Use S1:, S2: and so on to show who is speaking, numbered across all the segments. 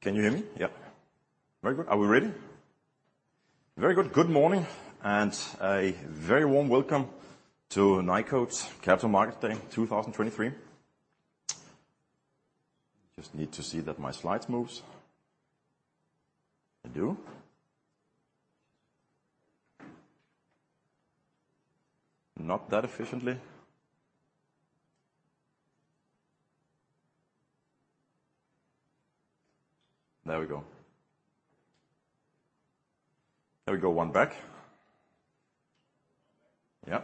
S1: Can you hear me? Yeah. Very good. Are we ready? Very good. Good morning, and a very warm welcome to Nykode's Capital Market Day, 2023. Just need to see that my slides move. They do. Not that efficiently. There we go. There we go, one back. Yeah.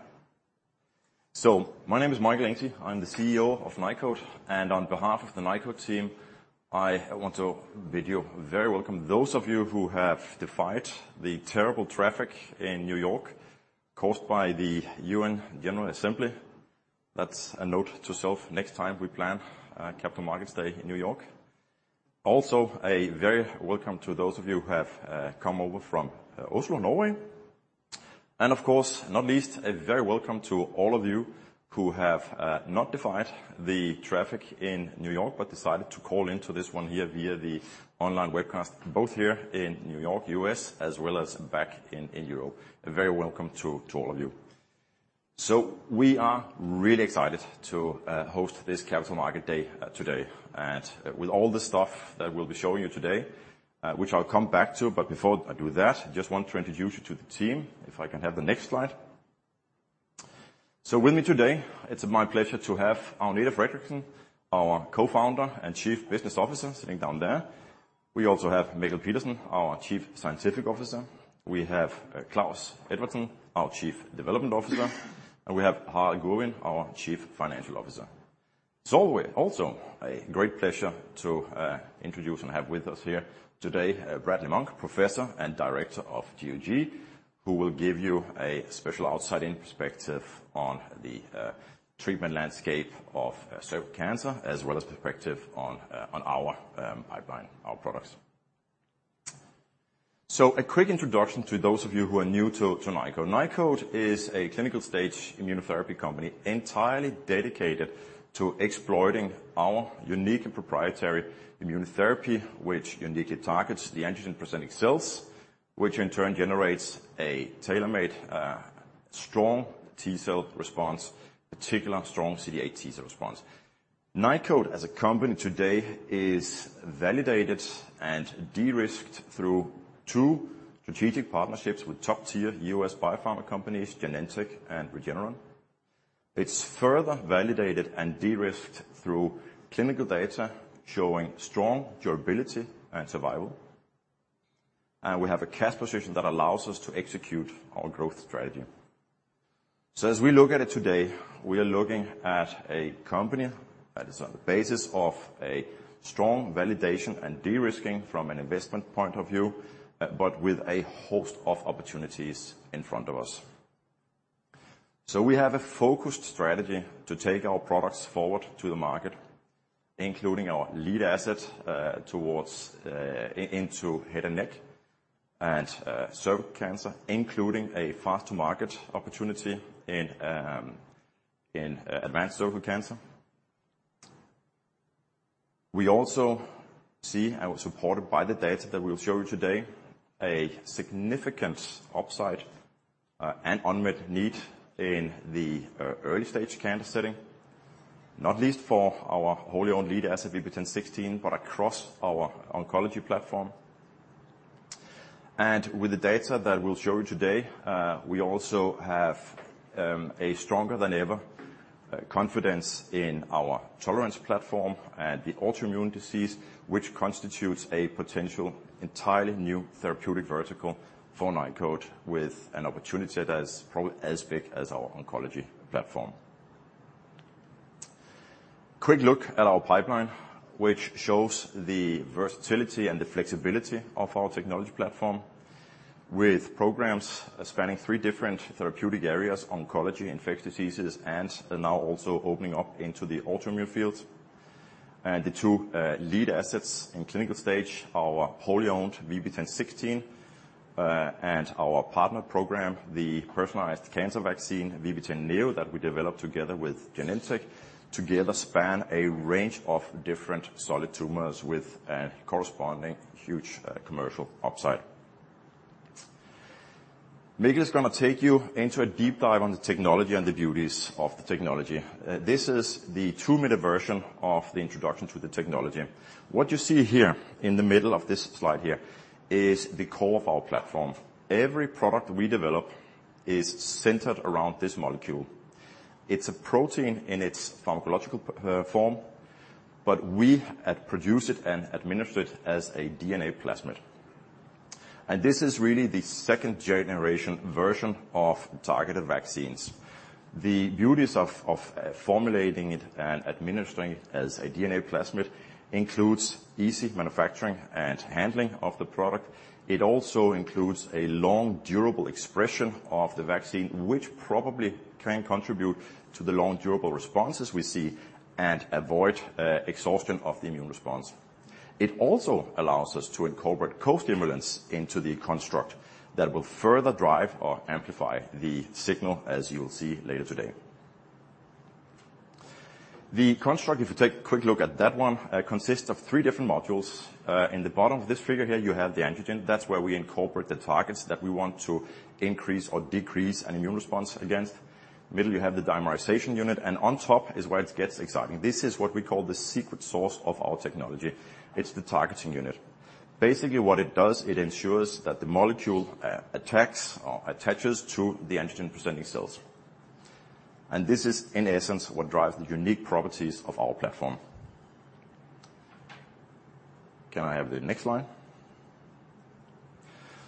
S1: My name is Mikkel Engsig, I'm the CEO of Nykode. On behalf of the Nykode team, I want to bid you very welcome. Those of you who have defied the terrible traffic in New York, caused by the UN General Assembly, that's a note to self next time we plan a Capital Markets Day in New York. Also, a very welcome to those of you who have, come over from Oslo, Norway, and of course, not least, a very welcome to all of you who have, not defied the traffic in New York, but decided to call into this one here via the online webcast, both here in New York, U.S., as well as back in, in Europe. A very welcome to, to all of you. We are really excited to host this Capital Market Day today. With all the stuff that we'll be showing you today, which I'll come back to, before I do that, I just want to introduce you to the team, if I can have the next slide. With me today, it's my pleasure to have Agnete Fredriksen, our co-founder and Chief Business Officer, sitting down there. We also have Mikkel Pedersen, our Chief Scientific Officer, we have Klaus Edvardsen, our Chief Development Officer, and we have Harald Gurvin, our Chief Financial Officer. So also, a great pleasure to introduce and have with us here today, Bradley J. Monk, Professor and Director of GOG, who will give you a special outside-in perspective on the treatment landscape of cervical cancer, as well as perspective on our pipeline, our products. So a quick introduction to those of you who are new to Nykode. Nykode is a clinical-stage immunotherapy company, entirely dedicated to exploiting our unique and proprietary immunotherapy, which uniquely targets the antigen-presenting cells, which in turn generates a tailor-made strong T cell response, particular strong CD8 T cell response. Nykode, as a company today, is validated and de-risked through two strategic partnerships with top-tier U.S. biopharma companies, Genentech and Regeneron. It's further validated and de-risked through clinical data, showing strong durability and survival. We have a cash position that allows us to execute our growth strategy. So as we look at it today, we are looking at a company that is on the basis of a strong validation and de-risking from an investment point of view, but with a host of opportunities in front of us. So we have a focused strategy to take our products forward to the market, including our lead asset, towards, into head and neck, and, cervical cancer, including a fast-to-market opportunity in, in, advanced cervical cancer. We also see, and we're supported by the data that we'll show you today, a significant upside and unmet need in the early stage cancer setting, not least for our wholly owned lead asset, VB10.16, but across our oncology platform. With the data that we'll show you today, we also have a stronger than ever confidence in our tolerance platform and the autoimmune disease, which constitutes a potential entirely new therapeutic vertical for Nykode, with an opportunity that is probably as big as our oncology platform. Quick look at our pipeline, which shows the versatility and the flexibility of our technology platform, with programs spanning three different therapeutic areas, oncology, infectious diseases, and now also opening up into the autoimmune field. The two lead assets in clinical-stage, our wholly owned VB10.16, and our partner program, the personalized cancer vaccine, VB10.NEO, that we developed together with Genentech, together span a range of different solid tumors with a corresponding huge commercial upside. Mikkel is going to take you into a deep dive on the technology and the beauties of the technology. This is the two-minute version of the introduction to the technology. What you see here in the middle of this slide here is the core of our platform. Every product we develop is centered around this molecule. It's a protein in its pharmacological form, but we produce it and administer it as a DNA plasmid. This is really the second-generation version of targeted vaccines. The beauties of formulating it and administering it as a DNA plasmid includes easy manufacturing and handling of the product. It also includes a long, durable expression of the vaccine, which probably can contribute to the long, durable responses we see, and avoid exhaustion of the immune response. It also allows us to incorporate costimulants into the construct, that will further drive or amplify the signal, as you will see later today. The construct, if you take a quick look at that one, consists of three different modules. In the bottom of this figure here, you have the antigen. That's where we incorporate the targets that we want to increase or decrease an immune response against. Middle, you have the Dimerization Unit, and on top is where it gets exciting. This is what we call the secret sauce of our technology. It's the Targeting Unit. Basically, what it does, it ensures that the molecule attacks or attaches to the antigen-presenting cells, and this is, in essence, what drives the unique properties of our platform. Can I have the next slide?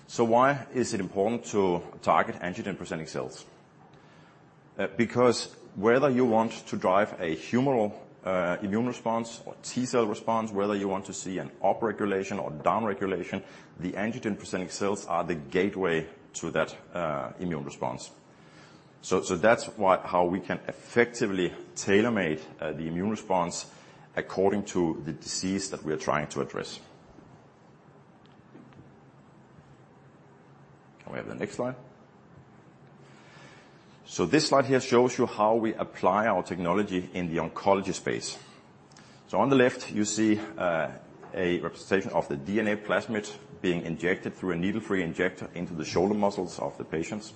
S1: So why is it important to target antigen-presenting cells? Because whether you want to drive a humoral immune response or T cell response, whether you want to see an upregulation or downregulation, the antigen-presenting cells are the gateway to that immune response. So that's why we can effectively tailor-make the immune response according to the disease that we are trying to address. Can we have the next slide? So this slide here shows you how we apply our technology in the oncology space. On the left, you see a representation of the DNA plasmid being injected through a needle-free injector into the shoulder muscles of the patients.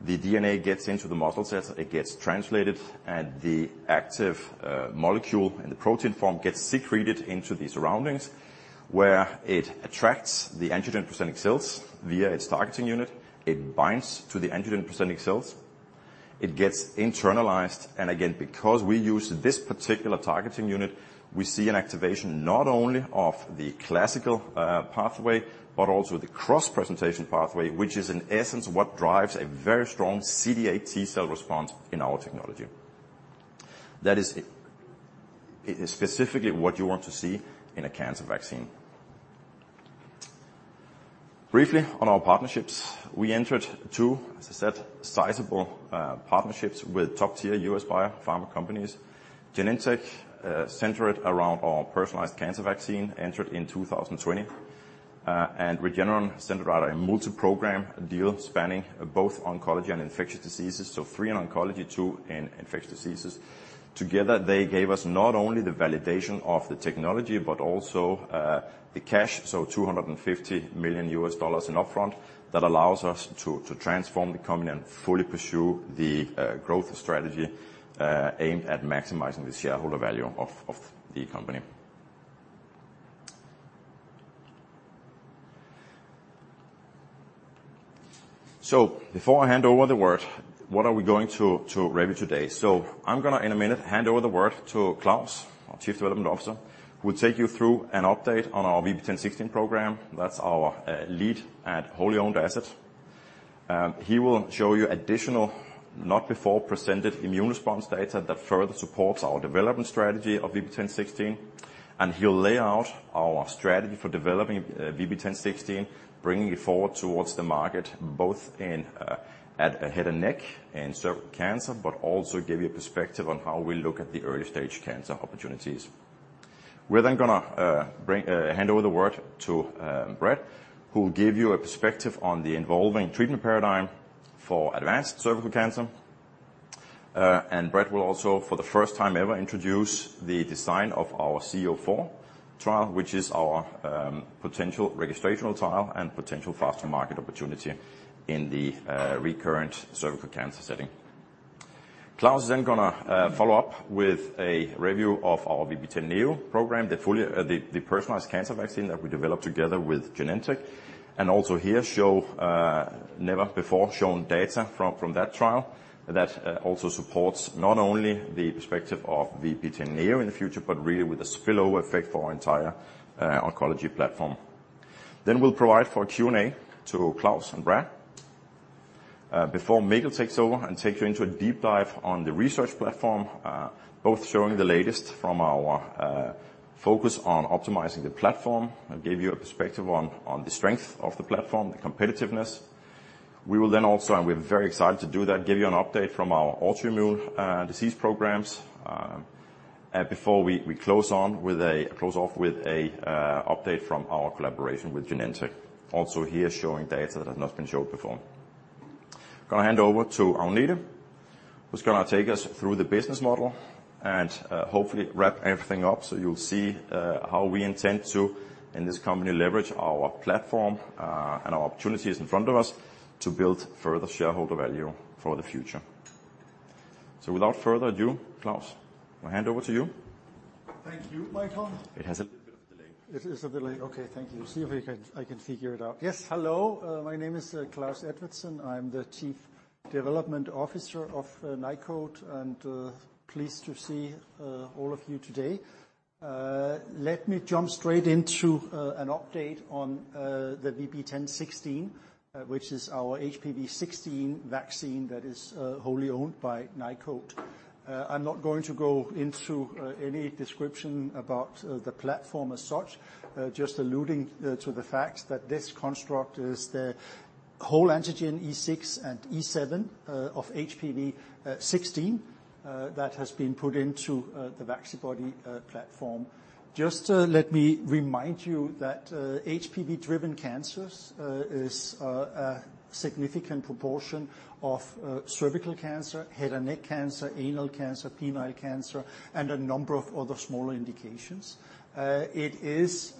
S1: The DNA gets into the muscle cells, it gets translated, and the active molecule in the protein form gets secreted into the surroundings, where it attracts the antigen-presenting cells via its targeting unit. It binds to the antigen-presenting cells, it gets internalized, and again, because we use this particular targeting unit, we see an activation not only of the classical pathway, but also the cross-presentation pathway, which is, in essence, what drives a very strong CD8 T cell response in our technology. That is it, it is specifically what you want to see in a cancer vaccine. Briefly, on our partnerships, we entered two, as I said, sizable partnerships with top-tier U.S. biopharma companies. Genentech, centered around our personalized cancer vaccine, entered in 2020, and Regeneron centered around a multi-program deal spanning both oncology and infectious diseases, so three in oncology, two in infectious diseases. Together, they gave us not only the validation of the technology, but also, the cash, so $250 million in upfront. That allows us to transform the company and fully pursue the growth strategy aimed at maximizing the shareholder value of the company. So before I hand over the word, what are we going to review today? So I'm going to, in a minute, hand over the word to Klaus, our Chief Development Officer, who will take you through an update on our VB10.16 program. That's our lead and wholly owned asset. He will show you additional, not-before-presented immune response data that further supports our development strategy of VB10.16, and he'll lay out our strategy for developing VB10.16, bringing it forward towards the market, both in head and neck and cervical cancer, but also give you a perspective on how we look at the early-stage cancer opportunities. We're then gonna hand over the word to Bradley, who will give you a perspective on the evolving treatment paradigm for advanced cervical cancer. And Bradley will also, for the first time ever, introduce the design of our CO4 trial, which is our potential registrational trial and potential faster market opportunity in the recurrent cervical cancer setting. Klaus is then gonna follow up with a review of our VB10.NEO program, the fully, the personalized cancer vaccine that we developed together with Genentech, and also here show never-before-shown data from that trial. That also supports not only the perspective of VB10.NEO in the future, but really with a spillover effect for our entire oncology platform. We'll provide for a Q&A to Klaus and Brad before Mikkel takes over and takes you into a deep dive on the research platform, both showing the latest from our focus on optimizing the platform and give you a perspective on the strength of the platform, the competitiveness. We will then also, and we're very excited to do that, give you an update from our autoimmune disease programs, and before we close off with a update from our collaboration with Genentech, also here showing data that has not been showed before. Gonna hand over to Harald, who's gonna take us through the business model and hopefully wrap everything up, so you'll see how we intend to, in this company, leverage our platform and our opportunities in front of us to build further shareholder value for the future. So without further ado, Klaus, I hand over to you.
S2: Thank you, Mikkel.
S1: It has a little bit of delay.
S2: It is a delay. Okay, thank you. See if we can, I can figure it out. Yes, hello, my name is Klaus Edvardsen. I'm the Chief Development Officer of Nykode, and pleased to see all of you today. Let me jump straight into an update on the VB10.16, which is our HPV16 vaccine that is wholly owned by Nykode. I'm not going to go into any description about the platform as such, just alluding to the fact that this construct is the whole antigen E6 and E7 of HPV16 that has been put into the Vaccibody platform. Just, let me remind you that HPV-driven cancers is a significant proportion of cervical cancer, head and neck cancer, anal cancer, penile cancer, and a number of other smaller indications. It is,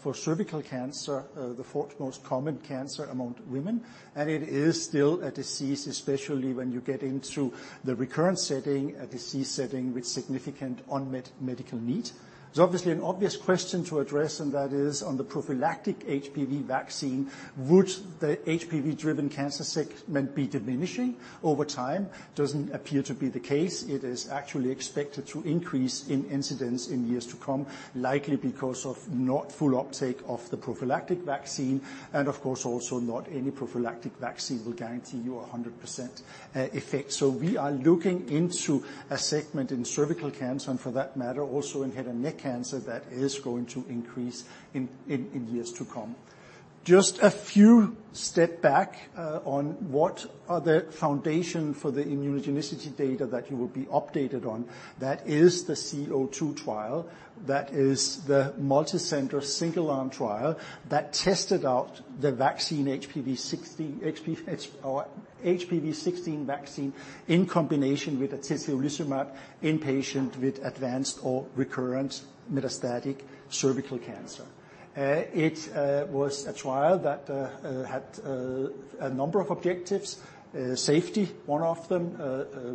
S2: for cervical cancer, the fourth most common cancer among women, and it is still a disease, especially when you get into the recurrent setting, a disease setting with significant unmet medical need. There's obviously an obvious question to address, and that is on the prophylactic HPV vaccine, would the HPV-driven cancer segment be diminishing over time? Doesn't appear to be the case. It is actually expected to increase in incidence in years to come, likely because of not full uptake of the prophylactic vaccine, and of course, also not any prophylactic vaccine will guarantee you a 100% effect. We are looking into a segment in cervical cancer, and for that matter, also in head and neck cancer, that is going to increase in years to come. Just a few steps back on what are the foundation for the immunogenicity data that you will be updated on. That is the C-02 trial. That is the multicenter, single-arm trial that tested out the vaccine HPV16 or HPV16 vaccine in combination with atezolizumab in patient with advanced or recurrent metastatic cervical cancer. It was a trial that had a number of objectives. Safety, one of them,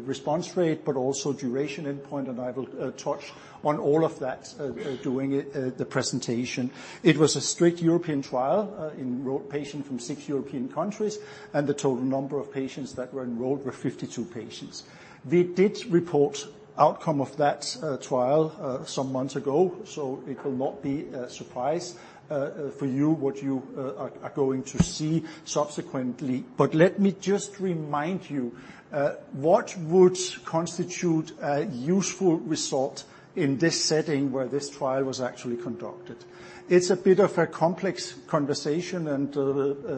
S2: response rate, but also duration endpoint, and I will touch on all of that during the presentation. It was a strict European trial, enrolled patients from six European countries, and the total number of patients that were enrolled were 52 patients. We did report outcome of that, trial, some months ago, so it will not be a surprise, for you, what you are going to see subsequently. But let me just remind you, what would constitute a useful result in this setting where this trial was actually conducted? It's a bit of a complex conversation, and,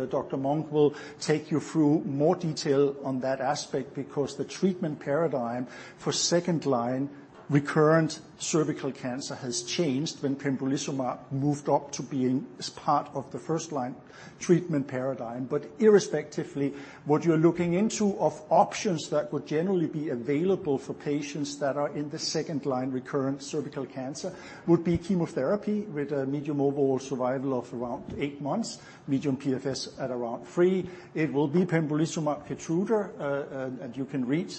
S2: Dr. Monk will take you through more detail on that aspect because the treatment paradigm for second-line recurrent cervical cancer has changed when pembrolizumab moved up to being as part of the first-line treatment paradigm. Irrespectively, what you're looking into of options that would generally be available for patients that are in the second-line recurrent cervical cancer would be chemotherapy with a median overall survival of around 8 months, median PFS at around 3. It will be pembrolizumab Keytruda, and you can read,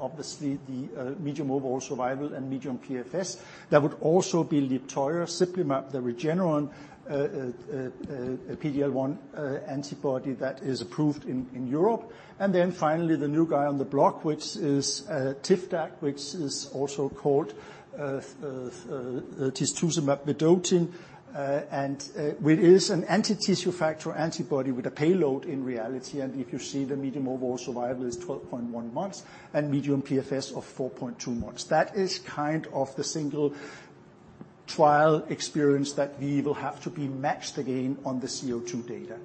S2: obviously, the median overall survival and median PFS. That would also be Libtayo, sipuleucel-F, the Regeneron PD-L1 antibody that is approved in Europe. Finally, the new guy on the block, which is Tivdak, which is also called tisotumab vedotin, and which is an anti-tissue factor antibody with a payload in reality. If you see, the median overall survival is 12.1 months and median PFS of 4.2 months. That is kind of the single trial experience that we will have to be matched against on the C-02 data.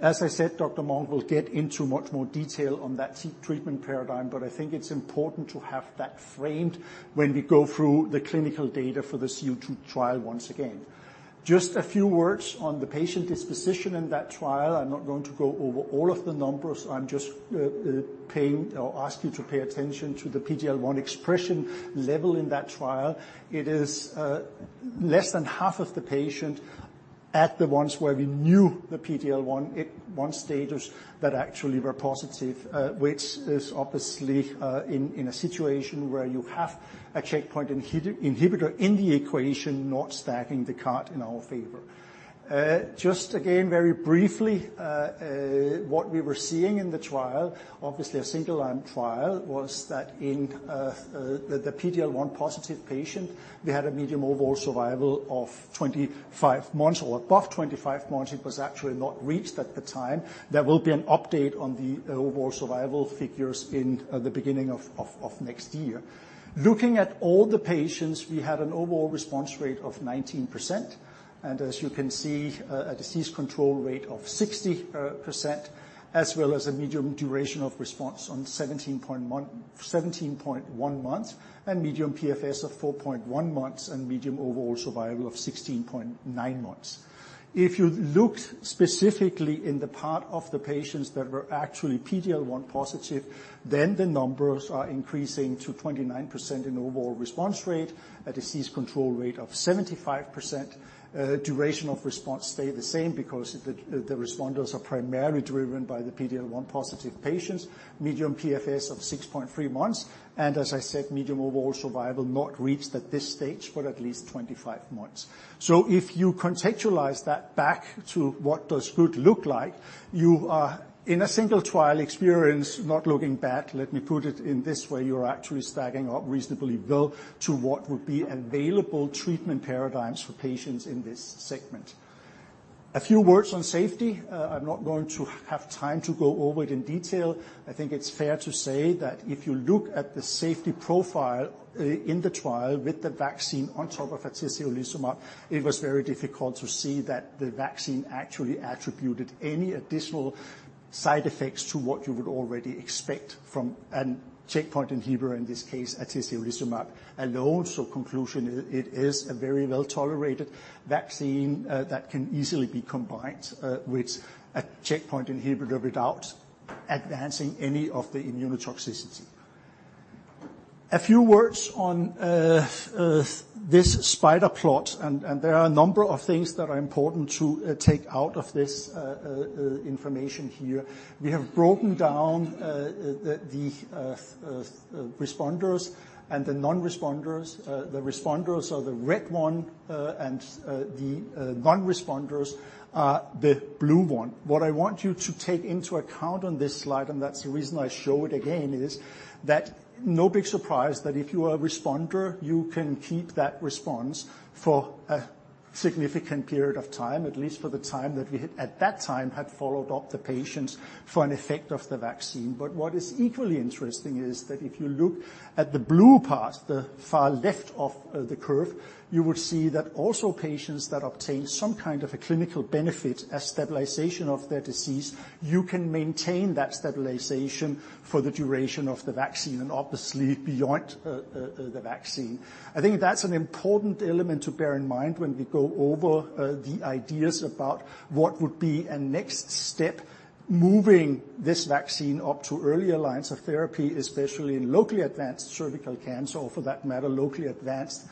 S2: As I said, Dr. Monk will get into much more detail on that treatment paradigm, but I think it's important to have that framed when we go through the clinical data for the C-02 trial once again. Just a few words on the patient disposition in that trial. I'm not going to go over all of the numbers. I'm just asking you to pay attention to the PD-L1 expression level in that trial. It is less than half of the patients, the ones where we knew the PD-L1 positive status that actually were positive, which is obviously in a situation where you have a checkpoint inhibitor in the equation, not stacking the deck in our favor. Just again, very briefly, what we were seeing in the trial, obviously a single-arm trial, was that in the PD-L1 positive patient, we had a median overall survival of 25 months or above 25 months. It was actually not reached at the time. There will be an update on the overall survival figures in the beginning of next year. Looking at all the patients, we had an overall response rate of 19%, and as you can see, a disease control rate of 60%, as well as a median duration of response of 17.1 months, and median PFS of 4.1 months, and median overall survival of 16.9 months. If you looked specifically in the part of the patients that were actually PD-L1 positive, then the numbers are increasing to 29% in overall response rate, a disease control rate of 75%. Duration of response stay the same because the responders are primarily driven by the PD-L1 positive patients. Median PFS of 6.3 months, and as I said, median overall survival, not reached at this stage, but at least 25 months. If you contextualize that back to what does good look like, you are in a single trial experience, not looking back. Let me put it in this way, you are actually stacking up reasonably well to what would be available treatment paradigms for patients in this segment. A few words on safety. I'm not going to have time to go over it in detail. I think it's fair to say that if you look at the safety profile, in the trial with the vaccine on top of atezolizumab, it was very difficult to see that the vaccine actually attributed any additional side effects to what you would already expect from a checkpoint inhibitor, in this case, atezolizumab. And also, conclusion, it is a very well-tolerated vaccine, that can easily be combined with a checkpoint inhibitor without advancing any of the immunotoxicity. A few words on this spider plot, and there are a number of things that are important to take out of this information here. We have broken down the responders and the non-responders. The responders are the red one, and the non-responders are the blue one. What I want you to take into account on this slide, and that's the reason I show it again, is that no big surprise, that if you are a responder, you can keep that response for a significant period of time, at least for the time that we at that time had followed up the patients for an effect of the vaccine. But what is equally interesting is that if you look at the blue part, the far left of the curve, you will see that also patients that obtain some kind of a clinical benefit, a stabilization of their disease, you can maintain that stabilization for the duration of the vaccine, and obviously, beyond the vaccine. I think that's an important element to bear in mind when we go over the ideas about what would be a next step, moving this vaccine up to earlier lines of therapy, especially in locally advanced cervical cancer, or for that matter, locally advanced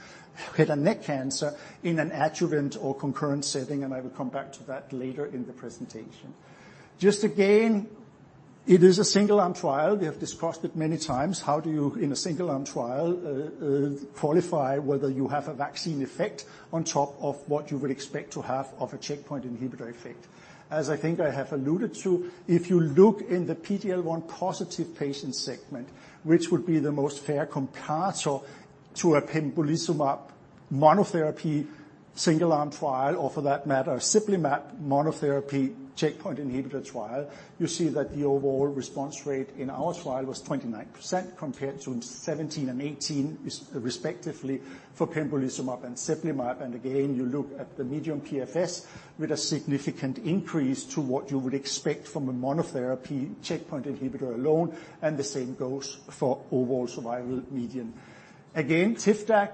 S2: head and neck cancer, in an adjuvant or concurrent setting, and I will come back to that later in the presentation. Just again, it is a single-arm trial. We have discussed it many times. How do you, in a single-arm trial, qualify whether you have a vaccine effect on top of what you would expect to have of a checkpoint inhibitor effect? As I think I have alluded to, if you look in the PD-L1 positive patient segment, which would be the most fair comparator to a pembrolizumab monotherapy, single-arm trial, or for that matter, a cemiplimab monotherapy checkpoint inhibitor trial, you see that the overall response rate in our trial was 29%, compared to 17% and 18%, respectively, for pembrolizumab and cemiplimab. Again, you look at the median PFS with a significant increase to what you would expect from a monotherapy checkpoint inhibitor alone, and the same goes for overall survival median. Again, Tivdak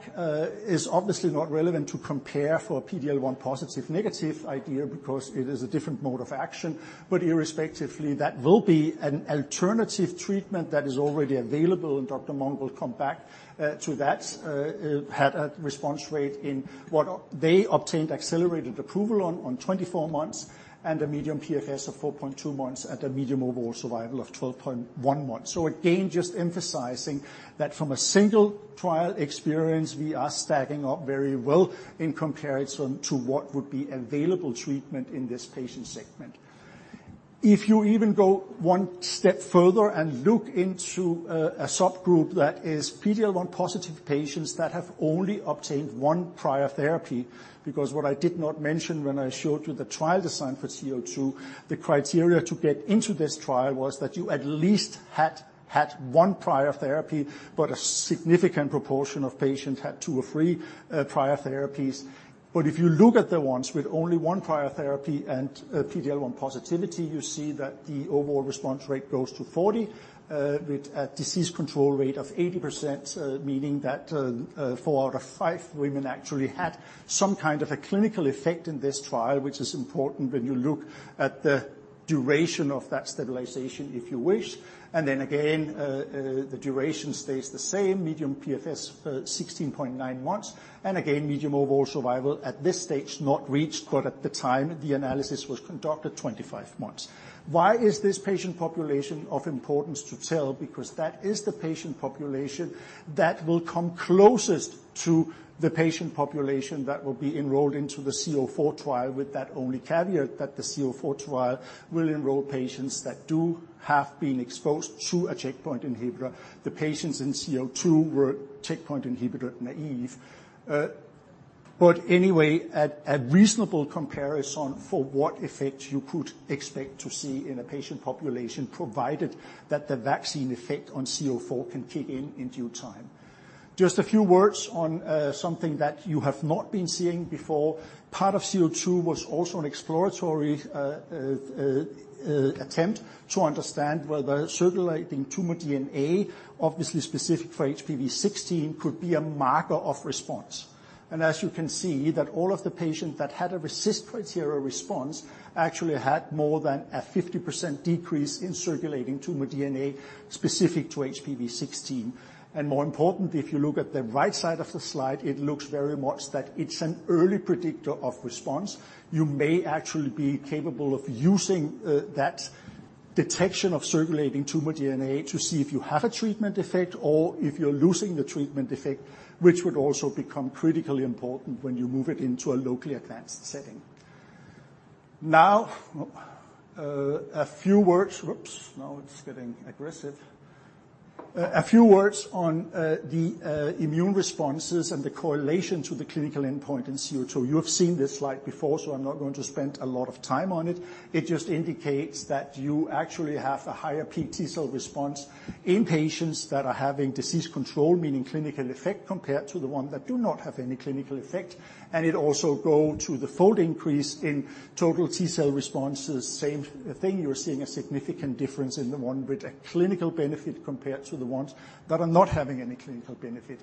S2: is obviously not relevant to compare for PD-L1 positive, negative idea because it is a different mode of action, but irrespectively, that will be an alternative treatment that is already available, and Dr. Monk will come back to that. Had a response rate in what they obtained accelerated approval on, on 24 months, and a median PFS of 4.2 months at a median overall survival of 12.1 months. Again, just emphasizing that from a single trial experience, we are stacking up very well in comparison to what would be available treatment in this patient segment. If you even go one step further and look into a subgroup that is PD-L1 positive patients that have only obtained one prior therapy, because what I did not mention when I showed you the trial design for VB-C-02, the criteria to get into this trial was that you at least had had one prior therapy, but a significant proportion of patients had two or three prior therapies. But if you look at the ones with only one prior therapy and PD-L1 positivity, you see that the overall response rate goes to 40, with a disease control rate of 80%, meaning that four out of five women actually had some kind of a clinical effect in this trial, which is important when you look at the duration of that stabilization, if you wish. And then again, the duration stays the same, median PFS 16.9 months, and again, median overall survival at this stage, not reached, but at the time the analysis was conducted, 25 months. Why is this patient population of importance to tell? Because that is the patient population that will come closest to the patient population that will be enrolled into the CO4 trial, with that only caveat that the CO4 trial will enroll patients that do have been exposed to a checkpoint inhibitor. The patients in C-02 were checkpoint inhibitor naive. Anyway, a reasonable comparison for what effect you could expect to see in a patient population, provided that the vaccine effect on CO4 can kick in in due time. Just a few words on something that you have not been seeing before. Part of C-02 was also an exploratory attempt to understand whether circulating tumor DNA, obviously specific for HPV16, could be a marker of response. As you can see, all of the patients that had a RECIST criteria response actually had more than a 50% decrease in circulating tumor DNA specific to HPV16. More importantly, if you look at the right side of the slide, it looks very much that it's an early predictor of response. You may actually be capable of using that detection of circulating tumor DNA to see if you have a treatment effect or if you're losing the treatment effect, which would also become critically important when you move it into a locally advanced setting. Now, a few words... Whoops! Now it's getting aggressive... a few words on the immune responses and the correlation to the clinical endpoint in VB-C-02. You have seen this slide before, so I'm not going to spend a lot of time on it. It just indicates that you actually have a higher peak T cell response in patients that are having disease control, meaning clinical effect, compared to the one that do not have any clinical effect. It also goes to the fold increase in total T cell responses. Same thing, you are seeing a significant difference in the one with a clinical benefit compared to the ones that are not having any clinical benefit.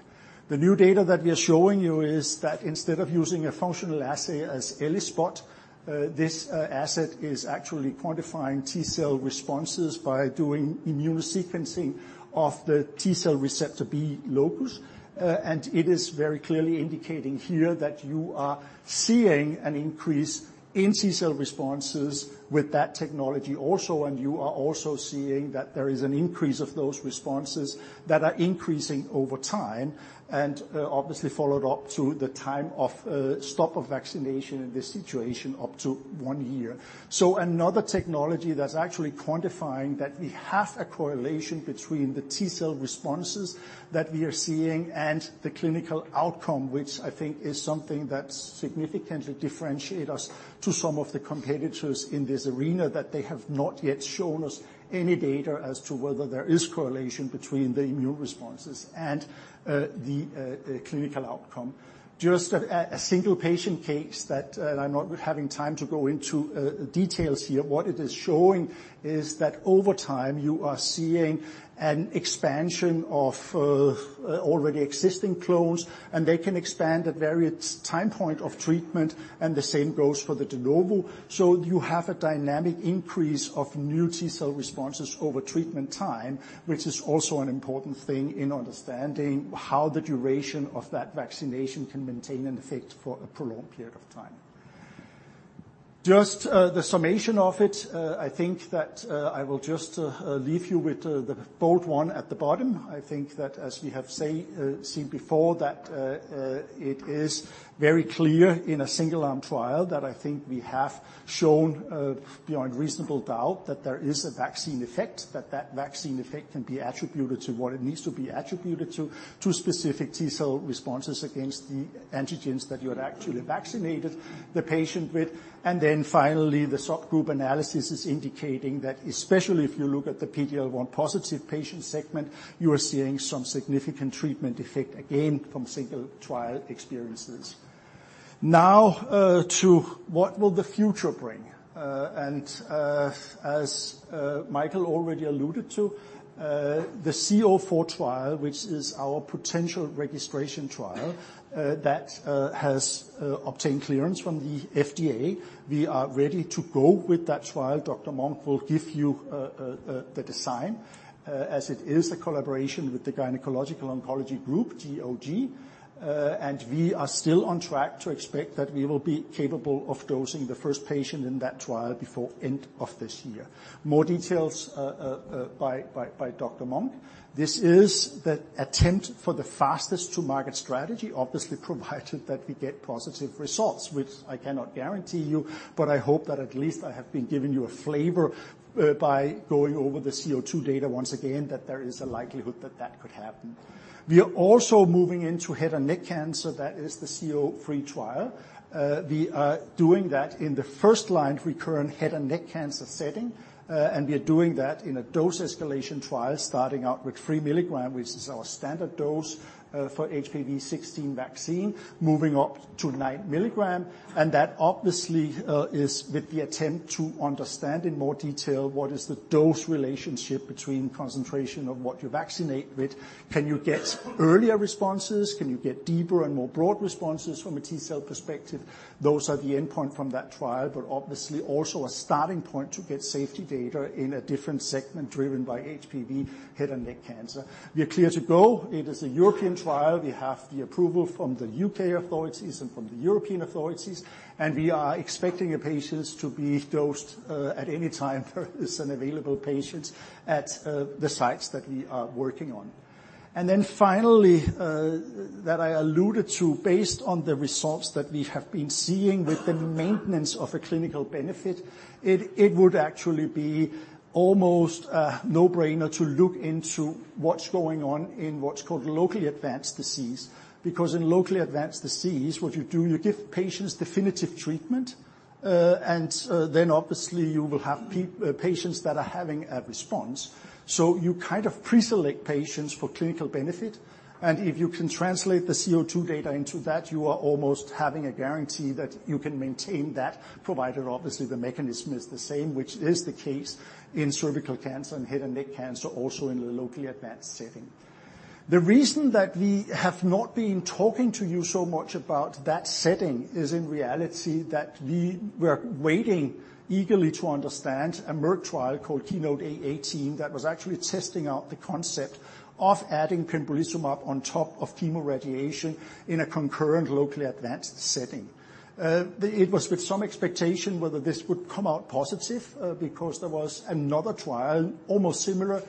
S2: The new data that we are showing you is that instead of using a functional assay as ELISpot, this assay is actually quantifying T cell responses by doing immune sequencing of the T cell receptor B locus. It is very clearly indicating here that you are seeing an increase in T cell responses with that technology also, and you are also seeing that there is an increase of those responses that are increasing over time, obviously followed up to the time of stop of vaccination in this situation, up to one year. Another technology that's actually quantifying that we have a correlation between the T cell responses that we are seeing and the clinical outcome, which I think is something that significantly differentiate us to some of the competitors in this arena, that they have not yet shown us any data as to whether there is correlation between the immune responses and the clinical outcome. Just a single patient case that I'm not having time to go into details here. What it is showing is that over time, you are seeing an expansion of, already existing clones, and they can expand at various time point of treatment, and the same goes for the de novo. So you have a dynamic increase of new T cell responses over treatment time, which is also an important thing in understanding how the duration of that vaccination can maintain an effect for a prolonged period of time. Just, the summation of it, I think that, I will just, leave you with, the bold one at the bottom. I think that as we have seen before, it is very clear in a single-arm trial that I think we have shown, beyond reasonable doubt, that there is a vaccine effect, that that vaccine effect can be attributed to what it needs to be attributed to, to specific T cell responses against the antigens that you had actually vaccinated the patient with. Finally, the subgroup analysis is indicating that especially if you look at the PDL1 positive patient segment, you are seeing some significant treatment effect, again, from single trial experiences. Now, to what will the future bring? As Mikkel already alluded to, the VB-C-04 trial, which is our potential registration trial, that has obtained clearance from the FDA, we are ready to go with that trial. Dr. Monk will give you the design as it is a collaboration with the Gynecologic Oncology Group, GOG. And we are still on track to expect that we will be capable of dosing the first patient in that trial before end of this year. More details by Dr. Monk. This is the attempt for the fastest to market strategy, obviously, provided that we get positive results, which I cannot guarantee you, but I hope that at least I have been giving you a flavor by going over the C-02 data once again, that there is a likelihood that that could happen. We are also moving into head and neck cancer. That is the CO3 trial. We are doing that in the first-line recurrent head and neck cancer setting, and we are doing that in a dose escalation trial, starting out with 3 milligram, which is our standard dose, for HPV16 vaccine, moving up to 9 milligram. And that obviously is with the attempt to understand in more detail what is the dose relationship between concentration of what you vaccinate with. Can you get earlier responses? Can you get deeper and more broad responses from a T cell perspective? Those are the endpoint from that trial, but obviously also a starting point to get safety data in a different segment driven by HPV head and neck cancer. We are clear to go. It is a European trial. We have the approval from the U.K. authorities and from the European authorities, and we are expecting patients to be dosed at any time there is an available patient at the sites that are working on, and then finally, that I alluded to, based on the results that we have been seeing with the maintenance of a clinical benefit, it would actually be almost a no-brainer to look into what's going on in what's called locally advanced disease. Because in locally advanced disease, what you do, you give patients definitive treatment, and obviously you will have patients that are having a response. You kind of pre-select patients for clinical benefit, and if you can translate the C-02 data into that, you are almost having a guarantee that you can maintain that, provided obviously the mechanism is the same, which is the case in cervical cancer and head and neck cancer, also in the locally advanced setting. The reason that we have not been talking to you so much about that setting is in reality, that we were waiting eagerly to understand a Merck trial called KEYNOTE-A18, that was actually testing out the concept of adding pembrolizumab on top of chemoradiation in a concurrent locally advanced setting. It was with some expectation whether this would come out positive, because there was another trial, almost similar,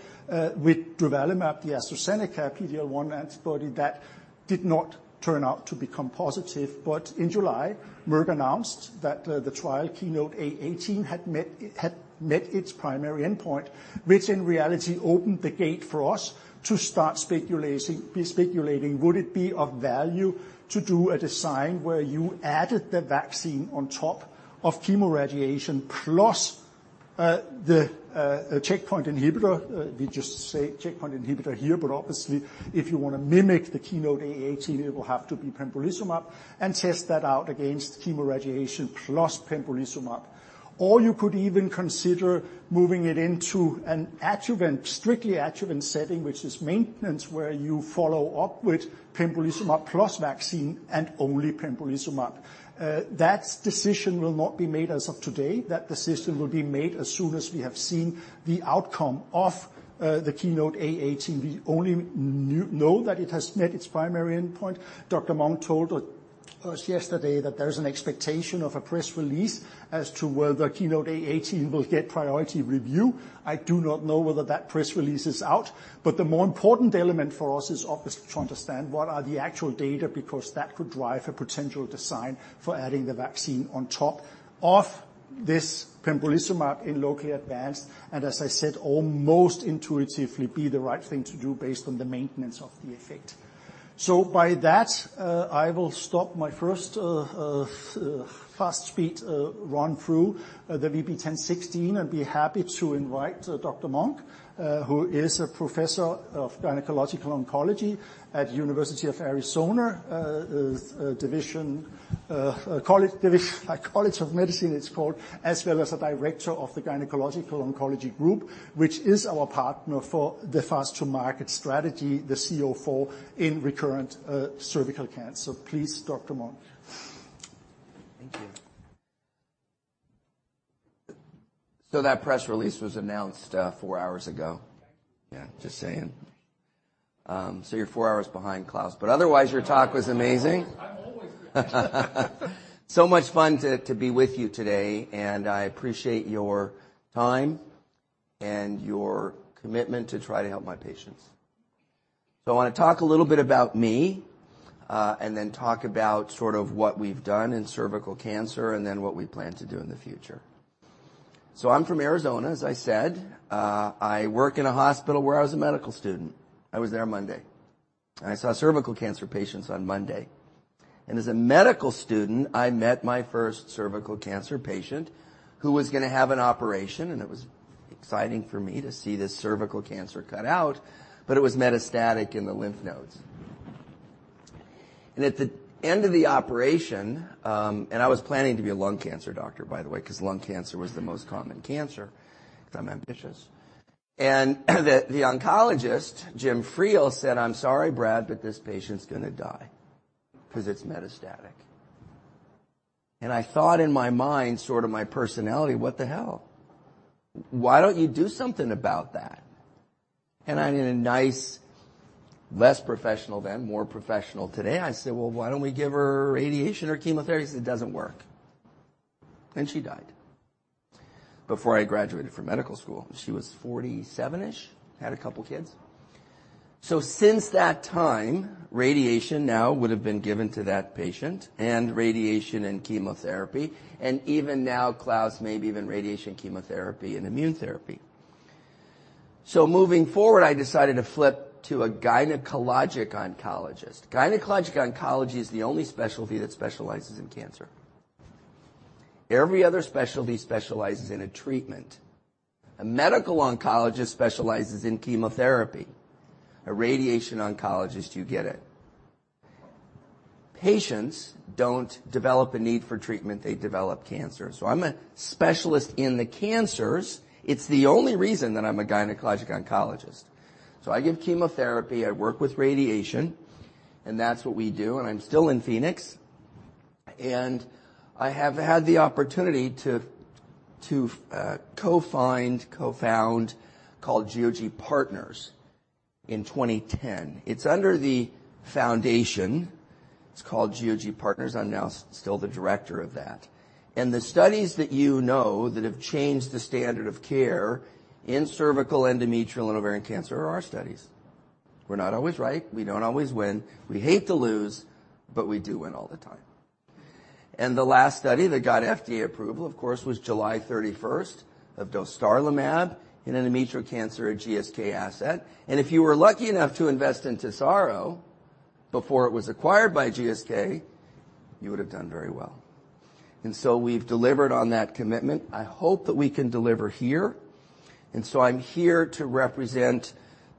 S2: with durvalumab, the AstraZeneca PD-L1 antibody, that did not turn out to become positive. But in July, Merck announced that the trial KEYNOTE-A18 had met its primary endpoint, which in reality opened the gate for us to start speculating, would it be of value to do a design where you added the vaccine on top of chemoradiation plus the checkpoint inhibitor? We just say checkpoint inhibitor here, but obviously, if you want to mimic the KEYNOTE-A18, it will have to be pembrolizumab and test that out against chemoradiation plus pembrolizumab. Or you could even consider moving it into an adjuvant, strictly adjuvant setting, which is maintenance, where you follow up with pembrolizumab plus vaccine and only pembrolizumab. That decision will not be made as of today. That decision will be made as soon as we have seen the outcome of the KEYNOTE-A18. We only know that it has met its primary endpoint. Dr. Monk told us yesterday that there's an expectation of a press release as to whether KEYNOTE-A18 will get priority review. I do not know whether that press release is out, but the more important element for us is obviously to understand what are the actual data, because that could drive a potential design for adding the vaccine on top of this pembrolizumab in locally advanced, and as I said, almost intuitively, be the right thing to do based on the maintenance of the effect. By that, I will stop my first fast-speed run-through of the VB10.16. I'd be happy to invite Dr. Monk, who is a professor of gynecologic oncology at University of Arizona College of Medicine, it's called, as well as the director of the Gynecologic Oncology Group, which is our partner for the fast-to-market strategy, the CO4, in recurrent cervical cancer. Please, Dr. Monk.
S3: Thank you. So that press release was announced four hours ago. Yeah, just saying. So you're four hours behind, Klaus, but otherwise, your talk was amazing.
S2: I'm always late.
S3: So much fun to be with you today, and I appreciate your time and your commitment to try to help my patients. So I want to talk a little bit about me, and then talk about sort of what we've done in cervical cancer and then what we plan to do in the future. So I'm from Arizona, as I said. I work in a hospital where I was a medical student. I was there Monday. I saw cervical cancer patients on Monday. And as a medical student, I met my first cervical cancer patient who was going to have an operation, and it was exciting for me to see this cervical cancer cut out, but it was metastatic in the lymph nodes. And at the end of the operation... I was planning to be a lung cancer doctor, by the way, because lung cancer was the most common cancer, because I'm ambitious. The oncologist, Jim Friel, said, "I'm sorry, Brad, but this patient's going to die because it's metastatic." I thought in my mind, sort of my personality, "What the hell? Why don't you do something about that?" I, in a nice, less professional then, more professional today, I said, "Well, why don't we give her radiation or chemotherapy?" He said, "It doesn't work." She died before I graduated from medical school. She was 47-ish, had a couple kids. Since that time, radiation now would have been given to that patient, and radiation and chemotherapy, and even now, Klaus, maybe even radiation, chemotherapy, and immune therapy. Moving forward, I decided to flip to a gynecologic oncologist. Gynecologic oncology is the only specialty that specializes in cancer. Every other specialty specializes in a treatment. A medical oncologist specializes in chemotherapy, a radiation oncologist, you get it. Patients don't develop a need for treatment. They develop cancer. So I'm a specialist in the cancers. It's the only reason that I'm a gynecologic oncologist. So I give chemotherapy, I work with radiation, and that's what we do, and I'm still in Phoenix. And I have had the opportunity to co-found GOG Partners in 2010. It's under the foundation. It's called GOG Partners. I'm now still the director of that. And the studies that you know that have changed the standard of care in cervical, endometrial, and ovarian cancer are our studies. We're not always right. We don't always win. We hate to lose, but we do win all the time. And the last study that got FDA approval, of course, was July 31st of dostarlimab in endometrial cancer, a GSK asset. And if you were lucky enough to invest in TESARO before it was acquired by GSK, you would have done very well. And so we've delivered on that commitment. I hope that we can deliver here. And so I'm here to represent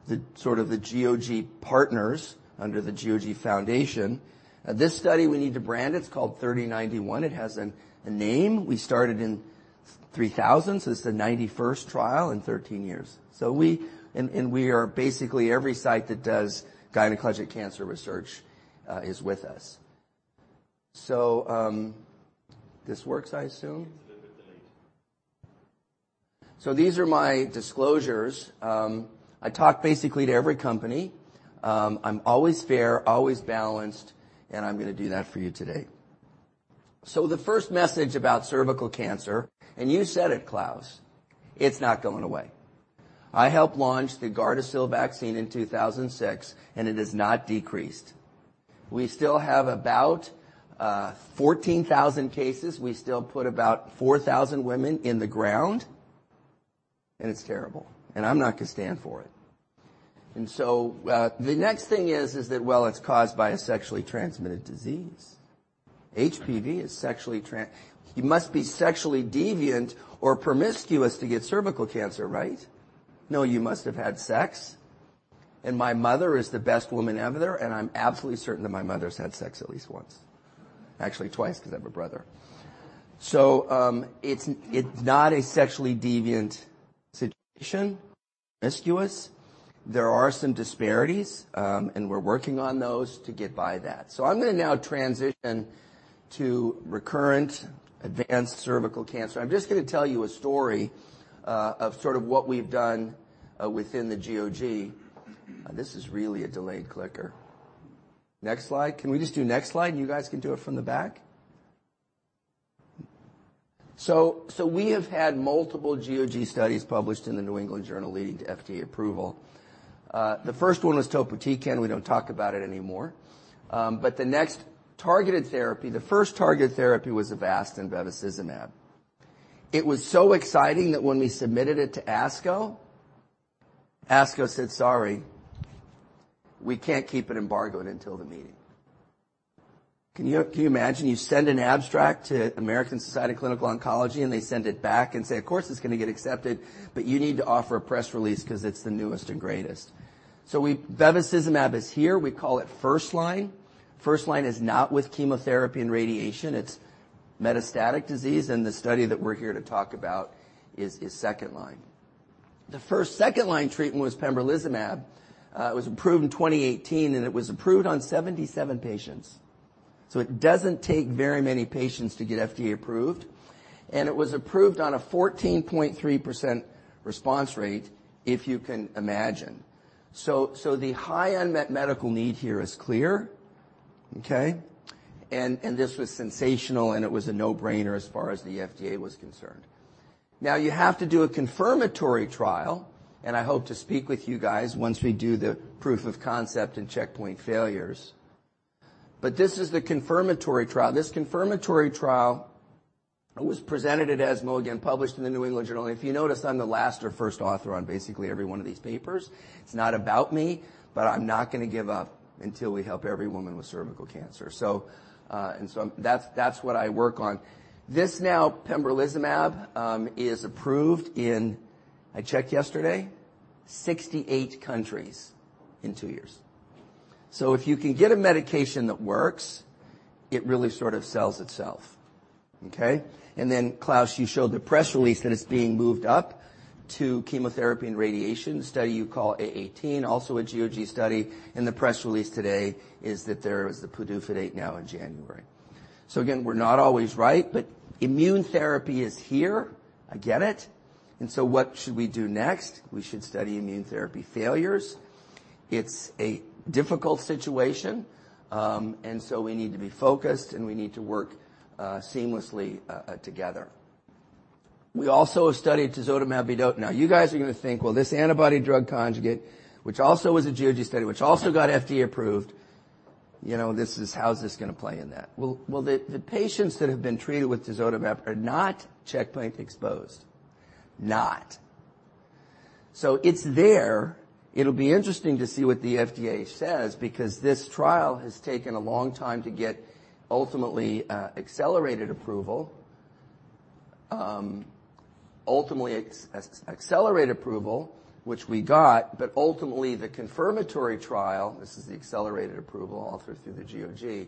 S3: the, sort of the GOG Partners under the GOG Foundation. This study, we need to brand. It's called 3091. It has a name. We started in 3,000, so it's the 91st trial in 13 years. So we and we are basically every site that does gynecologic cancer research is with us. So this works, I assume?
S2: It's a little bit delayed.
S3: These are my disclosures. I talk basically to every company. I'm always fair, always balanced, and I'm going to do that for you today. The first message about cervical cancer, and you said it, Klaus, it's not going away. I helped launch the Gardasil vaccine in 2006, and it has not decreased. We still have about 14,000 cases. We still put about 4,000 women in the ground, and it's terrible, and I'm not going to stand for it. The next thing is, is that, well, it's caused by a sexually transmitted disease. HPV is sexually tran-- You must be sexually deviant or promiscuous to get cervical cancer, right? No, you must have had sex, and my mother is the best woman ever, and I'm absolutely certain that my mother's had sex at least once. Actually, twice, because I have a brother. So, it's, it's not a sexually deviant situation, promiscuous. There are some disparities, and we're working on those to get by that. So I'm gonna now transition to recurrent advanced cervical cancer. I'm just gonna tell you a story, of sort of what we've done, within the GOG. This is really a delayed clicker. Next slide. Can we just do next slide, and you guys can do it from the back? So, so we have had multiple GOG studies published in the New England Journal leading to FDA approval. The first one was topotecan. We don't talk about it anymore. But the next targeted therapy, the first targeted therapy, was Avastin bevacizumab. It was so exciting that when we submitted it to ASCO, ASCO said, "Sorry, we can't keep it embargoed until the meeting." Can you, can you imagine? You send an abstract to American Society of Clinical Oncology, and they send it back and say, "Of course, it's gonna get accepted, but you need to offer a press release because it's the newest and greatest." So we, bevacizumab is here. We call it first line. First line is not with chemotherapy and radiation. It's metastatic disease, and the study that we're here to talk about is, is second line. The first second-line treatment was pembrolizumab. It was approved in 2018, and it was approved on 77 patients. So it doesn't take very many patients to get FDA approved, and it was approved on a 14.3% response rate, if you can imagine. The high unmet medical need here is clear, okay? This was sensational, and it was a no-brainer as far as the FDA was concerned. Now, you have to do a confirmatory trial, and I hope to speak with you guys once we do the proof of concept and checkpoint failures. This is the confirmatory trial. This confirmatory trial was presented at ESMO, again, published in the New England Journal. If you notice, I'm the last or first author on basically every one of these papers. It's not about me, but I'm not gonna give up until we help every woman with cervical cancer. That's what I work on. This now, pembrolizumab, is approved in, I checked yesterday, 68 countries in 2 years. If you can get a medication that works, it really sort of sells itself, okay? Klaus, you showed the press release that it's being moved up to chemotherapy and radiation, the study you call A18, also a GOG study. The press release today is that there is the PDUFA date now in January. We're not always right, but immune therapy is here. I get it. What should we do next? We should study immune therapy failures. It's a difficult situation, and we need to be focused, and we need to work seamlessly together. We also have studied tisotumab. Now, you guys are gonna think, well, this antibody drug conjugate, which also was a GOG study, which also got FDA approved, you know, how is this gonna play in that? Well, the patients that have been treated with tisotumab are not checkpoint exposed. Not. So it's there. It'll be interesting to see what the FDA says, because this trial has taken a long time to get ultimately, accelerated approval. Ultimately, accelerated approval, which we got, but ultimately the confirmatory trial, this is the accelerated approval all through the GOG,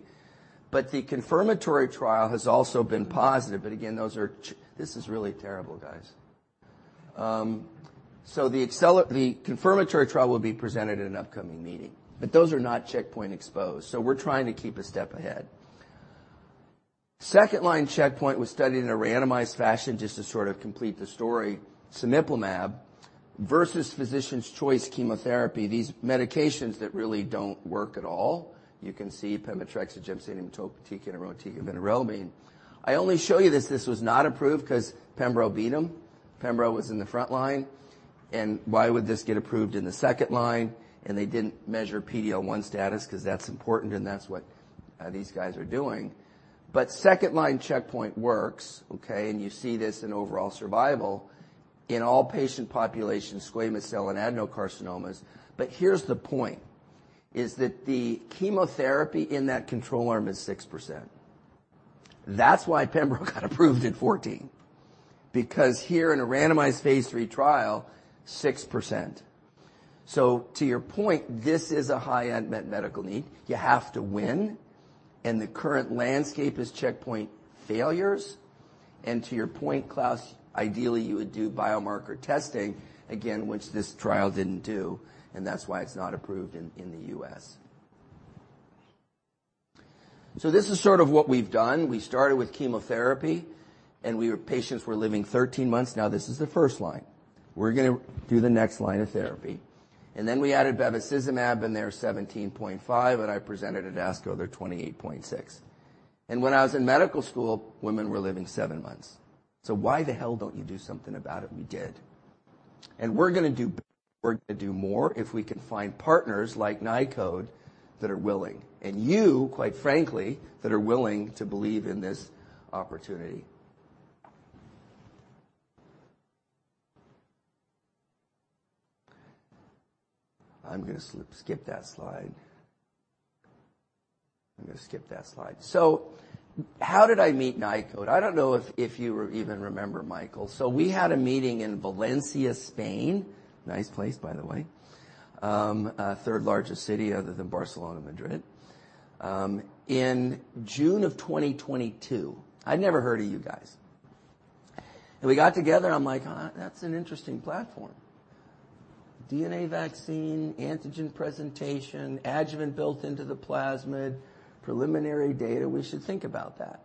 S3: but the confirmatory trial has also been positive, but again, those are... This is really terrible, guys. So the confirmatory trial will be presented in an upcoming meeting, but those are not checkpoint exposed, so we're trying to keep a step ahead. Second-line checkpoint was studied in a randomized fashion just to sort of complete the story. Cemiplimab versus physician's choice chemotherapy, these medications that really don't work at all. You can see pemetrexed, gemcitabine, topotecan, irinotecan, and vinorelbine. I only show you this. This was not approved because pembro beat them. Pembro was in the front line, and why would this get approved in the second line? And they didn't measure PD-L1 status, because that's important, and that's what these guys are doing. But second-line checkpoint works, okay? And you see this in overall survival in all patient populations, squamous cell and adenocarcinomas. But here's the point, is that the chemotherapy in that control arm is 6%. That's why pembro got approved in 2014, because here in a randomized phase III trial, 6%. So to your point, this is a high unmet medical need. You have to win, and the current landscape is checkpoint failures. And to your point, Klaus, ideally, you would do biomarker testing, again, which this trial didn't do, and that's why it's not approved in the U.S. So this is sort of what we've done. We started with chemotherapy, and patients were living 13 months. Now, this is the first line. We're gonna do the next line of therapy. And then we added bevacizumab in there, 17.5, and I presented at ASCO, there 28.6. And when I was in medical school, women were living 7 months. So why the hell don't you do something about it? We did. And we're gonna do, we're gonna do more if we can find partners like Nykode that are willing, and you, quite frankly, that are willing to believe in this opportunity. I'm gonna skip that slide. I'm gonna skip that slide. So how did I meet Nykode? I don't know if you even remember, Mikkel. So we had a meeting in Valencia, Spain. Nice place, by the way, a third-largest city other than Barcelona, Madrid, in June of 2022. I'd never heard of you guys. We got together, and I'm like, "That's an interesting platform. DNA vaccine, antigen presentation, adjuvant built into the plasmid, preliminary data, we should think about that."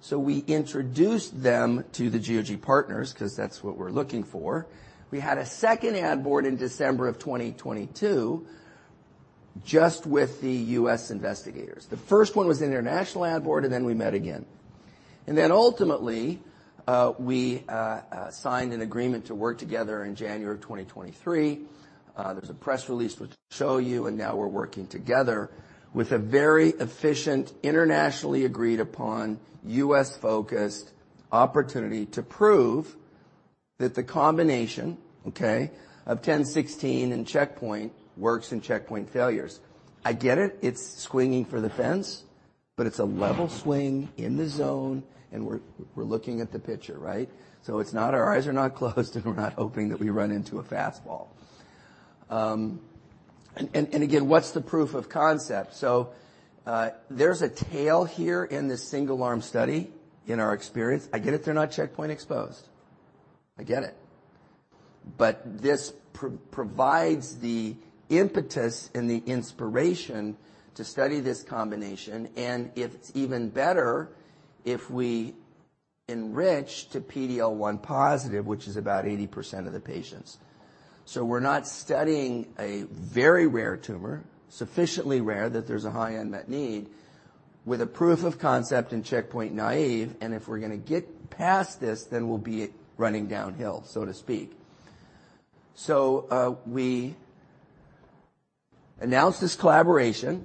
S3: So we introduced them to the GOG Partners because that's what we're looking for. We had a second ad board in December of 2022, just with the U.S. investigators. The first one was the international ad board, and we met again. Ultimately, we signed an agreement to work together in January of 2023. There's a press release, which I'll show you, and now we're working together with a very efficient, internationally agreed upon, U.S.-focused opportunity to prove that the combination, okay, of ten sixteen and checkpoint works in checkpoint failures. I get it. It's swinging for the fence, but it's a level swing in the zone, and we're looking at the pitcher, right? So it's not... Our eyes are not closed, and we're not hoping that we run into a fastball. And, again, what's the proof of concept? So, there's a tail here in this single-arm study in our experience. I get it they're not checkpoint exposed. I get it. But this provides the impetus and the inspiration to study this combination, and it's even better if we enrich to PD-L1 positive, which is about 80% of the patients. So we're not studying a very rare tumor, sufficiently rare that there's a high unmet need, with a proof of concept in checkpoint naive, and if we're gonna get past this, then we'll be running downhill, so to speak. So, we announced this collaboration.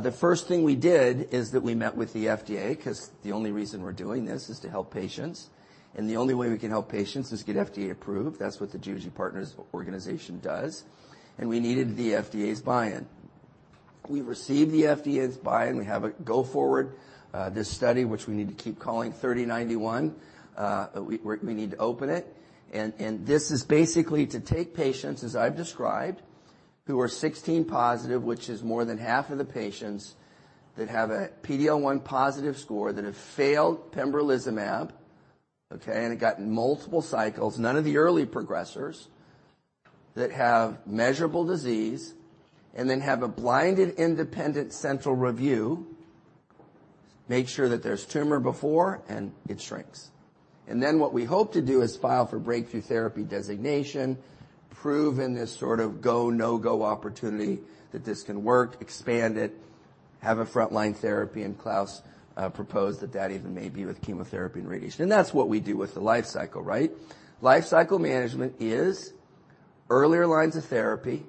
S3: The first thing we did is that we met with the FDA, 'cause the only reason we're doing this is to help patients, and the only way we can help patients is get FDA approved. That's what the GOG Partners organization does, and we needed the FDA's buy-in. We received the FDA's buy-in, we have a go-forward, this study, which we need to keep calling 3091. We need to open it. This is basically to take patients, as I've described, who are HPV16-positive, which is more than half of the patients, that have a PD-L1 positive score, that have failed pembrolizumab, okay, and it got multiple cycles, none of the early progressors, that have measurable disease, and then have a blinded, independent central review, make sure that there's tumor before, and it shrinks. And then what we hope to do is file for breakthrough therapy designation, prove in this sort of go, no-go opportunity that this can work, expand it, have a frontline therapy, and Klaus proposed that that even may be with chemotherapy and radiation. And that's what we do with the lifecycle, right? Lifecycle management is earlier lines of therapy,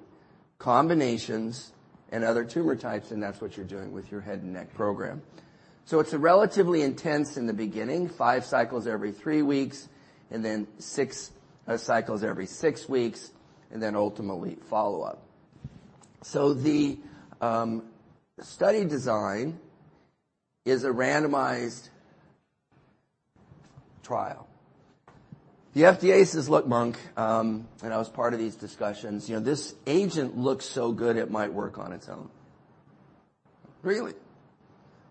S3: combinations, and other tumor types, and that's what you're doing with your head and neck program. So it's a relatively intense in the beginning, 5 cycles every 3 weeks, and then 6 cycles every 6 weeks, and then ultimately follow-up. So the study design is a randomized trial. The FDA says, "Look, Monk," and I was part of these discussions, "you know, this agent looks so good, it might work on its own." "Really?"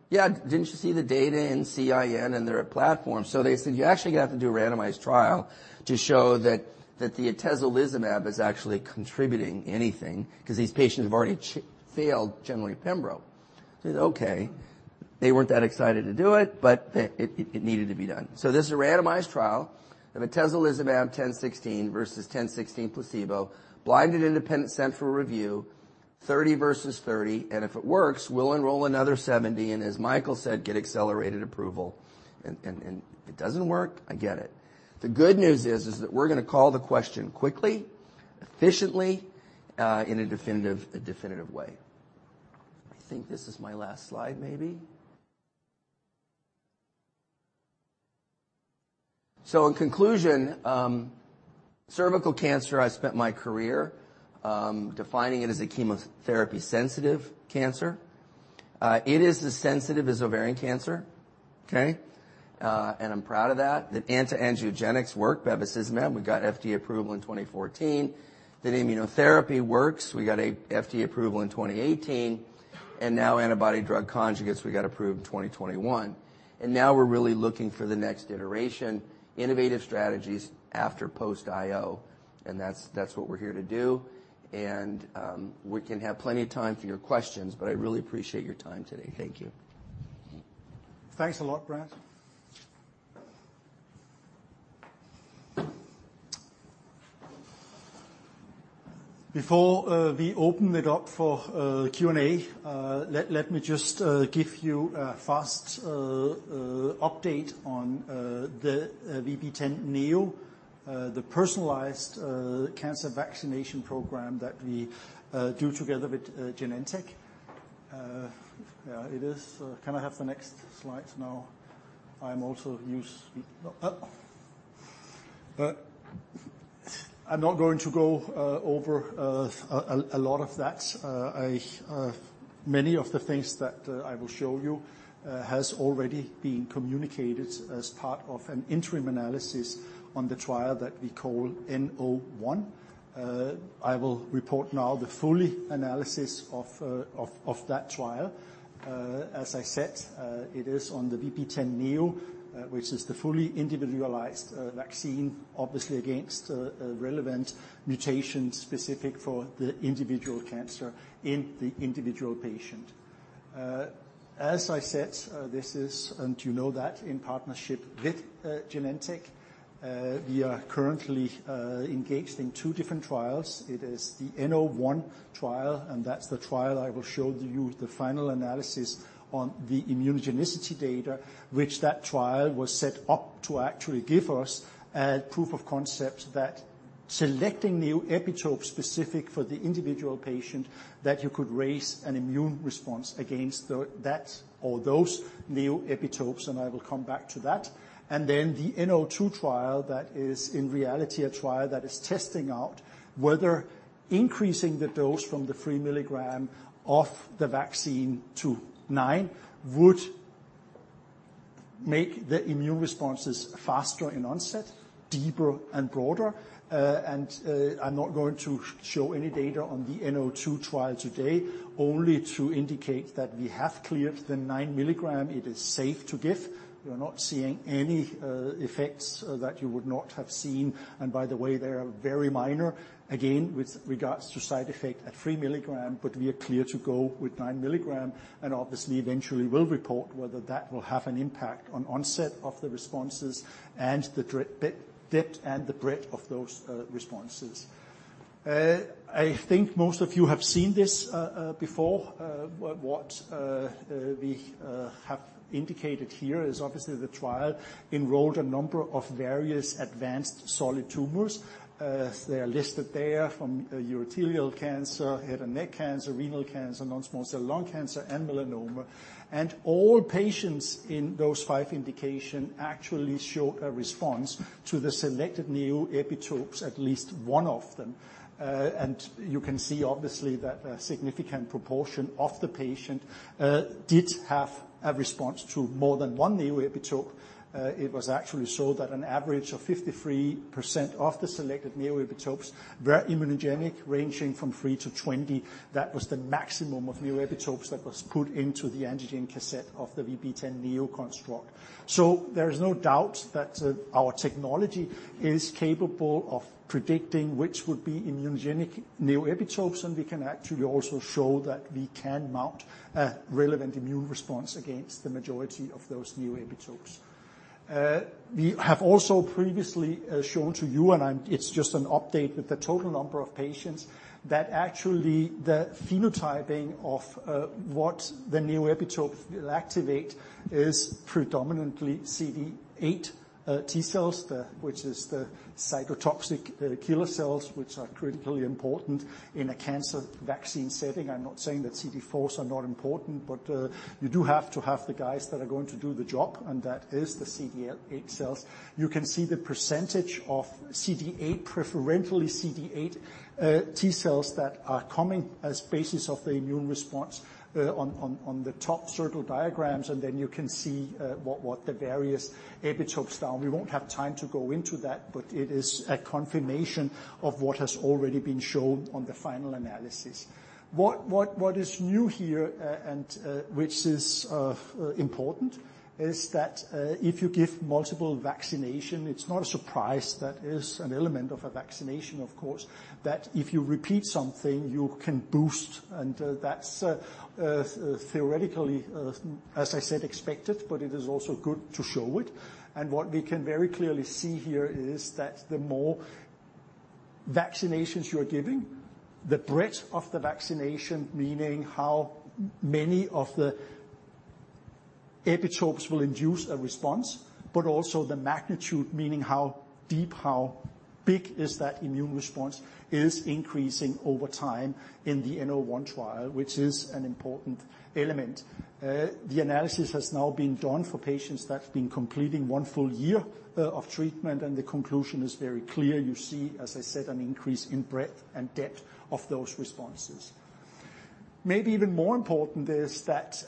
S3: "Yeah, didn't you see the data in CIN and their platform?" So they said, "You're actually gonna have to do a randomized trial to show that the atezolizumab is actually contributing anything, because these patients have already failed, generally pembro." I said, "Okay." They weren't that excited to do it, but it needed to be done. So this is a randomized trial of atezolizumab 10.16 versus 10.16 placebo, blinded, independent central review, 30 versus 30, and if it works, we'll enroll another 70, and as Mikkel said, get accelerated approval. And if it doesn't work, I get it. The good news is that we're gonna call the question quickly, efficiently, in a definitive way. I think this is my last slide, maybe. So in conclusion, cervical cancer, I spent my career defining it as a chemotherapy-sensitive cancer. It is as sensitive as ovarian cancer, okay? And I'm proud of that. That anti-angiogenics work, bevacizumab, we got an FDA approval in 2014. That immunotherapy works, we got an FDA approval in 2018, and now antibody drug conjugates, we got approved in 2021. Now we're really looking for the next generation, innovative strategies after post-IO, and that's, that's what we're here to do. And, we can have plenty of time for your questions, but I really appreciate your time today. Thank you.
S2: Thanks a lot, Brad. Before we open it up for Q&A, let me just give you a fast update on the VB10.NEO, the personalized cancer vaccination program that we do together with Genentech. Yeah, it is. Can I have the next slide now? I'm not going to go over a lot of that. Many of the things that I will show you has already been communicated as part of an interim analysis on the trial that we call N-O1. I will report now the fully analysis of that trial. As I said, it is on the VB10.NEO, which is the fully individualized vaccine, obviously against a relevant mutation specific for the individual cancer in the individual patient. As I said, this is, and you know that, in partnership with Genentech. We are currently engaged in two different trials. It is the N-O1 trial, and that's the trial I will show you the final analysis on the immunogenicity data, which that trial was set up to actually give us a proof of concept that selecting neoepitope specific for the individual patient, that you could raise an immune response against the, that or those neoepitopes, and I will come back to that. And then the VB-C-02 trial, that is, in reality, a trial that is testing out whether increasing the dose from the 3 milligram of the vaccine to 9, would make the immune responses faster in onset, deeper and broader. And, I'm not going to show any data on the VB-C-02 trial today, only to indicate that we have cleared the 9 milligram. It is safe to give. We are not seeing any effects that you would not have seen, and by the way, they are very minor, again, with regards to side effect at 3 milligram, but we are clear to go with 9 milligram, and obviously, eventually will report whether that will have an impact on onset of the responses and the depth and the breadth of those responses. I think most of you have seen this before. What we have indicated here is obviously the trial enrolled a number of various advanced solid tumors. They are listed there from urothelial cancer, head and neck cancer, renal cancer, non-small cell lung cancer, and melanoma. All patients in those five indications actually show a response to the selected neoepitopes, at least one of them. You can see, obviously, that a significant proportion of the patients did have a response to more than one neoepitope. It was actually shown that an average of 53% of the selected neoepitopes were immunogenic, ranging from 3-20. That was the maximum of neoepitopes that was put into the antigen cassette of the VB10.NEO construct. So there is no doubt that our technology is capable of predicting which would be immunogenic neoepitopes, and we can actually also show that we can mount a relevant immune response against the majority of those neoepitopes. We have also previously shown to you, and it's just an update, that the total number of patients, that actually the phenotyping of what the neoepitope will activate is predominantly CD8 T cells, which is the cytotoxic killer cells, which are critically important in a cancer vaccine setting. I'm not saying that CD4 are not important, but you do have to have the guys that are going to do the job, and that is the CD8 cells. You can see the percentage of CD8, preferentially CD8, T cells that are coming as basis of the immune response, on the top circle diagrams, and then you can see what the various epitopes are. We won't have time to go into that, but it is a confirmation of what has already been shown on the final analysis. What is new here, and which is important, is that if you give multiple vaccination, it's not a surprise. That is an element of a vaccination, of course, that if you repeat something, you can boost, and that's theoretically, as I said, expected, but it is also good to show it. What we can very clearly see here is that the more vaccinations you are giving, the breadth of the vaccination, meaning how many of the epitopes will induce a response, but also the magnitude, meaning how deep, how big is that immune response, is increasing over time in the NEO1 trial, which is an important element. The analysis has now been done for patients that's been completing one full year of treatment, and the conclusion is very clear. You see, as I said, an increase in breadth and depth of those responses. Maybe even more important is that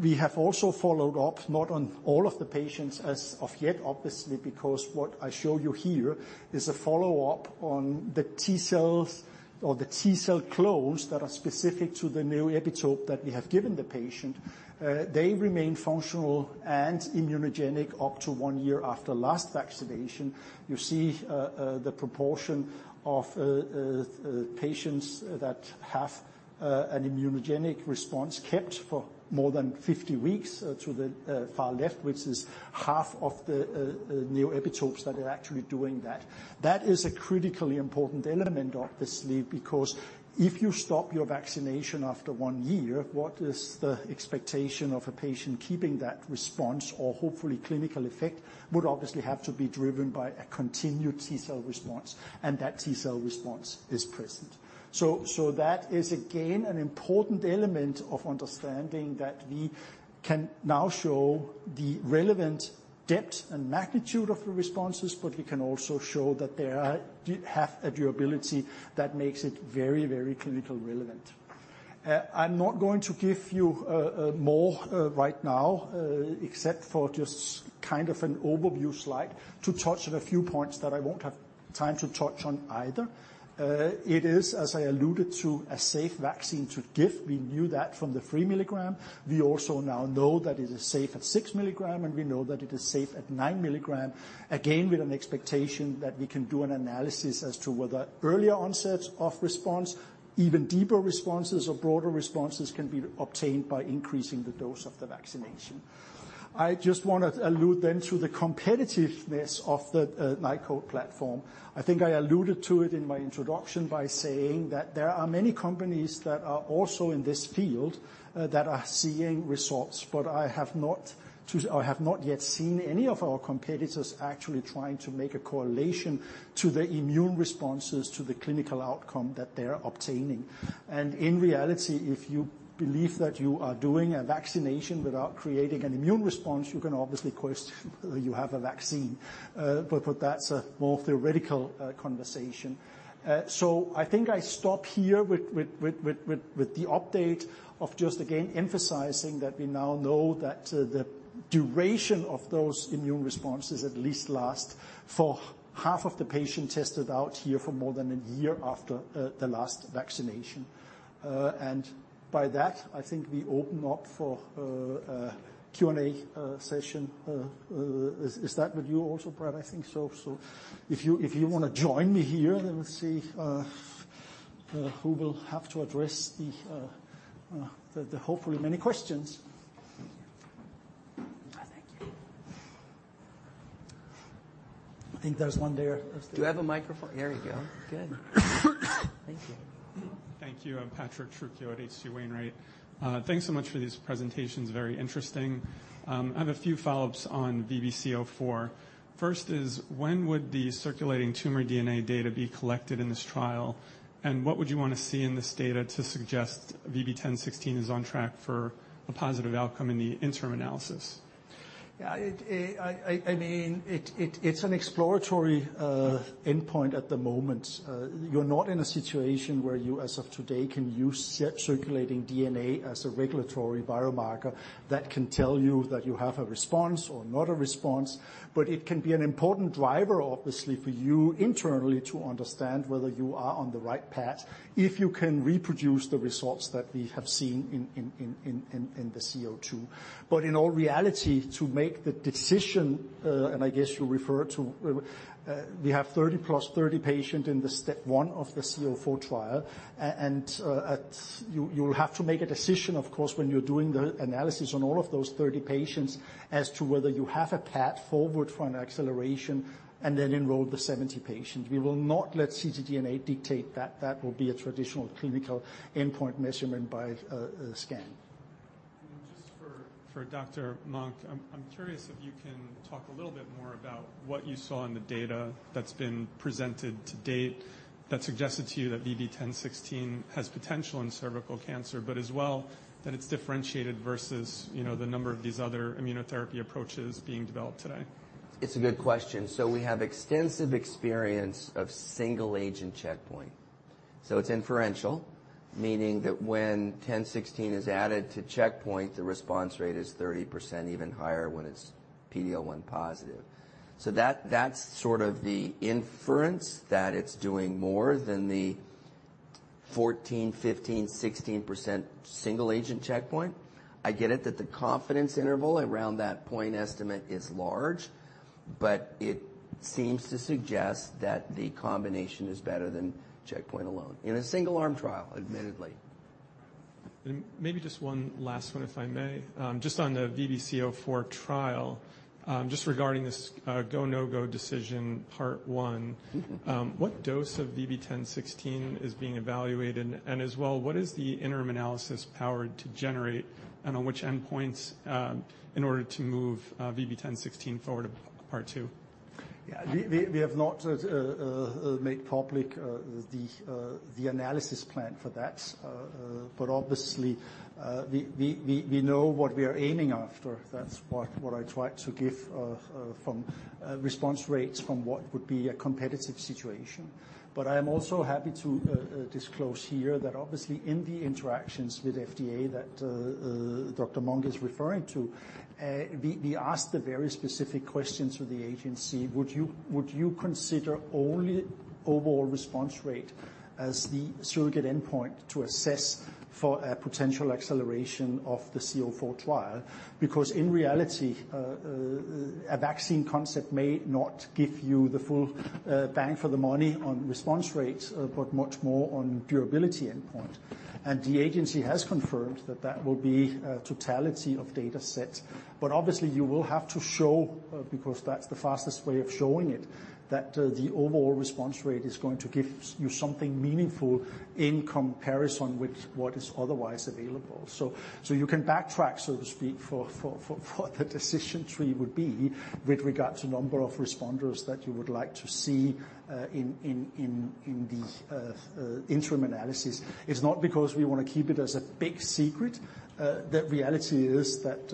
S2: we have also followed up, not on all of the patients as of yet, obviously, because what I show you here is a follow-up on the T cells or the T cell clones that are specific to the neoepitope that we have given the patient. They remain functional and immunogenic up to one year after last vaccination. You see, the proportion of patients that have an immunogenic response kept for more than 50 weeks, to the far left, which is half of the neoepitopes that are actually doing that. That is a critically important element, obviously, because if you stop your vaccination after one year, what is the expectation of a patient keeping that response or hopefully clinical effect would obviously have to be driven by a continued T cell response, and that T cell response is present. So that is again, an important element of understanding that we can now show the relevant depth and magnitude of the responses, but we can also show that they have a durability that makes it very, very clinical relevant. I'm not going to give you more right now, except for just kind of an overview slide to touch on a few points that I won't have time to touch on either. It is, as I alluded to, a safe vaccine to give. We knew that from the 3 milligram. We also now know that it is safe at 6 milligram, and we know that it is safe at 9 milligram. Again, with an expectation that we can do an analysis as to whether earlier onset of response, even deeper responses or broader responses can be obtained by increasing the dose of the vaccination. I just want to allude then to the competitiveness of the Nykode platform. I think I alluded to it in my introduction by saying that there are many companies that are also in this field, that are seeing results, but I have not yet seen any of our competitors actually trying to make a correlation to the immune responses, to the clinical outcome that they're obtaining. In reality, if you believe that you are doing a vaccination without creating an immune response, you can obviously question whether you have a vaccine. That's a more theoretical conversation. I think I stop here with the update of just again, emphasizing that we now know that the duration of those immune responses at least last for half of the patient tested out here for more than a year after the last vaccination. By that, I think we open up for a Q&A session. Is that with you also, Brad? I think so. So if you wanna join me here, then we'll see who will have to address the hopefully many questions.
S3: Thank you.
S2: I think there's one there.
S3: Do you have a microphone? There we go. Good. Thank you.
S4: Thank you. I'm Patrick Trucchio at H.C. Wainwright. Thanks so much for these presentations. Very interesting. I have a few follow-ups on VB-C-04. First is, when would the circulating tumor DNA data be collected in this trial? And what would you want to see in this data to suggest VB10.16 is on track for a positive outcome in the interim analysis?
S2: Yeah, I mean, it's an exploratory endpoint at the moment. You're not in a situation where you, as of today, can use circulating DNA as a regulatory biomarker that can tell you that you have a response or not a response, but it can be an important driver, obviously, for you internally, to understand whether you are on the right path, if you can reproduce the results that we have seen in the C-02. But in all reality, to make the decision, and I guess you refer to, we have 30 + 30 patients in the step one of the CO4 trial. And at... You will have to make a decision, of course, when you're doing the analysis on all of those 30 patients as to whether you have a path forward for an acceleration and then enroll the 70 patients. We will not let ctDNA dictate that. That will be a traditional clinical endpoint measurement by scan.
S4: Just for Dr. Monk, I'm curious if you can talk a little bit more about what you saw in the data that's been presented to date that suggested to you that VB10.16 has potential in cervical cancer, but as well, that it's differentiated versus, you know, the number of these other immunotherapy approaches being developed today?
S3: It's a good question. We have extensive experience of single agent checkpoint. It's inferential, meaning that when 10.16 is added to checkpoint, the response rate is 30%, even higher when it's PD-L1 positive. That's sort of the inference that it's doing more than the 14%, 15%, 16% single agent checkpoint. I get it that the confidence interval around that point estimate is large, but it seems to suggest that the combination is better than checkpoint alone, in a single arm trial, admittedly.
S4: Maybe just one last one, if I may. Just on the VB-C-04 trial, just regarding this go/no-go decision, part one.
S3: Mm-hmm.
S4: What dose of VB10.16 is being evaluated? And as well, what is the interim analysis powered to generate, and on which endpoints, in order to move VB10.16 forward to part two?
S2: Yeah. We have not make public the analysis plan for that. But obviously, we know what we are aiming after. That's what I tried to give from response rates from what would be a competitive situation. But I am also happy to disclose here that obviously in the interactions with FDA, that Dr. Monk is referring to, we asked a very specific questions to the agency: Would you consider only overall response rate as the surrogate endpoint to assess for a potential acceleration of the VB-C-04 trial? Because in reality, a vaccine concept may not give you the full bang for the money on response rates, but much more on durability endpoint.... And the agency has confirmed that that will be a totality of data set, but obviously, you will have to show, because that's the fastest way of showing it, that the overall response rate is going to give you something meaningful in comparison with what is otherwise available. So you can backtrack, so to speak, for what the decision tree would be with regards to number of responders that you would like to see in the interim analysis. It's not because we wanna keep it as a big secret. The reality is that,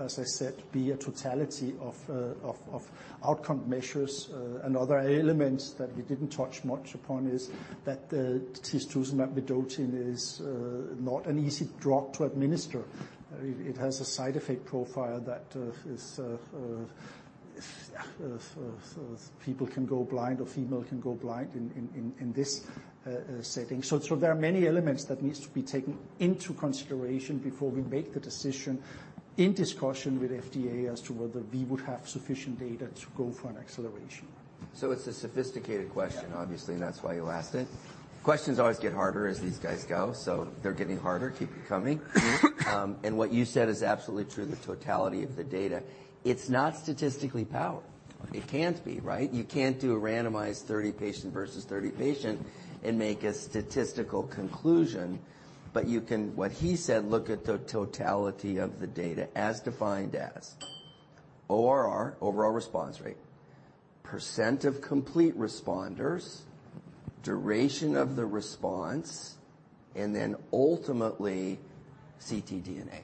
S2: as I said, it will be a totality of outcome measures. Another element that we didn't touch much upon is that the tisotumab vedotin is not an easy drug to administer. It has a side effect profile that is. People can go blind, or female can go blind in this setting. So there are many elements that needs to be taken into consideration before we make the decision, in discussion with FDA, as to whether we would have sufficient data to go for an acceleration.
S3: It's a sophisticated question-
S2: Yeah.
S3: Obviously, and that's why you asked it. Questions always get harder as these guys go, so they're getting harder. Keep it coming. And what you said is absolutely true, the totality of the data. It's not statistically powered. It can't be, right? You can't do a randomized 30-patient versus 30-patient and make a statistical conclusion, but you can, what he said, look at the totality of the data as defined as: ORR, overall response rate, percent of complete responders, duration of the response, and then ultimately, ctDNA.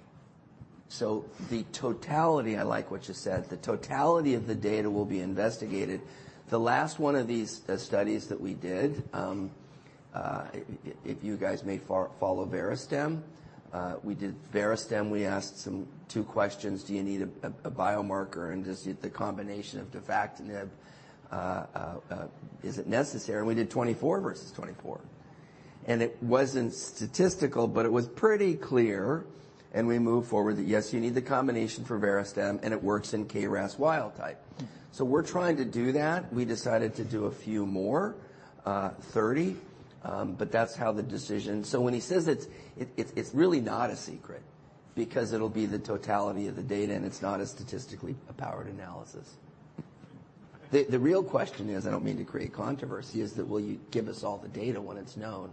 S3: So the totality... I like what you said. The totality of the data will be investigated. The last one of these studies that we did, if you guys may follow Verastem. We did Verastem. We asked two questions: Do you need a, a biomarker? And does the combination of defactinib, is it necessary? And we did 24 versus 24. And it wasn't statistical, but it was pretty clear, and we moved forward, that, yes, you need the combination for Verastem, and it works in KRAS wild type. So we're trying to do that. We decided to do a few more, 30, but that's how the decision... So when he says it's, it's, it's really not a secret because it'll be the totality of the data, and it's not a statistically powered analysis. The real question is, I don't mean to create controversy, is that will you give us all the data when it's known?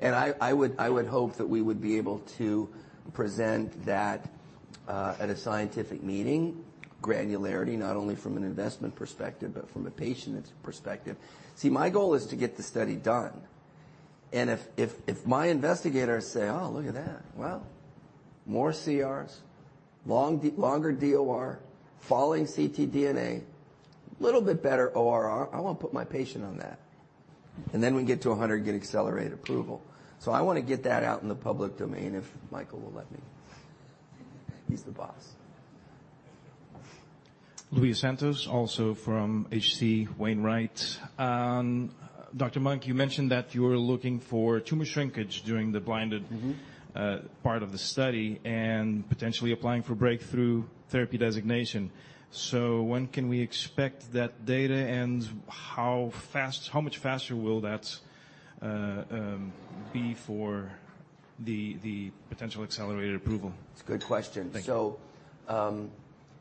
S3: And I would hope that we would be able to present that at a scientific meeting, granularity, not only from an investment perspective, but from a patient perspective. See, my goal is to get the study done. And if my investigators say, "Oh, look at that. Well, more CRs, longer DOR, falling ctDNA, little bit better ORR, I wanna put my patient on that." And then we get to 100, get accelerated approval. So I wanna get that out in the public domain if Mikkel will let me. He's the boss.
S5: Luis Santos, also from H.C. Wainwright. Dr. Monk, you mentioned that you're looking for tumor shrinkage during the blinded-
S3: Mm-hmm.
S5: - part of the study and potentially applying for breakthrough therapy designation. So when can we expect that data, and how much faster will that be for the potential accelerated approval?
S3: It's a good question.
S5: Thank you.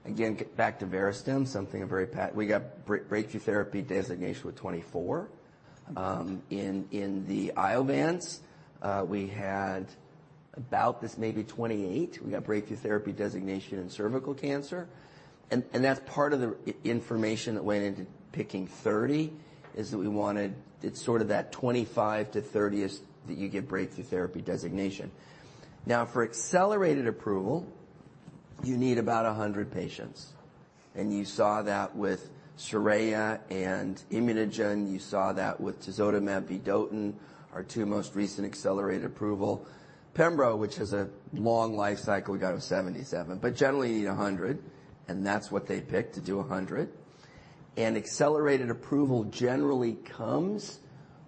S3: Again, get back to Verastem, something very pa-- we got breakthrough therapy designation with 24. In the Iovance, we had about this maybe 28. We got breakthrough therapy designation in cervical cancer, and that's part of the information that went into picking 30, is that we wanted... It's sort of that 25-30 is that you get breakthrough therapy designation. Now, for accelerated approval, you need about 100 patients, and you saw that with SORAYA and ImmunoGen. You saw that with tisagenlecleucel, our two most recent accelerated approval. Pembro, which has a long life cycle, we got to 77, but generally, you need 100, and that's what they picked, to do 100. Accelerated approval generally comes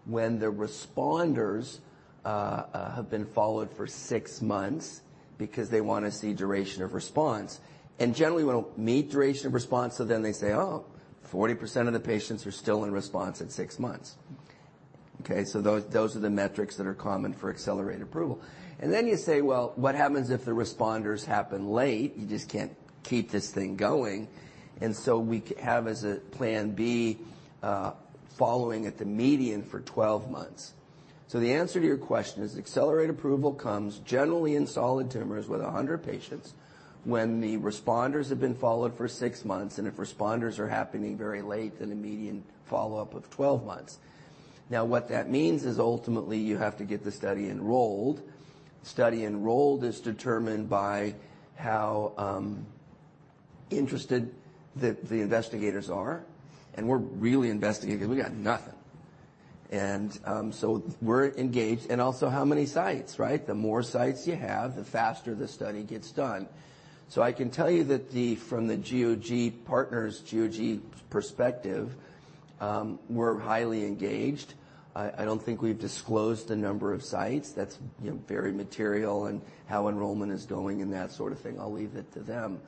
S3: when the responders have been followed for six months because they wanna see duration of response. Generally, we don't meet duration of response, so then they say, "Oh, 40% of the patients are still in response at six months." Okay? So those, those are the metrics that are common for accelerated approval. And then you say, "Well, what happens if the responders happen late?" You just can't keep this thing going, and so we have as a plan B, following at the median for twelve months. So the answer to your question is accelerated approval comes generally in solid tumors with 100 patients when the responders have been followed for six months, and if responders are happening very late, then a median follow-up of 12 months. Now, what that means is ultimately you have to get the study enrolled. Study enrolled is determined by how interested the, the investigators are, and we're really investigating. We got nothing. So we're engaged, and also how many sites, right? The more sites you have, the faster the study gets done. So I can tell you that the, from the GOG Partners perspective, we're highly engaged. I don't think we've disclosed the number of sites. That's, you know, very material and how enrollment is going and that sort of thing. I'll leave it to them.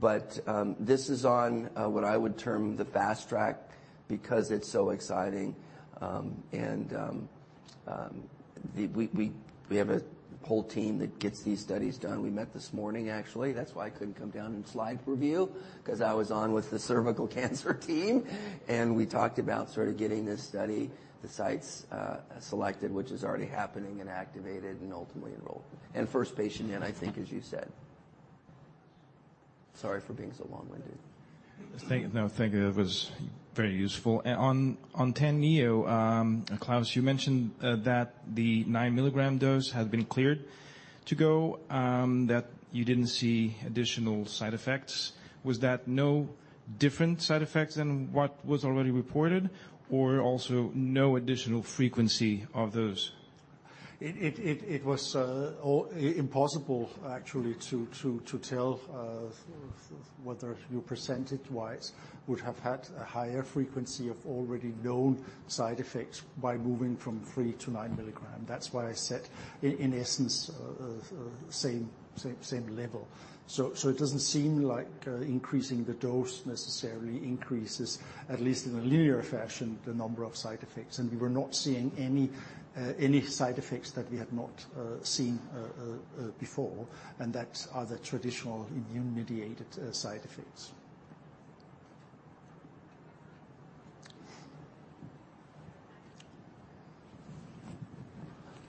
S3: But this is on what I would term the fast track because it's so exciting. And we have a whole team that gets these studies done. We met this morning, actually. That's why I couldn't come down in slide review, 'cause I was on with the cervical cancer team and we talked about sort of getting this study, the sites selected, which is already happening, and activated, and ultimately enrolled. First patient in, I think, as you said. Sorry for being so long-winded.
S5: Thank you. No, thank you. That was very useful. On VB10.NEO, Klaus, you mentioned that the 9-milligram dose had been cleared to go, that you didn't see additional side effects. Was that no different side effects than what was already reported, or also no additional frequency of those?
S2: It was all impossible, actually, to tell whether you, percentage-wise, would have had a higher frequency of already known side effects by moving from 3-9 milligram. That's why I said, in essence, same level. It doesn't seem like increasing the dose necessarily increases, at least in a linear fashion, the number of side effects. We were not seeing any side effects that we had not seen before, and that are the traditional immune-mediated side effects.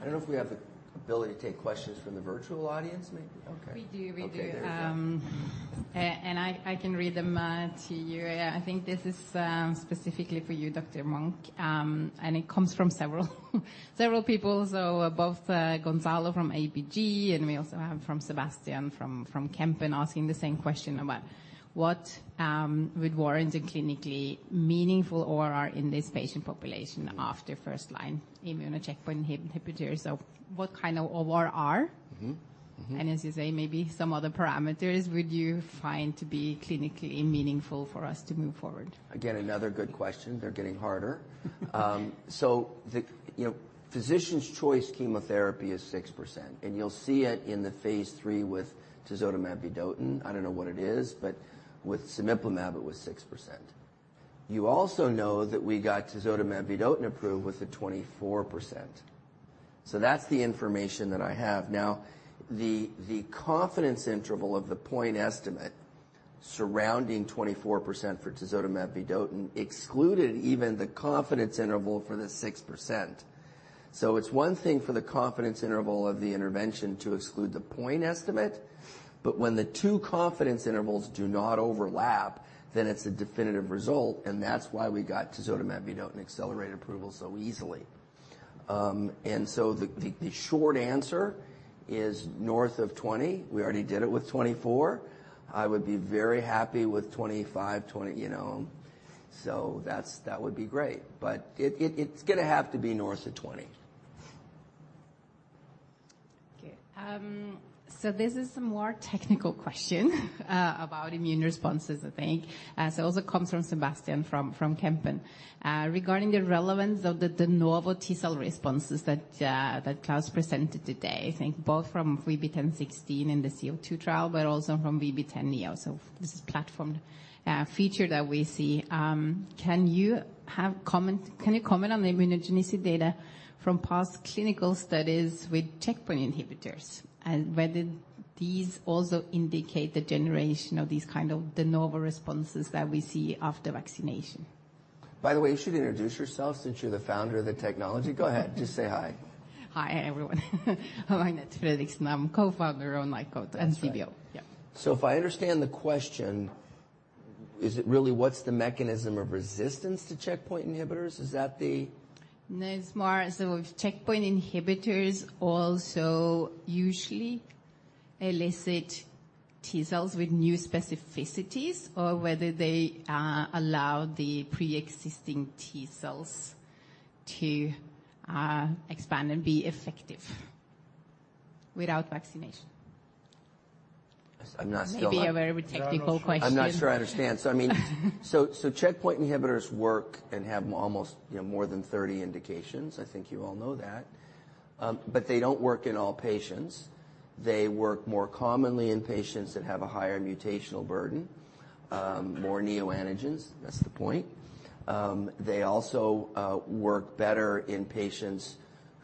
S3: I don't know if we have the ability to take questions from the virtual audience, maybe? Okay.
S6: We do, we do.
S3: Okay, there we go.
S6: And I can read them to you. I think this is specifically for you, Dr. Monk. And it comes from several people. So both Gonzalo from ABG, and we also have from Sebastian from Kempen, asking the same question about: What would warrant a clinically meaningful ORR in this patient population after first-line immune checkpoint inhibitors? So what kind of ORR R-
S3: Mm-hmm. Mm-hmm.
S6: And as you say, maybe some other parameters would you find to be clinically meaningful for us to move forward?
S3: Again, another good question. They're getting harder. So the, you know, physician's choice chemotherapy is 6%, and you'll see it in the phase III with tisotumab vedotin. I don't know what it is, but with cemiplimab, it was 6%. You also know that we got tisotumab vedotin approved with a 24%. So that's the information that I have. Now, the confidence interval of the point estimate surrounding 24% for tisotumab vedotin excluded even the confidence interval for the 6%. So it's one thing for the confidence interval of the intervention to exclude the point estimate, but when the two confidence intervals do not overlap, then it's a definitive result, and that's why we got tisotumab vedotin accelerated approval so easily. And so the short answer is north of 20. We already did it with 24. I would be very happy with 25, 20... You know, so that's, that would be great, but it, it, it's gonna have to be north of 20.
S6: Okay. So this is a more technical question about immune responses, I think. So it also comes from Sebastiaan from Kempen. Regarding the relevance of the de novo T cell responses that Klaus presented today, I think both from VB10.16 in the VB-C-02 trial, but also from VB10.NEO. So this is platform feature that we see. Can you comment on the immunogenicity data from past clinical studies with checkpoint inhibitors, and whether these also indicate the generation of these kind of de novo responses that we see after vaccination?
S3: By the way, you should introduce yourself since you're the founder of the technology. Go ahead, just say hi.
S6: Hi, everyone. My name is Agnete Fredriksen, and I'm co-founder of Nykode Therapeutics, and CBO.
S3: That's right.
S6: Yeah.
S3: So if I understand the question, is it really what's the mechanism of resistance to checkpoint inhibitors? Is that the-
S6: No, it's more so if checkpoint inhibitors also usually elicit T cells with new specificities, or whether they allow the preexisting T cells to expand and be effective without vaccination.
S3: I'm not—
S6: Maybe a very technical question.
S2: We don't know.
S3: I'm not sure I understand. I mean, checkpoint inhibitors work and have almost, you know, more than 30 indications. I think you all know that. But they don't work in all patients. They work more commonly in patients that have a higher mutational burden, more neoantigens. That's the point. They also work better in patients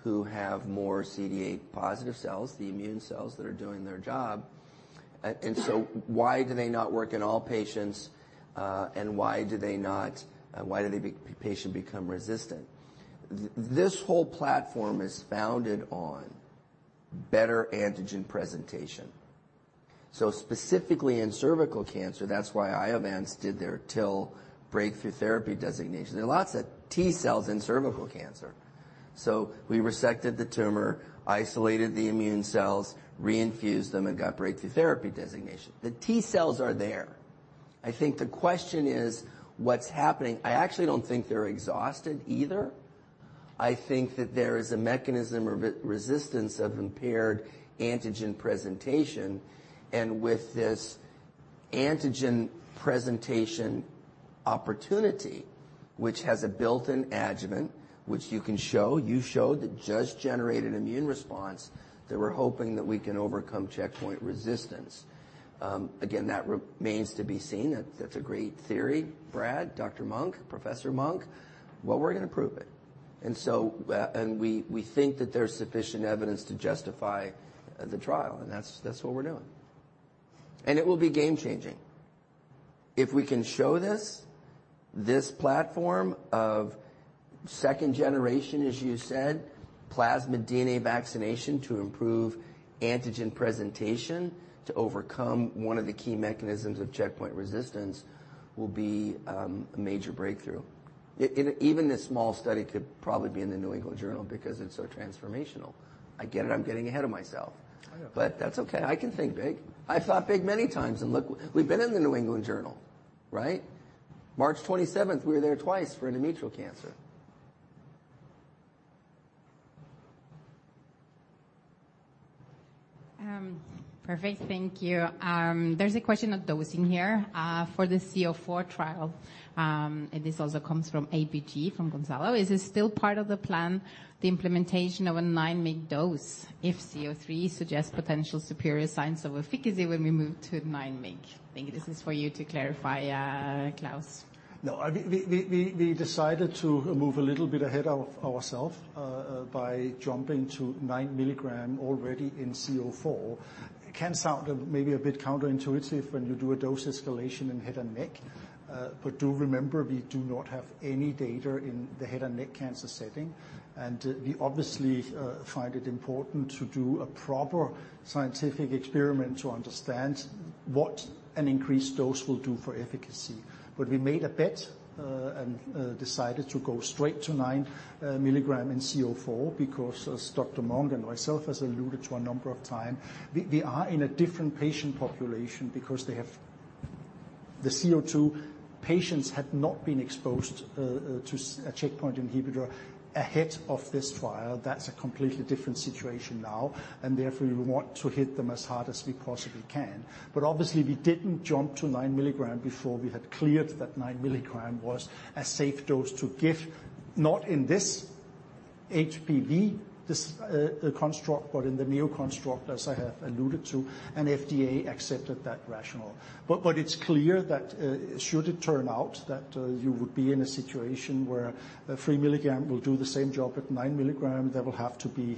S3: who have more CD8-positive cells, the immune cells that are doing their job. So why do they not work in all patients, and why do the patient become resistant? This whole platform is founded on better antigen presentation. Specifically in cervical cancer, that's why Iovance did their TIL breakthrough therapy designation. There are lots of T cells in cervical cancer. We resected the tumor, isolated the immune cells, reinfused them, and got breakthrough therapy designation. The T cells are there. I think the question is, what's happening? I actually don't think they're exhausted either. I think that there is a mechanism of resistance of impaired antigen presentation, and with this antigen presentation opportunity, which has a built-in adjuvant, which you can show, you showed that just generated immune response, that we're hoping that we can overcome checkpoint resistance. Again, that remains to be seen. That's a great theory, Brad, Dr. Monk, Professor Monk. Well, we're gonna prove it. And so, and we think that there's sufficient evidence to justify the trial, and that's what we're doing. And it will be game-changing. If we can show this, this platform of second generation, as you said, plasmid DNA vaccination to improve antigen presentation, to overcome one of the key mechanisms of checkpoint resistance, will be a major breakthrough. Even this small study could probably be in the New England Journal because it's so transformational. I get it, I'm getting ahead of myself.
S2: I know.
S3: But that's okay. I can think big. I've thought big many times, and look, we've been in the New England Journal, right? March twenty-seventh, we were there twice for endometrial cancer.
S6: Perfect. Thank you. There's a question of dosing here for the CO-4 trial. This also comes from ABG, from Gonzalo. "Is it still part of the plan, the implementation of a 9 mg dose if C-O3 suggests potential superior signs of efficacy when we move to 9 mg?" I think this is for you to clarify, Klaus.
S2: No, we decided to move a little bit ahead of ourselves by jumping to 9 milligrams already in VB-C-04. It can sound maybe a bit counterintuitive when you do a dose escalation in head and neck, but do remember, we do not have any data in the head and neck cancer setting. And we obviously find it important to do a proper scientific experiment to understand what an increased dose will do for efficacy. But we made a bet and decided to go straight to 9 milligrams in VB-C-04, because as Dr. Monk and myself has alluded to a number of times, we are in a different patient population because they have... The VB-C-02 patients had not been exposed to a checkpoint inhibitor ahead of this trial. That's a completely different situation now, and therefore, we want to hit them as hard as we possibly can. But obviously, we didn't jump to 9 mg before we had cleared that 9 mg was a safe dose to give, not in this HPV construct, but in the neo construct, as I have alluded to, and FDA accepted that rationale. But it's clear that should it turn out that you would be in a situation where a 3 mg will do the same job as 9 mg, there will have to be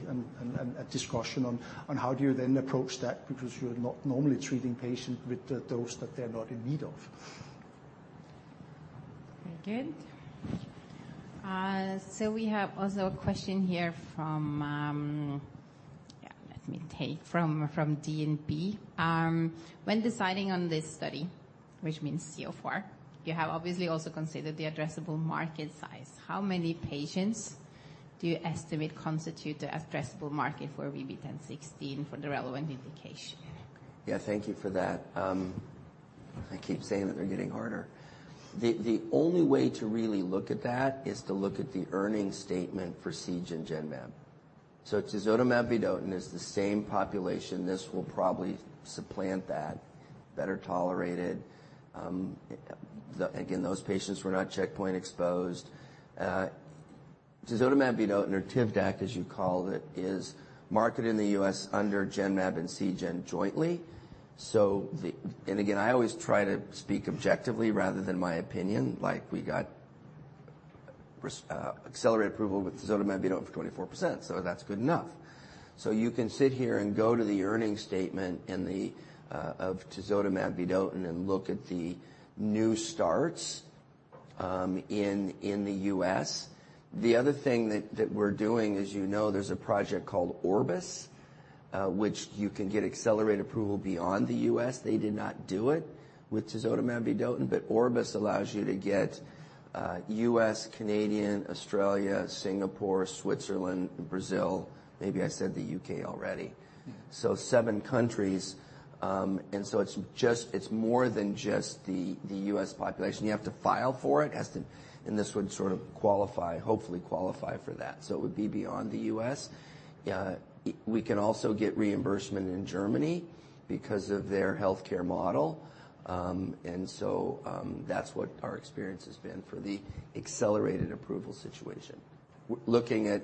S2: a discussion on how do you then approach that, because you're not normally treating patients with the dose that they're not in need of.
S6: Very good. So we have also a question here from... Let me take from DNB. When deciding on this study, which means VB-C-04, you have obviously also considered the addressable market size. How many patients do you estimate constitute the addressable market for VB10.16 for the relevant indication?
S3: Yeah, thank you for that. I keep saying that they're getting harder. The only way to really look at that is to look at the earnings statement for Seagen Genmab. So tisotumab vedotin is the same population. This will probably supplant that. Better tolerated. Again, those patients were not checkpoint exposed. Tisotumab vedotin, or Tivdak, as you called it, is marketed in the U.S. under Genmab and Seagen jointly. So the—and again, I always try to speak objectively rather than my opinion, like we got accelerated approval with tisotumab vedotin for 24%, so that's good enough. So you can sit here and go to the earnings statement and the of tisotumab vedotin and look at the new starts in the U.S. The other thing that, that we're doing, as you know, there's a project called Orbis, which you can get accelerated approval beyond the U.S. They did not do it with tisotumab vedotin, but Orbis allows you to get U.S., Canadian, Australia, Singapore, Switzerland, Brazil, maybe I said the U.K. already. So seven countries, and so it's just-- It's more than just the U.S. population. You have to file for it, as to-- and this would sort of qualify, hopefully qualify for that. It would be beyond the U.S. We can also get reimbursement in Germany because of their healthcare model. That's what our experience has been for the accelerated approval situation. Looking at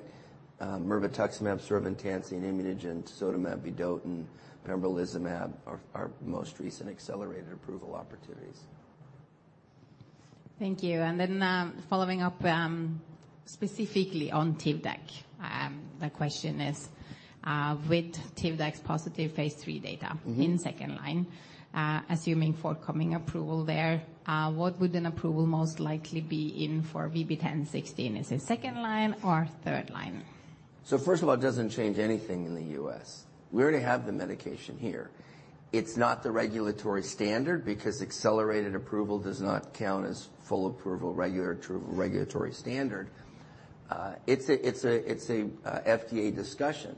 S3: mirvetuximab soravtansine, ImmunoGen, tisotumab vedotin, pembrolizumab, are our most recent accelerated approval opportunities.
S6: Thank you. And then, following up, specifically on Tivdak. The question is, "With Tivdak's positive phase 3 data-
S3: Mm-hmm.
S6: In second line, assuming forthcoming approval there, what would an approval most likely be in for VB10.16? Is it second line or third line?
S3: So first of all, it doesn't change anything in the U.S. We already have the medication here. It's not the regulatory standard because accelerated approval does not count as full approval, regulatory, regulatory standard. It's a, it's a, it's a, FDA discussion.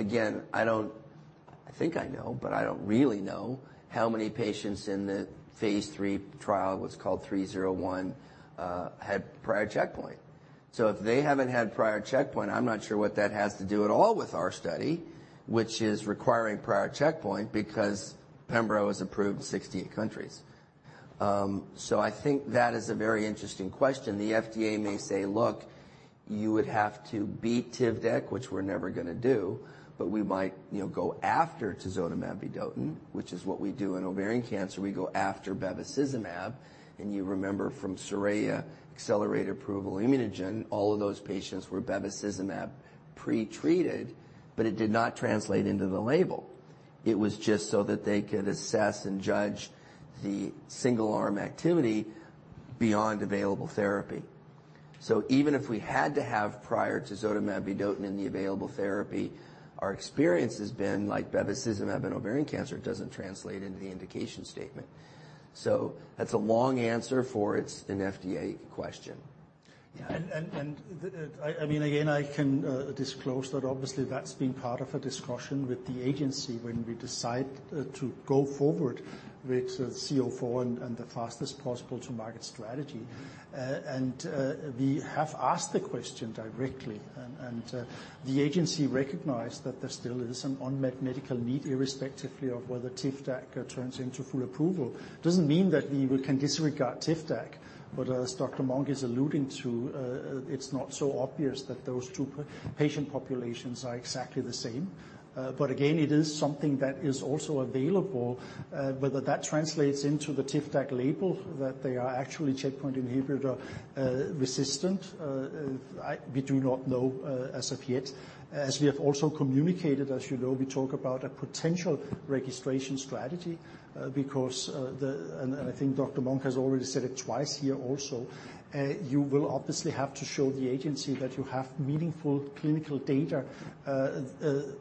S3: Again, I don't... I think I know, but I don't really know how many patients in the phase III trial, what's called 301, had prior checkpoint. So if they haven't had prior checkpoint, I'm not sure what that has to do at all with our study, which is requiring prior checkpoint because Pembro is approved in 68 countries. So I think that is a very interesting question. The FDA may say, "Look, you would have to beat Tivdak," which we're never gonna do, but we might, you know, go after tisotumab vedotin, which is what we do in ovarian cancer. We go after bevacizumab, and you remember from SORAYA, accelerated approval ImmunoGen, all of those patients were bevacizumab pretreated, but it did not translate into the label. It was just so that they could assess and judge the single-arm activity beyond available therapy. So even if we had to have prior to tisotumab vedotin in the available therapy, our experience has been like bevacizumab in ovarian cancer, it doesn't translate into the indication statement. So that's a long answer for it's an FDA question.
S2: I mean, again, I can disclose that obviously that's been part of a discussion with the agency when we decide to go forward with CO4 and the fastest possible to market strategy. We have asked the question directly, and the agency recognized that there still is an unmet medical need, irrespectively of whether Tivdak turns into full approval. Doesn't mean that we will can disregard Tivdak, but as Dr. Monk is alluding to, it's not so obvious that those two patient populations are exactly the same. But again, it is something that is also available. Whether that translates into the Tivdak label, that they are actually checkpoint inhibitor resistant, we do not know as of yet. As we have also communicated, as you know, we talk about a potential registration strategy, because, And I think Dr. Monk has already said it twice here also, you will obviously have to show the agency that you have meaningful clinical data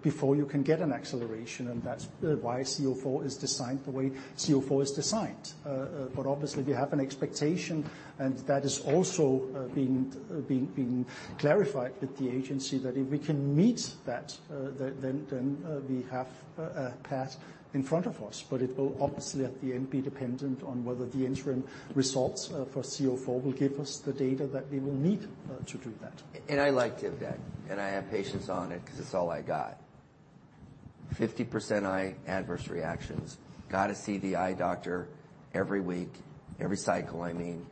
S2: before you can get an acceleration, and that's why CO4 is designed the way CO4 is designed. But obviously, we have an expectation, and that is also being clarified with the agency, that if we can meet that, then we have a path in front of us. But it will obviously, at the end, be dependent on whether the interim results for CO4 will give us the data that we will need to do that.
S3: I like Tivdak, and I have patients on it 'cause it's all I got. 50% eye adverse reactions, gotta see the eye doctor every week, every cycle, I mean.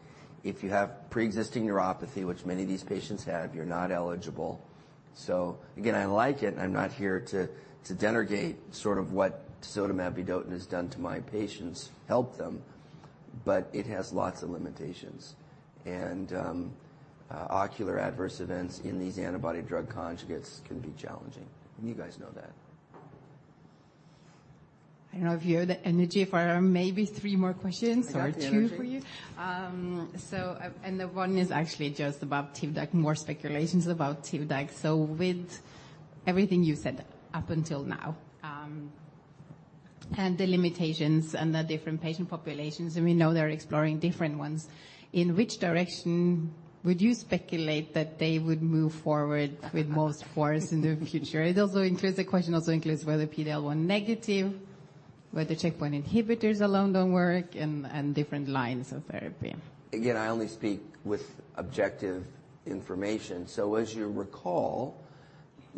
S3: If you have preexisting neuropathy, which many of these patients have, you're not eligible. So again, I like it, and I'm not here to denigrate sort of what tisotumab vedotin has done to my patients, help them, but it has lots of limitations. Ocular adverse events in these antibody drug conjugates can be challenging, and you guys know that.
S6: I don't know if you have the energy for maybe three more questions-
S3: I got the energy.
S6: Or two for you? So, the one is actually just about Tivdak, more speculations about Tivdak. So with everything you said up until now, and the limitations and the different patient populations, and we know they're exploring different ones, in which direction would you speculate that they would move forward with most force in the future? It also includes, the question also includes whether PD-L1 negative, whether checkpoint inhibitors alone don't work, and different lines of therapy.
S3: Again, I only speak with objective information. So as you recall,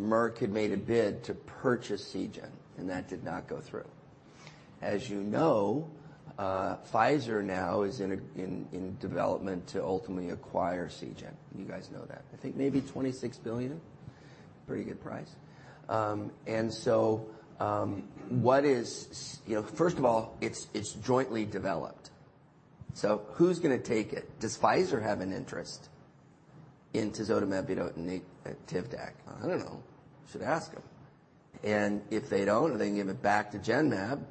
S3: Merck had made a bid to purchase Seagen, and that did not go through. As you know, Pfizer now is in development to ultimately acquire Seagen. You guys know that. I think maybe $26 billion, pretty good price. And so, what is... You know, first of all, it's jointly developed. So who's gonna take it? Does Pfizer have an interest in tisotumab vedotin and Tivdak? I don't know. You should ask them. And if they don't, they give it back to Genmab,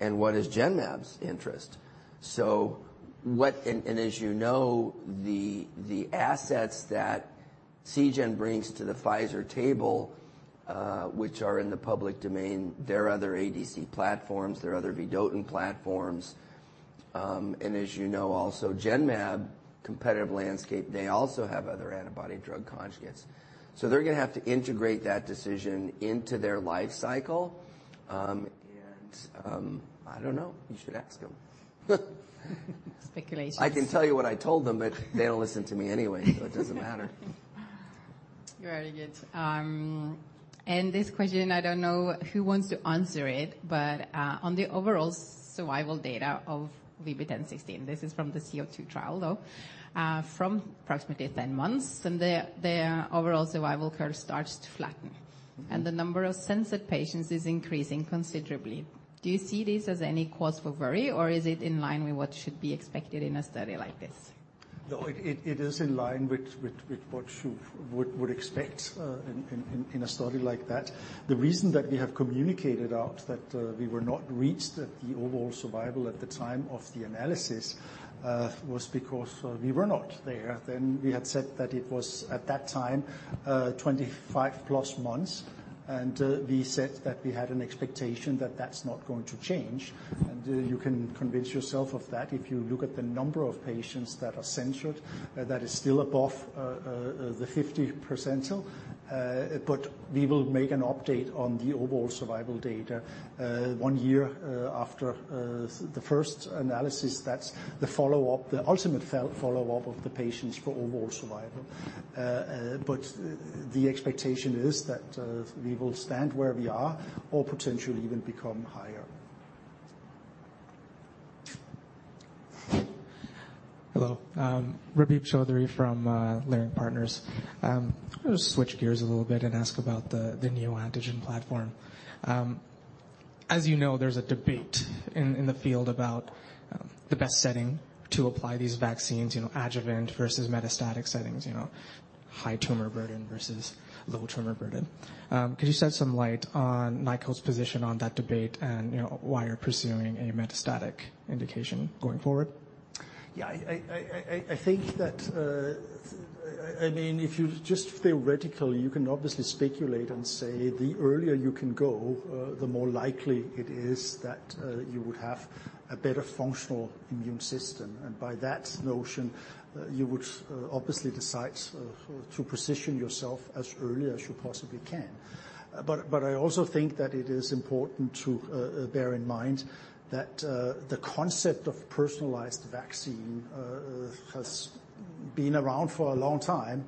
S3: and what is Genmab's interest? So what and as you know, the assets that Seagen brings to the Pfizer table, which are in the public domain, there are other ADC platforms, there are other vedotin platforms. As you know, also, Genmab competitive landscape, they also have other antibody drug conjugates. So they're gonna have to integrate that decision into their life cycle. I don't know. You should ask them.
S6: Speculations.
S3: I can tell you what I told them, but they don't listen to me anyway, so it doesn't matter.
S6: Very good. And this question, I don't know who wants to answer it, but on the overall survival data of VB10.16, this is from the VB-C-02 trial, though. From approximately 10 months, and the overall survival curve starts to flatten-
S2: Mm-hmm.
S6: -the number of censored patients is increasing considerably. Do you see this as any cause for worry, or is it in line with what should be expected in a study like this?
S2: No, it is in line with what you would expect in a study like that. The reason that we have communicated out that we were not reached at the overall survival at the time of the analysis was because we were not there. Then we had said that it was, at that time, 25+ months, and we said that we had an expectation that that's not going to change. And you can convince yourself of that if you look at the number of patients that are censored that is still above the 50th percentile. But we will make an update on the overall survival data one year after the first analysis. That's the follow-up, the ultimate follow-up of the patients for overall survival. But the expectation is that we will stand where we are or potentially even become higher.
S7: Hello, Rakib Chowdhury from Leerink Partners. I'll just switch gears a little bit and ask about the neo antigen platform. As you know, there's a debate in the field about the best setting to apply these vaccines, you know, adjuvant versus metastatic settings, you know, high tumor burden versus low tumor burden. Could you shed some light on Nykode's position on that debate, and, you know, why you're pursuing a metastatic indication going forward?
S2: Yeah, I think that, I mean, if you just theoretically, you can obviously speculate and say, the earlier you can go, the more likely it is that you would have a better functional immune system. And by that notion, you would obviously decide to position yourself as early as you possibly can. But I also think that it is important to bear in mind that the concept of personalized vaccine has been around for a long time,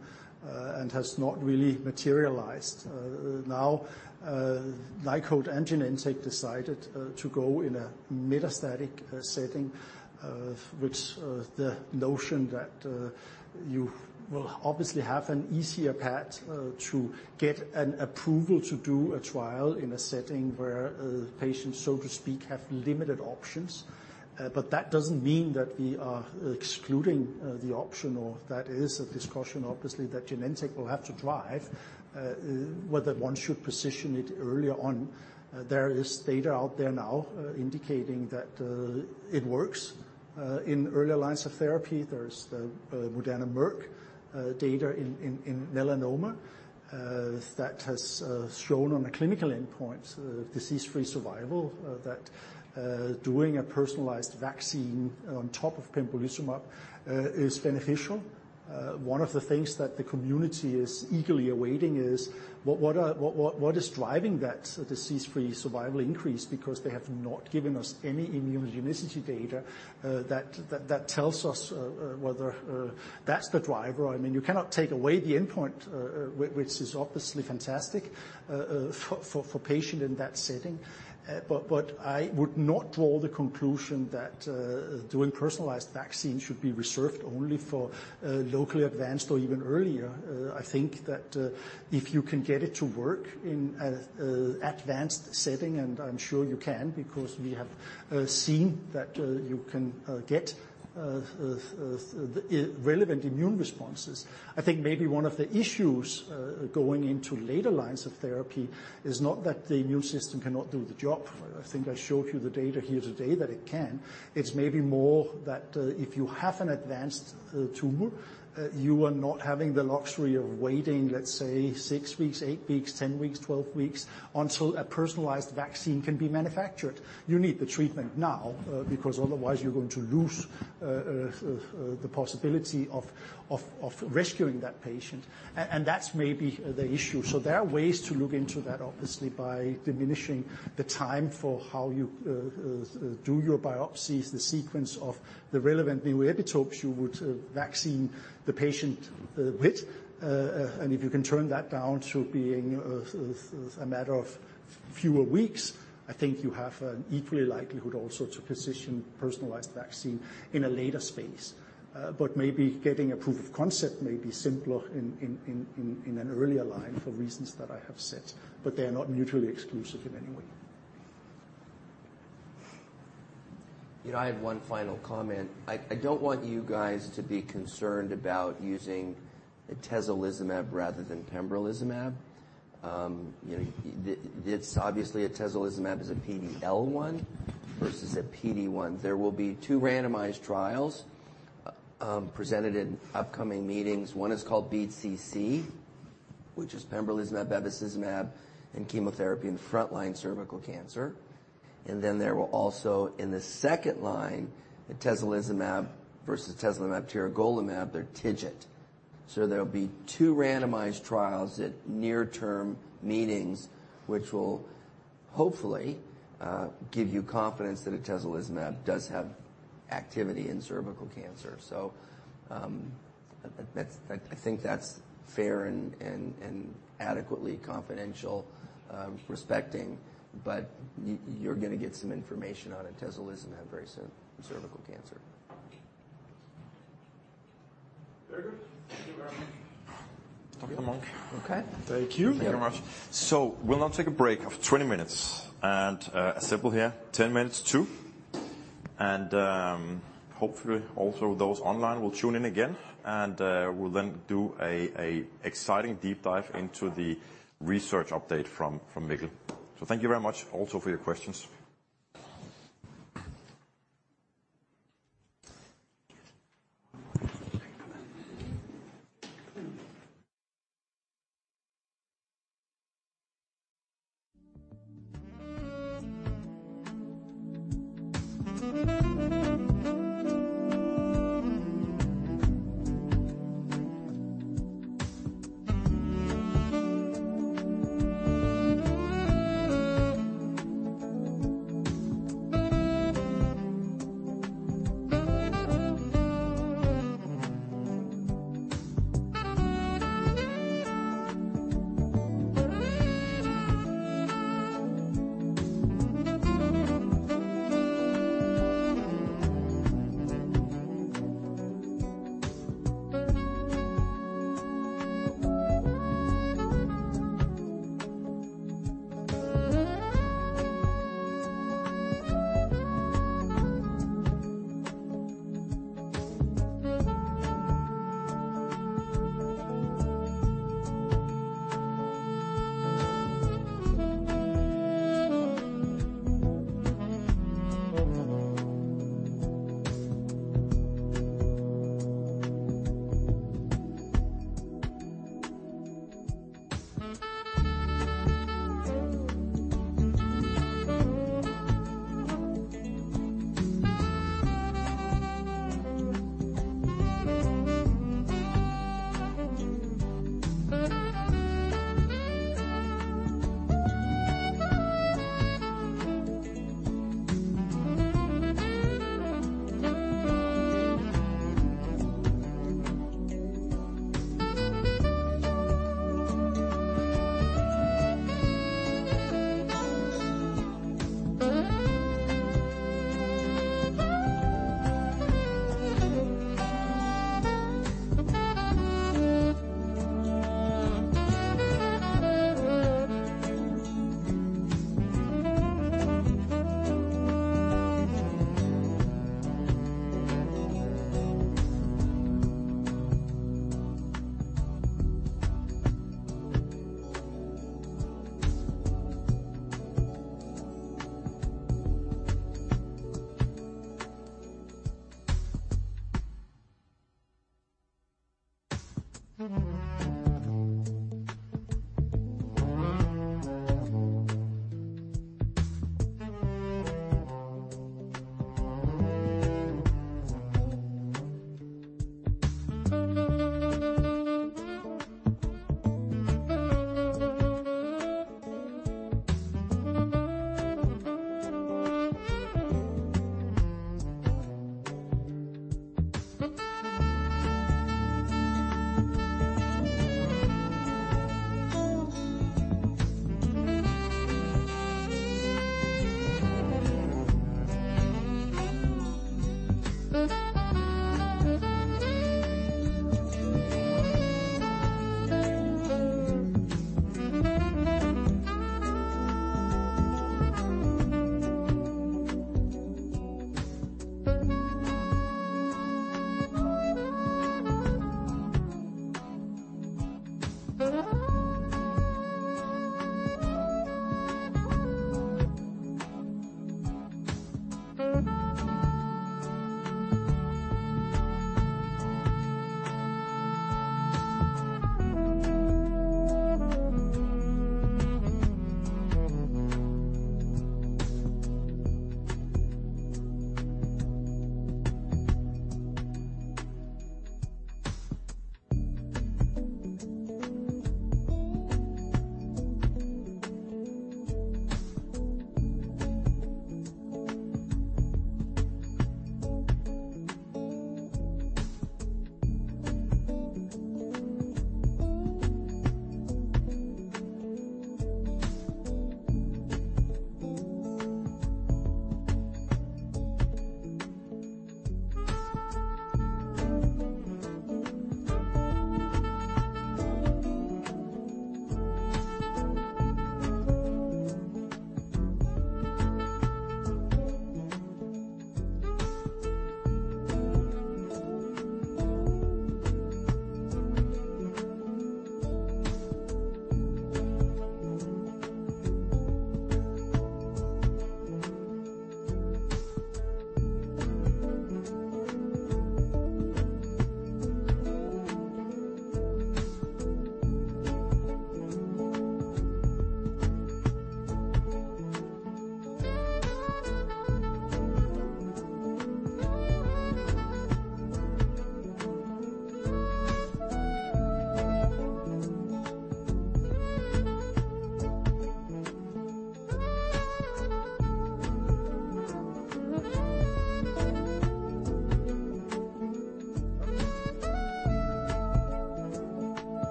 S2: and has not really materialized. Now, Nykode and Genentech decided to go in a metastatic setting, which, the notion that you will obviously have an easier path to get an approval to do a trial in a setting where patients, so to speak, have limited options. That doesn't mean that we are excluding the option, or that is a discussion, obviously, that Genentech will have to drive, whether one should position it earlier on. There is data out there now indicating that it works in earlier lines of therapy. There's the Moderna Merck data in melanoma that has shown on a clinical endpoint, disease-free survival, that doing a personalized vaccine on top of pembrolizumab is beneficial. One of the things that the community is eagerly awaiting is what is driving that disease-free survival increase, because they have not given us any immunogenicity data that tells us whether that's the driver. I mean, you cannot take away the endpoint, which is obviously fantastic for patient in that setting. I would not draw the conclusion that doing personalized vaccines should be reserved only for locally advanced or even earlier. I think that if you can get it to work in advanced setting, and I'm sure you can, because we have seen that you can get relevant immune responses. I think maybe one of the issues going into later lines of therapy is not that the immune system cannot do the job. I think I showed you the data here today that it can. It's maybe more that, if you have an advanced tumor, you are not having the luxury of waiting, let's say, 6 weeks, 8 weeks, 10 weeks, 12 weeks, until a personalized vaccine can be manufactured. You need the treatment now, because otherwise you're going to lose the possibility of rescuing that patient. And that's maybe the issue. So there are ways to look into that, obviously, by diminishing the time for how you do your biopsies, the sequence of the relevant new epitopes you would vaccine the patient with. And if you can turn that down to being a matter of fewer weeks, I think you have an equally likelihood also to position personalized vaccine in a later space. Maybe getting a proof of concept may be simpler in an earlier line, for reasons that I have said, but they are not mutually exclusive in any way.
S3: You know, I have one final comment. I don't want you guys to be concerned about using atezolizumab rather than pembrolizumab. You know, it's obviously atezolizumab is a PD-L1 versus a PD-1. There will be two randomized trials presented in upcoming meetings. One is called BEAT-CC, which is pembrolizumab, bevacizumab, and chemotherapy in frontline cervical cancer. There will also, in the second line, be atezolizumab versus atezolizumab, tiragolumab, they're TIGIT. There will be two randomized trials at near-term meetings, which will hopefully give you confidence that atezolizumab does have activity in cervical cancer. That's... I think that's fair and adequately confidential, respecting, but you're gonna get some information on atezolizumab very soon in cervical cancer.
S7: Very good. Thank you very much.
S1: Okay. Thank you.
S7: Thank you very much.
S1: So we'll now take a break of 20 minutes, and simply here, ten minutes to. Hopefully, also those online will tune in again, and we'll then do a exciting deep dive into the research update from Mikkel. So thank you very much also for your questions.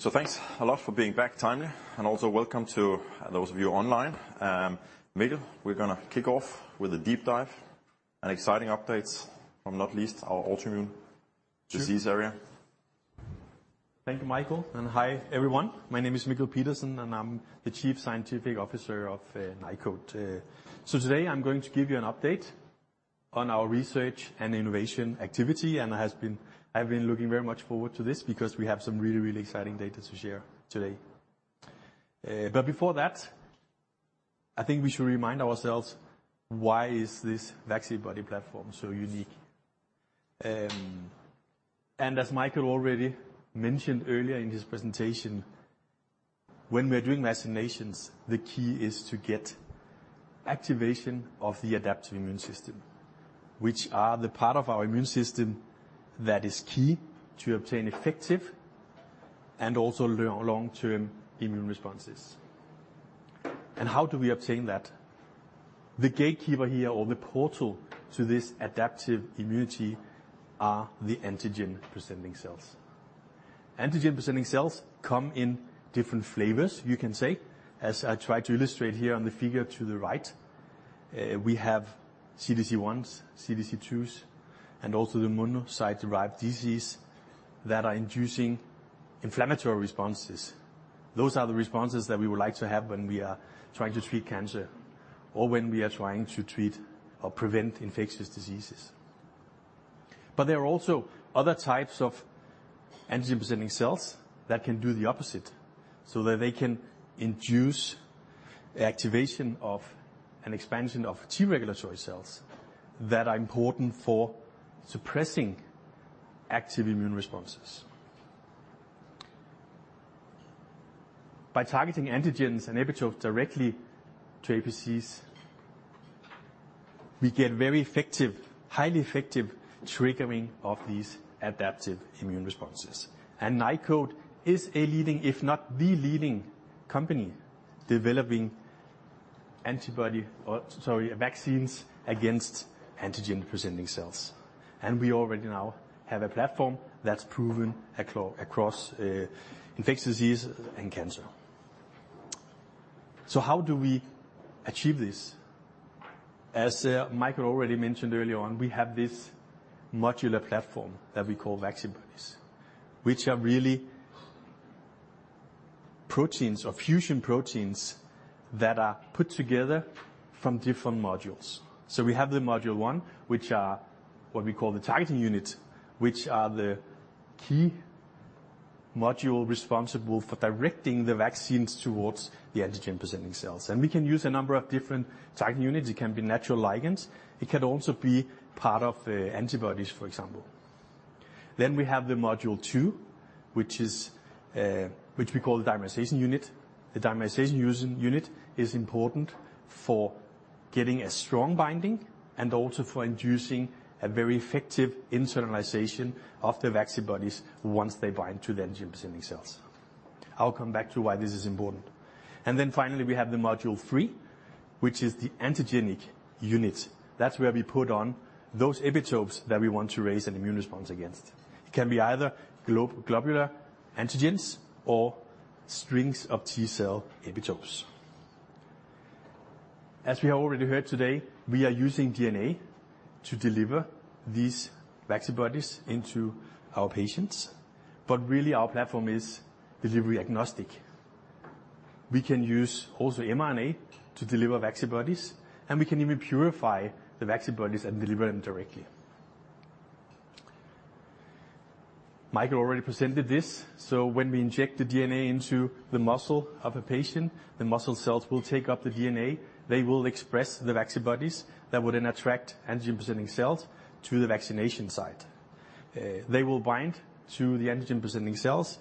S1: So thanks a lot for being back timely, and also welcome to those of you online. Mikkel, we're gonna kick off with a deep dive and exciting updates from not least our autoimmune disease area.
S8: Thank you, Mikkel, and hi, everyone. My name is Mikkel Pedersen, and I'm the Chief Scientific Officer of Nykode. Today I'm going to give you an update on our research and innovation activity. I have been looking very much forward to this because we have some really, really exciting data to share today. Before that, I think we should remind ourselves why this Vaccibody platform is so unique. As Mikkel already mentioned earlier in his presentation, when we're doing vaccinations, the key is to get activation of the adaptive immune system, which is the part of our immune system that is key to obtain effective and also long-term immune responses. How do we obtain that? The gatekeeper here, or the portal to this adaptive immunity, are the antigen-presenting cells. Antigen-Presenting Cells come in different flavors, you can say, as I try to illustrate here on the figure to the right. We have CDC-ones, cDC2s, and also the monocyte-derived DCs that are inducing inflammatory responses. Those are the responses that we would like to have when we are trying to treat cancer or when we are trying to treat or prevent infectious diseases. But there are also other types of antigen-presenting cells that can do the opposite, so that they can induce the activation of an expansion of T-regulatory cells that are important for suppressing active immune responses. By targeting antigens and epitopes directly to APCs, we get very effective, highly effective triggering of these adaptive immune responses. And Nykode is a leading, if not the leading, company developing antibody or, sorry, vaccines against antigen-presenting cells. We already now have a platform that's proven across infectious disease and cancer. How do we achieve this? As Mikkel already mentioned earlier on, we have this modular platform that we call Vaccibodies, which are really proteins or fusion proteins that are put together from different modules. We have module one, which is what we call the targeting unit, which is the key module responsible for directing the vaccines towards the antigen-presenting cells. We can use a number of different targeting units. It can be natural ligands. It can also be part of the antibodies, for example. We have module two, which we call the dimerization unit. The dimerization unit is important for getting a strong binding and also for inducing a very effective internalization of the Vaccibodies once they bind to the antigen-presenting cells. I'll come back to why this is important. Then finally, we have the module three, which is the antigenic unit. That's where we put on those epitopes that we want to raise an immune response against. It can be either globular antigens or strings of T cell epitopes. As we have already heard today, we are using DNA to deliver these Vaccibodies into our patients, but really, our platform is delivery agnostic. We can use also mRNA to deliver Vaccibodies, and we can even purify the Vaccibodies and deliver them directly. Mikkel already presented this, so when we inject the DNA into the muscle of a patient, the muscle cells will take up the DNA. They will express the Vaccibodies that would then attract antigen-presenting cells to the vaccination site. They will bind to the antigen-presenting cells,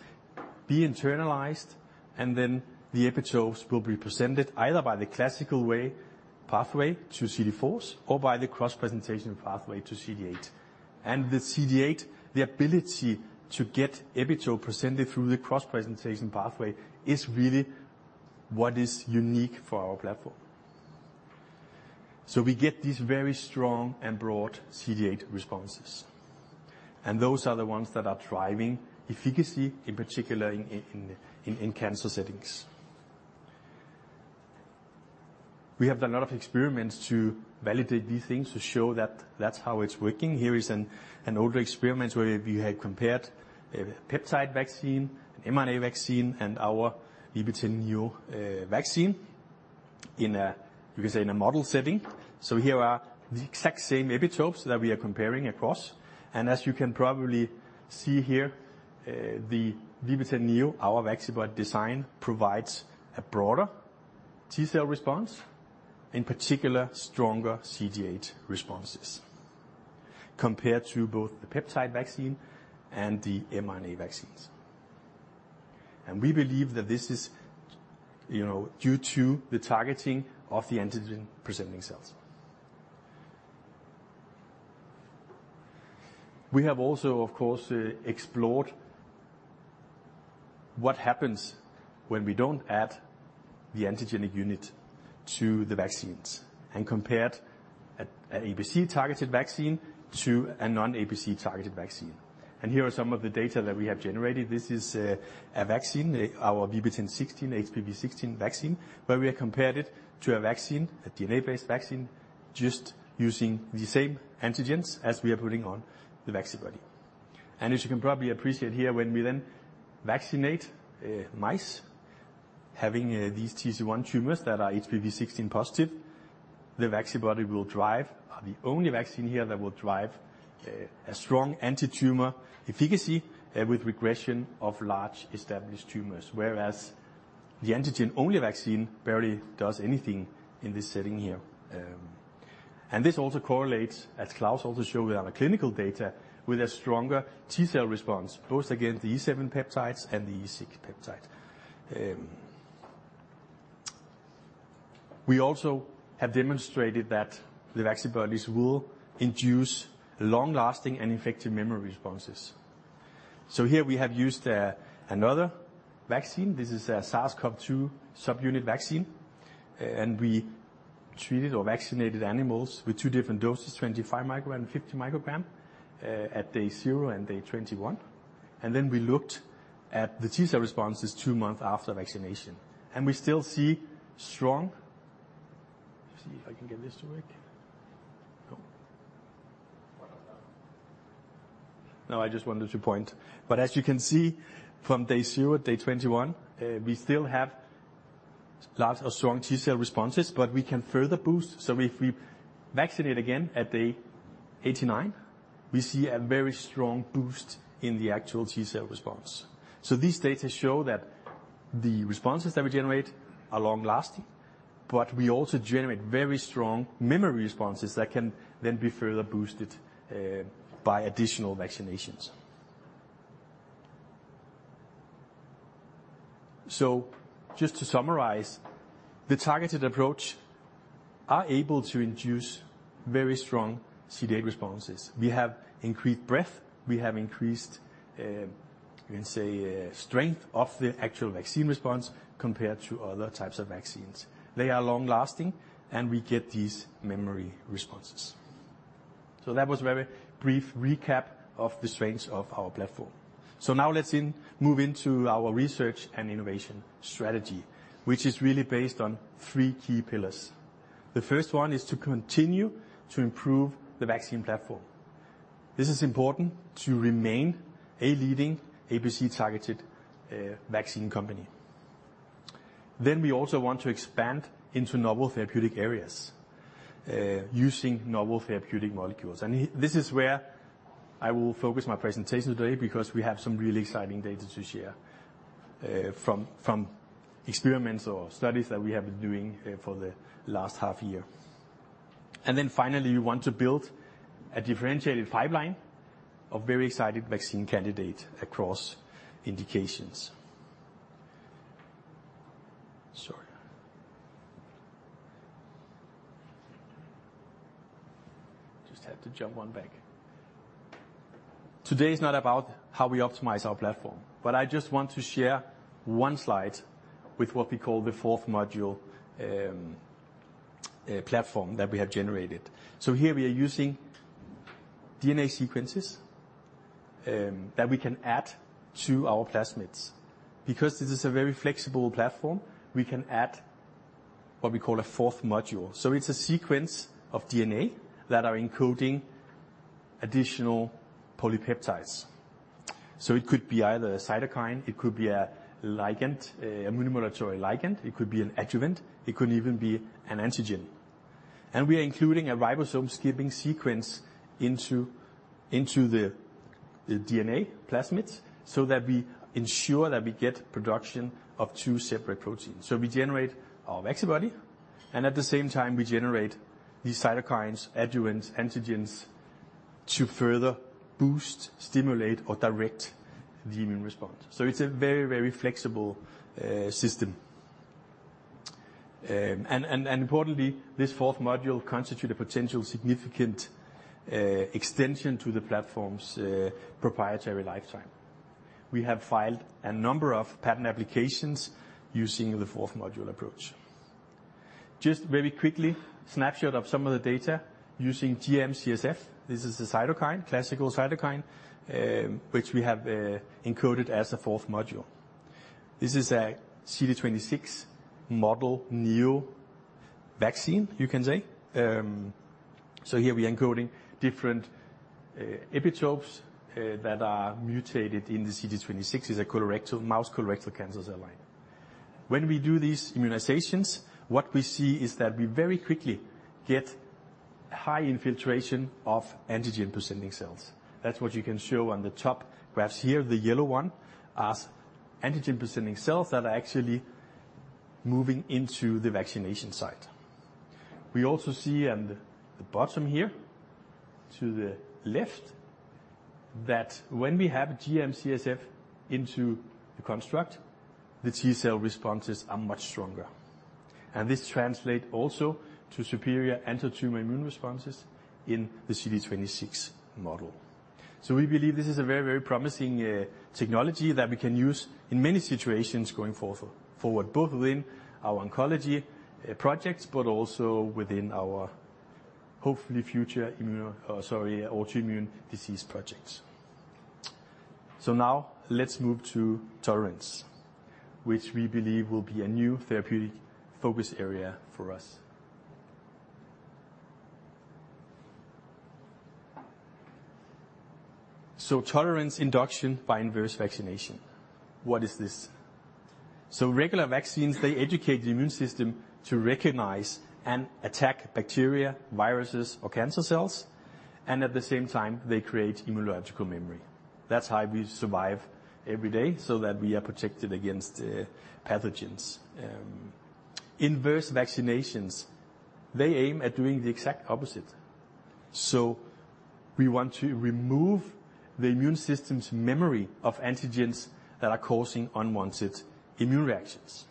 S8: be internalized, and then the epitopes will be presented either by the classical way, pathway to CD4s or by the cross-presentation pathway to CD8. And the CD8, the ability to get epitope presented through the cross presentation pathway is really what is unique for our platform. So we get these very strong and broad CD8 responses, and those are the ones that are driving efficacy, in particular, in cancer settings. We have done a lot of experiments to validate these things, to show that that's how it's working. Here is an older experiment where we had compared a peptide vaccine, an mRNA vaccine, and our VB10.NEO vaccine in a, you can say, in a model setting. So here are the exact same epitopes that we are comparing across. As you can probably see here, the VB10.NEO, our Vaccibody design, provides a broader T cell response, in particular, stronger CD8 responses, compared to both the peptide vaccine and the mRNA vaccines. We believe that this is, you know, due to the targeting of the antigen-presenting cells. We have also, of course, explored what happens when we don't add the antigenic unit to the vaccines and compared a APC-targeted vaccine to a non-APC-targeted vaccine. Here are some of the data that we have generated. This is a vaccine, our VB10.16, HPV16 vaccine, where we have compared it to a vaccine, a DNA-based vaccine, just using the same antigens as we are putting on the Vaccibody. As you can probably appreciate here, when we then vaccinate mice having these TC-1 tumors that are HPV-16 positive, the Vaccibody will drive, are the only vaccine here that will drive, a strong antitumor efficacy, with regression of large established tumors, whereas the antigen-only vaccine barely does anything in this setting here. This also correlates, as Klaus also showed with our clinical data, with a stronger T cell response, both against the E7 peptides and the E6 peptides. We also have demonstrated that the Vaccibodies will induce long-lasting and effective memory responses. Here we have used another vaccine. This is a SARS-CoV-2 subunit vaccine, and we treated or vaccinated animals with two different doses, 25 microgram and 50 microgram, at day zero and day 21. And then we looked at the T-cell responses two months after vaccination, and we still see strong—Let's see if I can get this to work. No, I just wanted to point. But as you can see from day 0 to day 21, we still have large or strong T-cell responses, but we can further boost. So if we vaccinate again at day 89, we see a very strong boost in the actual T-cell response. So these data show that the responses that we generate are long-lasting, but we also generate very strong memory responses that can then be further boosted by additional vaccinations. So just to summarize, the targeted approach is able to induce very strong CD8 responses. We have increased breadth, we have increased, you can say, strength of the actual vaccine response compared to other types of vaccines. They are long-lasting, and we get these memory responses. So that was a very brief recap of the strengths of our platform. So now let's move into our research and innovation strategy, which is really based on three key pillars. The first one is to continue to improve the vaccine platform. This is important to remain a leading APC-targeted vaccine company. Then we also want to expand into novel therapeutic areas using novel therapeutic molecules. And this is where I will focus my presentation today, because we have some really exciting data to share from experiments or studies that we have been doing for the last half year. And then finally, we want to build a differentiated pipeline of very exciting vaccine candidates across indications. Sorry. Just had to jump one back. Today is not about how we optimize our platform, but I just want to share one slide with what we call the fourth module platform that we have generated. So here we are using DNA sequences that we can add to our plasmids. Because this is a very flexible platform, we can add what we call a fourth module. So it's a sequence of DNA that are encoding additional polypeptides. So it could be either a cytokine, it could be a ligand, a immunomodulatory ligand, it could be an adjuvant, it could even be an antigen. And we are including a ribosome skipping sequence into the DNA plasmids, so that we ensure that we get production of two separate proteins. So we generate our Vaccibody, and at the same time, we generate these cytokines, adjuvants, antigens, to further boost, stimulate, or direct the immune response. So it's a very, very flexible system. Importantly, this fourth module constitute a potential significant extension to the platform's proprietary lifetime. We have filed a number of patent applications using the fourth module approach. Just very quickly, snapshot of some of the data using GM-CSF. This is a cytokine, classical cytokine, which we have encoded as a fourth module. This is a CT26 model neo vaccine, you can say. So here we are encoding different epitopes that are mutated in the CT26. It's a colorectal, mouse colorectal cancer cell line. When we do these immunizations, what we see is that we very quickly get high infiltration of antigen-presenting cells. That's what you can show on the top graphs here, the yellow one, as antigen-presenting cells that are actually moving into the vaccination site. We also see on the bottom here, to the left, that when we have GM-CSF into the construct, the T cell responses are much stronger, and this translate also to superior antitumor immune responses in the CT26 model. So we believe this is a very, very promising technology that we can use in many situations going forward, both within our oncology projects, but also within our hopefully future autoimmune disease projects. So now let's move to tolerance, which we believe will be a new therapeutic focus area for us. So tolerance induction by inverse vaccination. What is this? So regular vaccines, they educate the immune system to recognize and attack bacteria, viruses, or cancer cells... And at the same time, they create immunological memory. That's how we survive every day, so that we are protected against pathogens. Inverse vaccinations, they aim at doing the exact opposite. So we want to remove the immune system's memory of antigens that are causing unwanted immune reactions,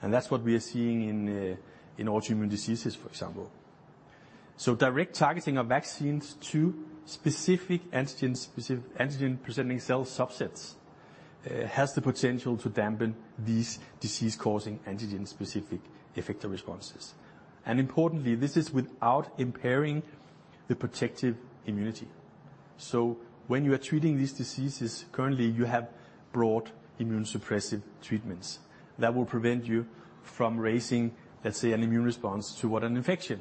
S8: and that's what we are seeing in, in autoimmune diseases, for example. So direct targeting of vaccines to specific antigens, specific antigen-presenting cell subsets, has the potential to dampen these disease-causing antigen-specific effector responses. And importantly, this is without impairing the protective immunity. So when you are treating these diseases, currently, you have broad immune suppressive treatments that will prevent you from raising, let's say, an immune response to what an infection,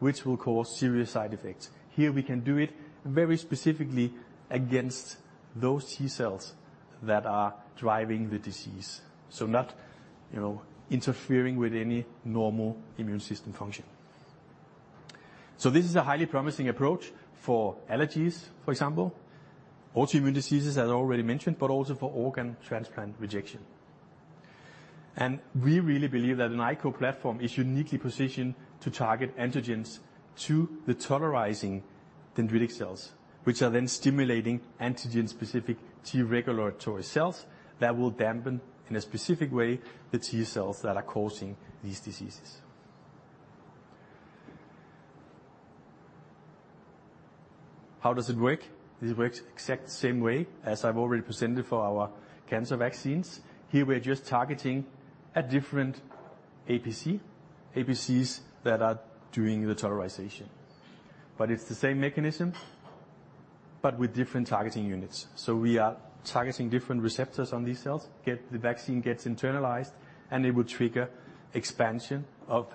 S8: which will cause serious side effects. Here, we can do it very specifically against those T cells that are driving the disease, so not, you know, interfering with any normal immune system function. So this is a highly promising approach for allergies, for example, autoimmune diseases, as I already mentioned, but also for organ transplant rejection. And we really believe that an inverse platform is uniquely positioned to target antigens to the tolerizing dendritic cells, which are then stimulating antigen-specific T-regulatory cells that will dampen, in a specific way, the T cells that are causing these diseases. How does it work? It works exact same way as I've already presented for our cancer vaccines. Here, we are just targeting a different APC, APCs that are doing the tolerization. But it's the same mechanism, but with different targeting units. So we are targeting different receptors on these cells, the vaccine gets internalized, and it will trigger expansion of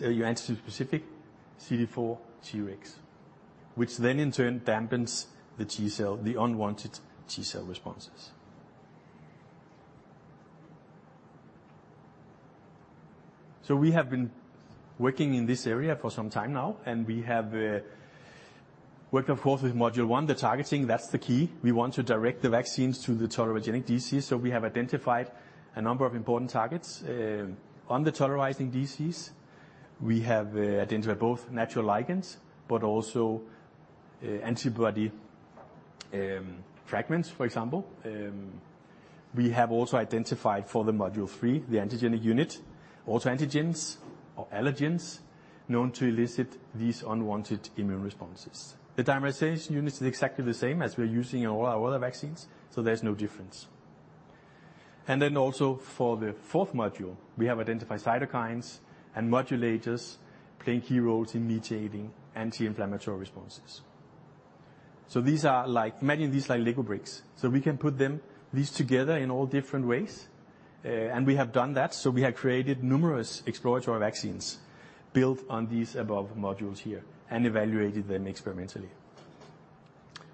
S8: your antigen-specific CD4 Treg, which then, in turn, dampens the T cell, the unwanted T cell responses. So we have been working in this area for some time now, and we have worked, of course, with module one, the targeting. That's the key. We want to direct the vaccines to the tolerogenic DCs, so we have identified a number of important targets. On the tolerizing DCs, we have identified both natural ligands, but also antibody fragments, for example. We have also identified for the module three, the antigenic unit, autoantigens or allergens known to elicit these unwanted immune responses. The dimerization unit is exactly the same as we're using in all our other vaccines, so there's no difference. And then also for the fourth module, we have identified cytokines and modulators playing key roles in mediating anti-inflammatory responses. So these are like, many of these are like Lego bricks, so we can put them, these together in all different ways, and we have done that. So we have created numerous exploratory vaccines built on these above modules here and evaluated them experimentally.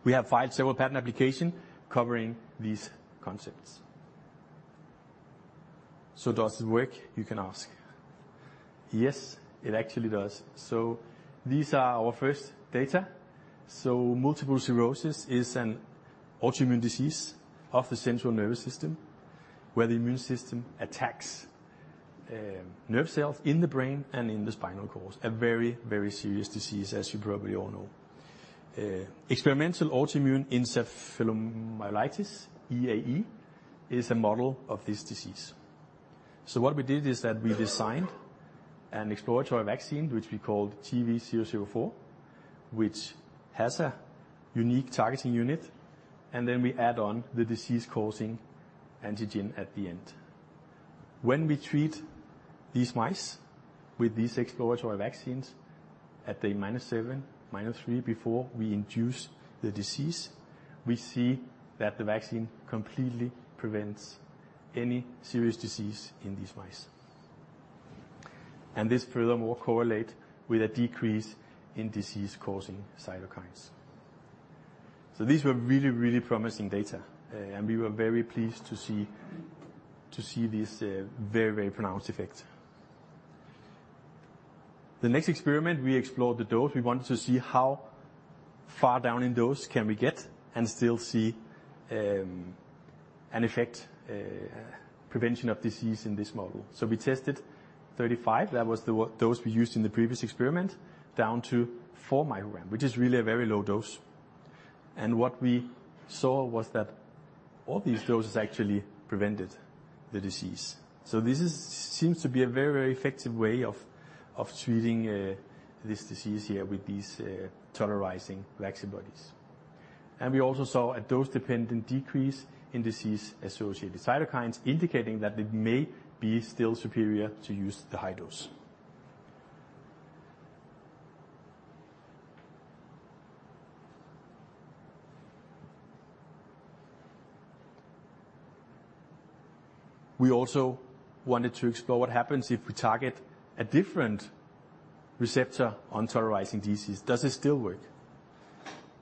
S8: We have filed several patent application covering these concepts. "So does it work?" You can ask. Yes, it actually does. So these are our first data. So multiple sclerosis is an autoimmune disease of the central nervous system, where the immune system attacks, nerve cells in the brain and in the spinal cord. A very, very serious disease, as you probably all know. Experimental Autoimmune Encephalomyelitis, EAE, is a model of this disease. What we did is that we designed an exploratory vaccine, which we called TV004, which has a unique targeting unit, and then we add on the disease-causing antigen at the end. When we treat these mice with these exploratory vaccines, at the minus seven, minus three, before we induce the disease, we see that the vaccine completely prevents any serious disease in these mice. This furthermore correlates with a decrease in disease-causing cytokines. These were really, really promising data, and we were very pleased to see this very, very pronounced effect. The next experiment, we explored the dose. We wanted to see how far down in dose can we get and still see an effect, prevention of disease in this model. So we tested 35, that was the dose we used in the previous experiment, down to 4 microgram, which is really a very low dose. And what we saw was that all these doses actually prevented the disease. So this seems to be a very, very effective way of treating this disease here with these tolerizing Vaccibodies. And we also saw a dose-dependent decrease in disease-associated cytokines, indicating that it may be still superior to use the high dose. We also wanted to explore what happens if we target a different receptor on tolerizing DCs. Does it still work?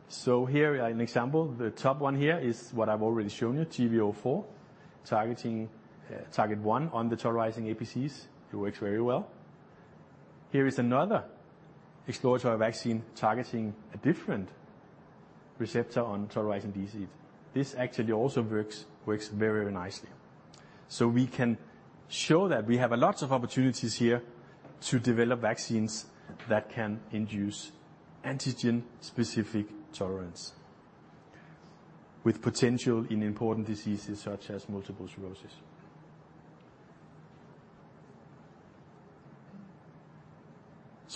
S8: So here is an example. The top one here is what I've already shown you, TV004, targeting target one on the tolerizing APCs. It works very well. Here is another exploratory vaccine targeting a different receptor on tolerizing DCs. This actually also works, works very nicely. We can show that we have a lot of opportunities here to develop vaccines that can induce antigen-specific tolerance, with potential in important diseases such as multiple sclerosis.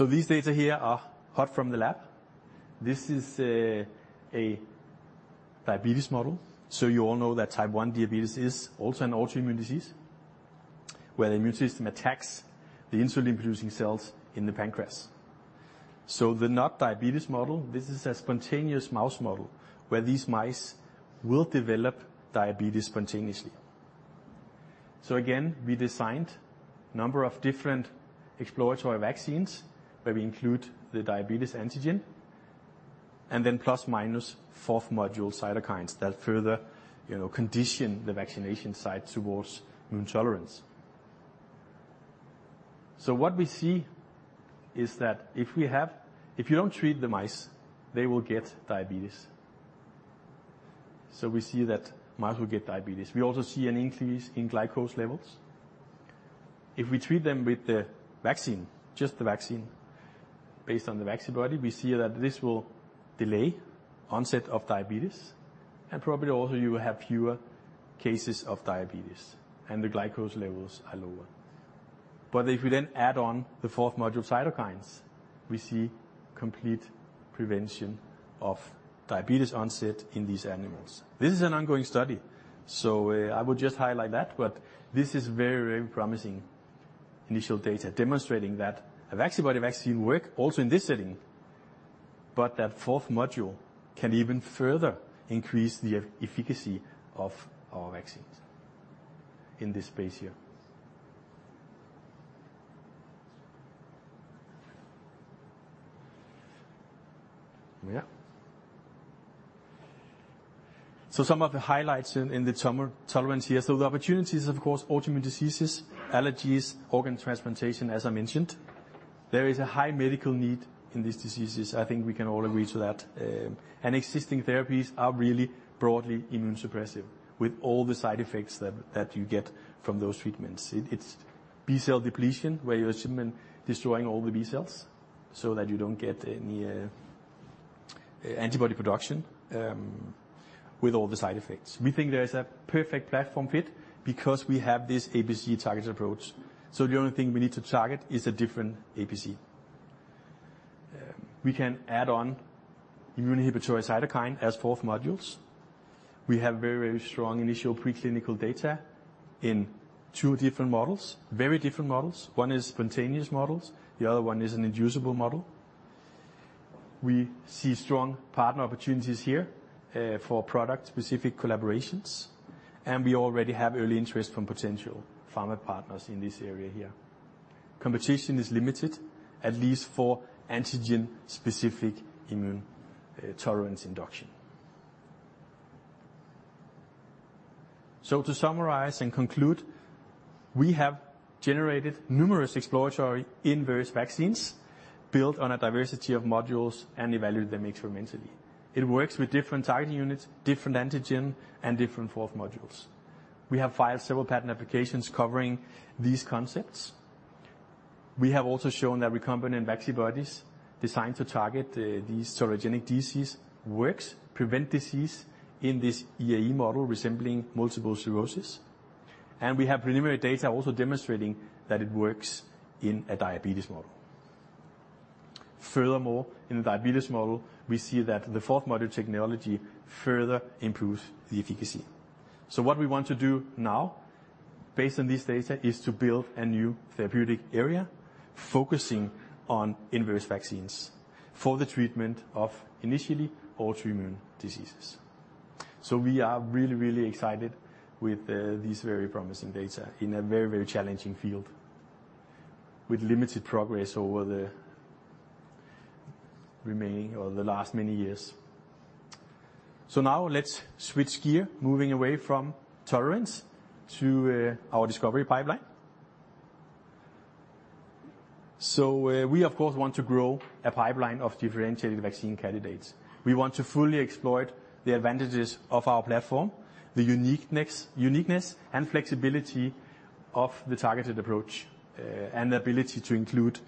S8: These data here are hot from the lab. This is a diabetes model. You all know that type 1 diabetes is also an autoimmune disease, where the immune system attacks the insulin-producing cells in the pancreas. The NOD diabetes model, this is a spontaneous mouse model, where these mice will develop diabetes spontaneously. Again, we designed a number of different exploratory vaccines, where we include the diabetes antigen, and then plus minus fourth module cytokines that further, you know, condition the vaccination site towards immune tolerance. What we see is that if you don't treat the mice, they will get diabetes. So we see that mice will get diabetes. We also see an increase in glucose levels. If we treat them with the vaccine, just the vaccine, based on the Vaccibody, we see that this will delay onset of diabetes, and probably also you will have fewer cases of diabetes, and the glucose levels are lower. But if we then add on the fourth module of cytokines, we see complete prevention of diabetes onset in these animals. This is an ongoing study, so I would just highlight that, but this is very, very promising initial data, demonstrating that a Vaccibody vaccine work also in this setting, but that fourth module can even further increase the efficacy of our vaccines in this space here. Yeah. So some of the highlights in the tolerance here. So the opportunities, of course, autoimmune diseases, allergies, organ transplantation, as I mentioned. There is a high medical need in these diseases. I think we can all agree to that. Existing therapies are really broadly immunosuppressive, with all the side effects that you get from those treatments. It's B-cell depletion, where you're simply destroying all the B-cells so that you don't get any antibody production with all the side effects. We think there is a perfect platform fit because we have this APC-targeted approach, so the only thing we need to target is a different APC. We can add on immune inhibitory cytokine as fourth modules. We have very, very strong initial preclinical data in two different models, very different models. One is spontaneous models, the other one is an inducible model. We see strong partner opportunities here for product-specific collaborations, and we already have early interest from potential pharma partners in this area here. Competition is limited, at least for antigen-specific immune tolerance induction. So to summarize and conclude, we have generated numerous exploratory inverse vaccines built on a diversity of modules and evaluated them experimentally. It works with different targeting units, different antigen, and different fourth modules. We have filed several patent applications covering these concepts. We have also shown that recombinant Vaccibodies, designed to target these tolerogenic diseases, work to prevent disease in this EAE model resembling multiple sclerosis. And we have preliminary data also demonstrating that it works in a diabetes model. Furthermore, in the diabetes model, we see that the fourth module technology further improves the efficacy. So what we want to do now, based on this data, is to build a new therapeutic area focusing on inverse vaccines for the treatment of, initially, autoimmune diseases. So we are really, really excited with these very promising data in a very, very challenging field, with limited progress over the remaining or the last many years. So now let's switch gear, moving away from tolerance to our discovery pipeline. So we, of course, want to grow a pipeline of differentiated vaccine candidates. We want to fully exploit the advantages of our platform, the uniqueness, uniqueness, and flexibility of the targeted approach, and the ability to include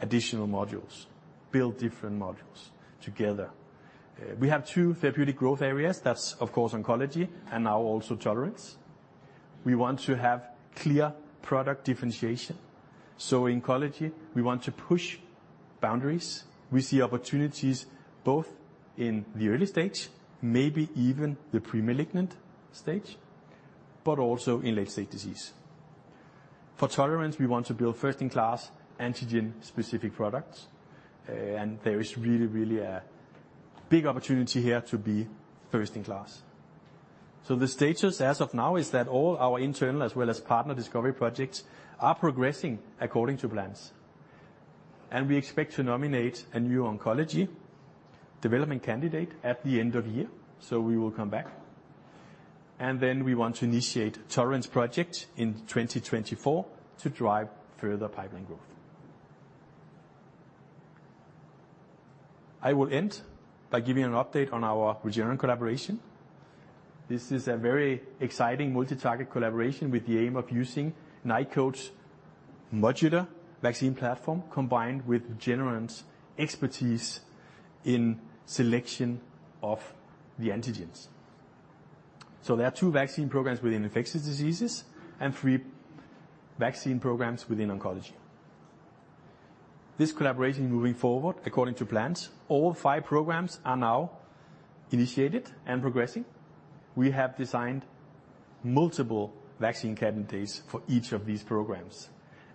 S8: additional modules, build different modules together. We have two therapeutic growth areas. That's, of course, oncology and now also tolerance. We want to have clear product differentiation. So in oncology, we want to push boundaries. We see opportunities both in the early stage, maybe even the pre-malignant stage, but also in late-stage disease. For tolerance, we want to build first-in-class antigen-specific products, and there is really, really a big opportunity here to be first in class. So the status as of now is that all our internal as well as partner discovery projects are progressing according to plans. And we expect to nominate a new oncology development candidate at the end of year, so we will come back. And then we want to initiate tolerance project in 2024 to drive further pipeline growth. I will end by giving an update on our Regeneron collaboration. This is a very exciting multi-target collaboration with the aim of using Nykode's modular vaccine platform, combined with Regeneron's expertise in selection of the antigens. So there are two vaccine programs within infectious diseases, and three vaccine programs within oncology. This collaboration is moving forward according to plans. All five programs are now initiated and progressing. We have designed multiple vaccine candidates for each of these programs,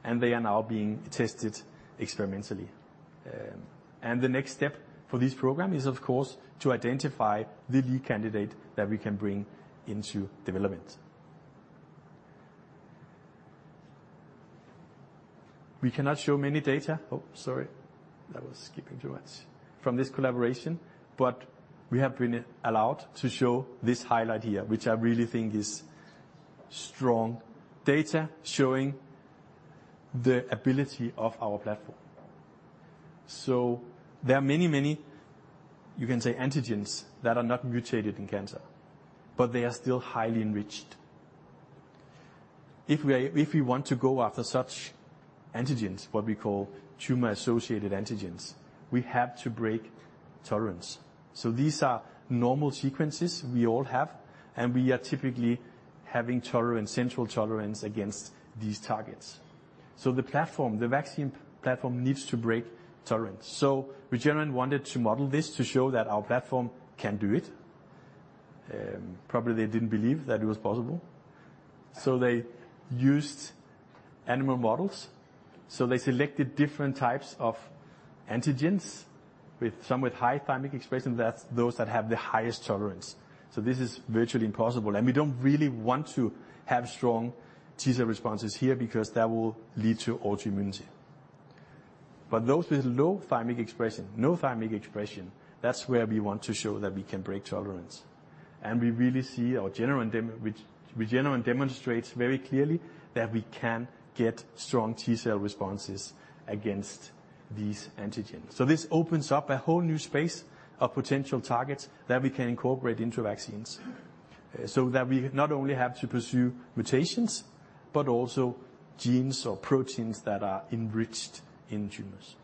S8: and they are now being tested experimentally. The next step for this program is, of course, to identify the lead candidate that we can bring into development. We cannot show many data from this collaboration, but we have been allowed to show this highlight here, which I really think is strong data showing the ability of our platform. So there are many, many, you can say, antigens that are not mutated in cancer, but they are still highly enriched. If we want to go after such antigens, what we call tumor-associated antigens, we have to break tolerance. So these are normal sequences we all have, and we are typically having tolerance, central tolerance, against these targets. So the platform, the vaccine platform, needs to break tolerance. Regeneron wanted to model this to show that our platform can do it. Probably they didn't believe that it was possible, so they used animal models. They selected different types of antigens, with some with high thymic expression, that's those that have the highest tolerance. This is virtually impossible, and we don't really want to have strong T cell responses here, because that will lead to autoimmunity. Those with low thymic expression, no thymic expression, that's where we want to show that we can break tolerance. We really see, or Regeneron demonstrates very clearly that we can get strong T cell responses against these antigens. This opens up a whole new space of potential targets that we can incorporate into vaccines, so that we not only have to pursue mutations, but also genes or proteins that are enriched in tumors.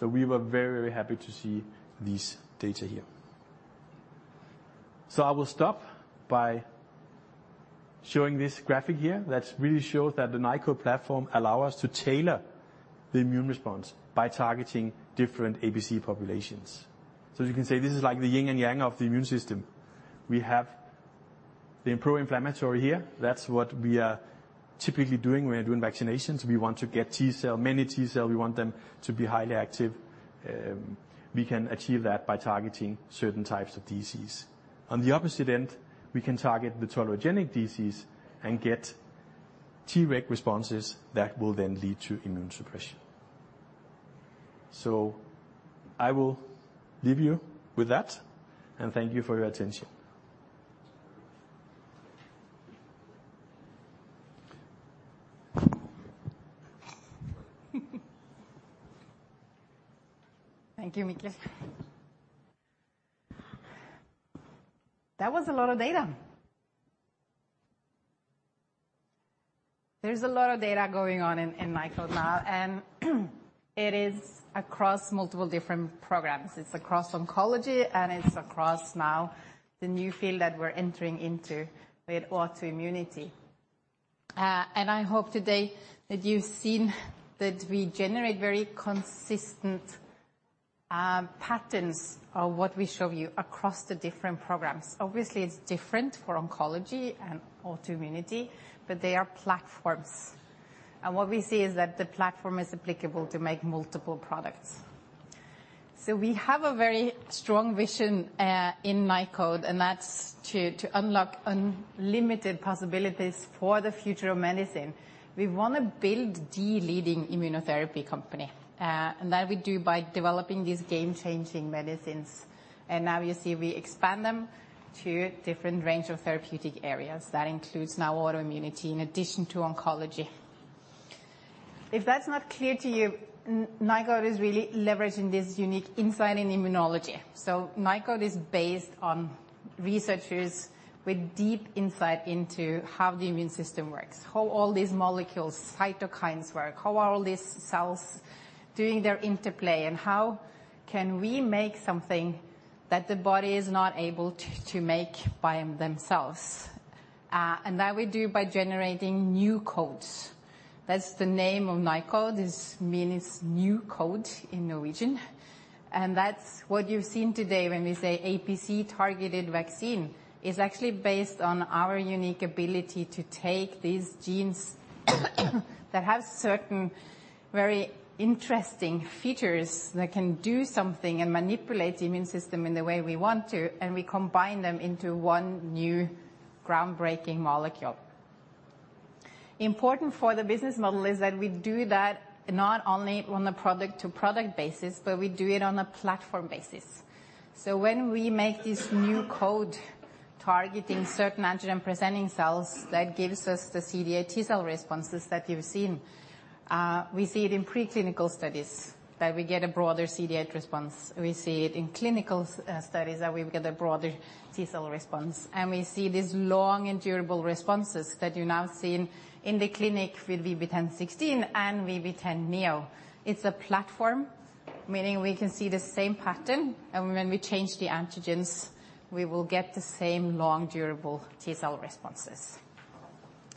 S8: We were very happy to see this data here. I will stop by showing this graphic here, that really shows that the Nykode platform allows us to tailor the immune response by targeting different APC populations. You can say this is like the yin and yang of the immune system. We have the pro-inflammatory here. That's what we are typically doing when we're doing vaccinations. We want to get T cell, many T cell, we want them to be highly active. We can achieve that by targeting certain types of DCs. On the opposite end, we can target the tolerogenic DCs, and get Treg responses that will then lead to immune suppression. So I will leave you with that, and thank you for your attention.
S6: Thank you, Mikkel. That was a lot of data. There's a lot of data going on in Nykode now, and it is across multiple different programs. It's across oncology, and it's across now the new field that we're entering into with autoimmunity. And I hope today that you've seen that we generate very consistent patterns of what we show you across the different programs. Obviously, it's different for oncology and autoimmunity, but they are platforms, and what we see is that the platform is applicable to make multiple products. So we have a very strong vision in Nykode, and that's to unlock unlimited possibilities for the future of medicine. We want to build the leading immunotherapy company, and that we do by developing these game-changing medicines. And now you see we expand them to different range of therapeutic areas. That includes now autoimmunity in addition to oncology. If that's not clear to you, Nykode is really leveraging this unique insight in immunology. So Nykode is based on researchers with deep insight into how the immune system works, how all these molecules, cytokines work, how are all these cells doing their interplay, and how can we make something that the body is not able to, to make by themselves? And that we do by generating new codes. That's the name of Nykode, this means new code in Norwegian, and that's what you've seen today when we say APC-targeted vaccine, is actually based on our unique ability to take these genes that have certain very interesting features that can do something and manipulate the immune system in the way we want to, and we combine them into one new groundbreaking molecule. Important for the business model is that we do that not only on a product-to-product basis, but we do it on a platform basis. When we make this new code targeting certain antigen-presenting cells, that gives us the CD8 T cell responses that you've seen. We see it in preclinical studies, that we get a broader CD8 response. We see it in clinical studies that we get a broader T cell response. We see these long and durable responses that you've now seen in the clinic with VB10.16 and VB10.NEO. It's a platform, meaning we can see the same pattern, and when we change the antigens, we will get the same long, durable T cell responses.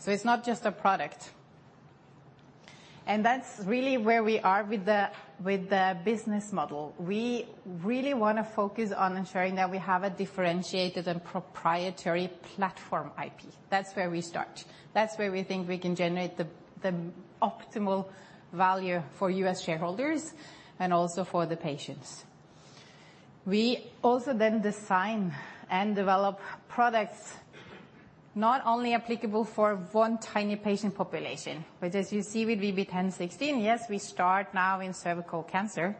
S6: It's not just a product. That's really where we are with the business model. We really wanna focus on ensuring that we have a differentiated and proprietary platform IP. That's where we start. That's where we think we can generate the optimal value for you as shareholders, and also for the patients. We also then design and develop products not only applicable for one tiny patient population, but as you see with VB10.16, yes, we start now in cervical cancer,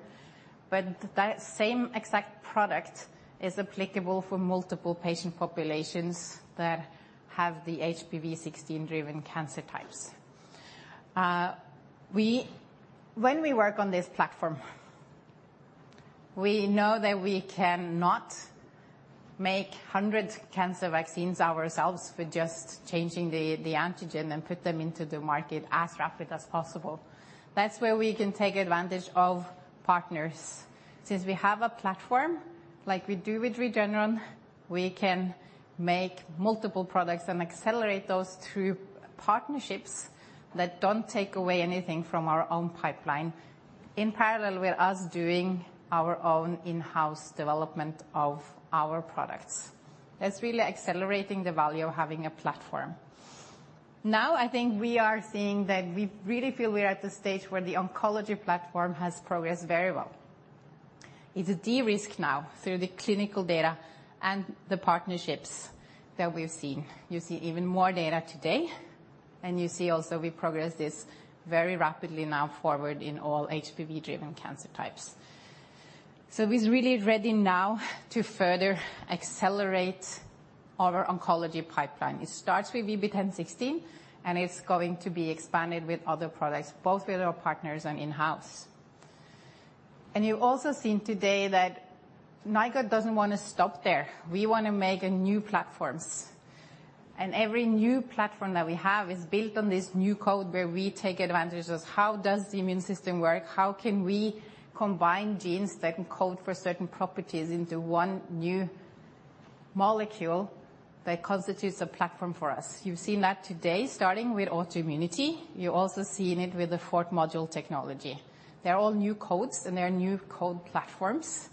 S6: but that same exact product is applicable for multiple patient populations that have the HPV16-driven cancer types. When we work on this platform, we know that we cannot make 100 cancer vaccines ourselves with just changing the antigen and put them into the market as rapidly as possible. That's where we can take advantage of partners. Since we have a platform, like we do with Regeneron, we can make multiple products and accelerate those through partnerships that don't take away anything from our own pipeline, in parallel with us doing our own in-house development of our products. That's really accelerating the value of having a platform. Now, I think we are seeing that we really feel we are at the stage where the oncology platform has progressed very well. It's de-risked now through the clinical data and the partnerships that we've seen. You see even more data today, and you see also we progress this very rapidly now forward in all HPV-driven cancer types. So it's really ready now to further accelerate our oncology pipeline. It starts with VB10.16, and it's going to be expanded with other products, both with our partners and in-house. And you've also seen today that Nykode doesn't want to stop there. We want to make a new platforms, and every new platform that we have is built on this Nykode where we take advantage of how does the immune system work? How can we combine genes that can code for certain properties into one new molecule that constitutes a platform for us? You've seen that today, starting with autoimmunity. You've also seen it with the fourth module technology. They're all Nykodes, and they're Nykode platforms,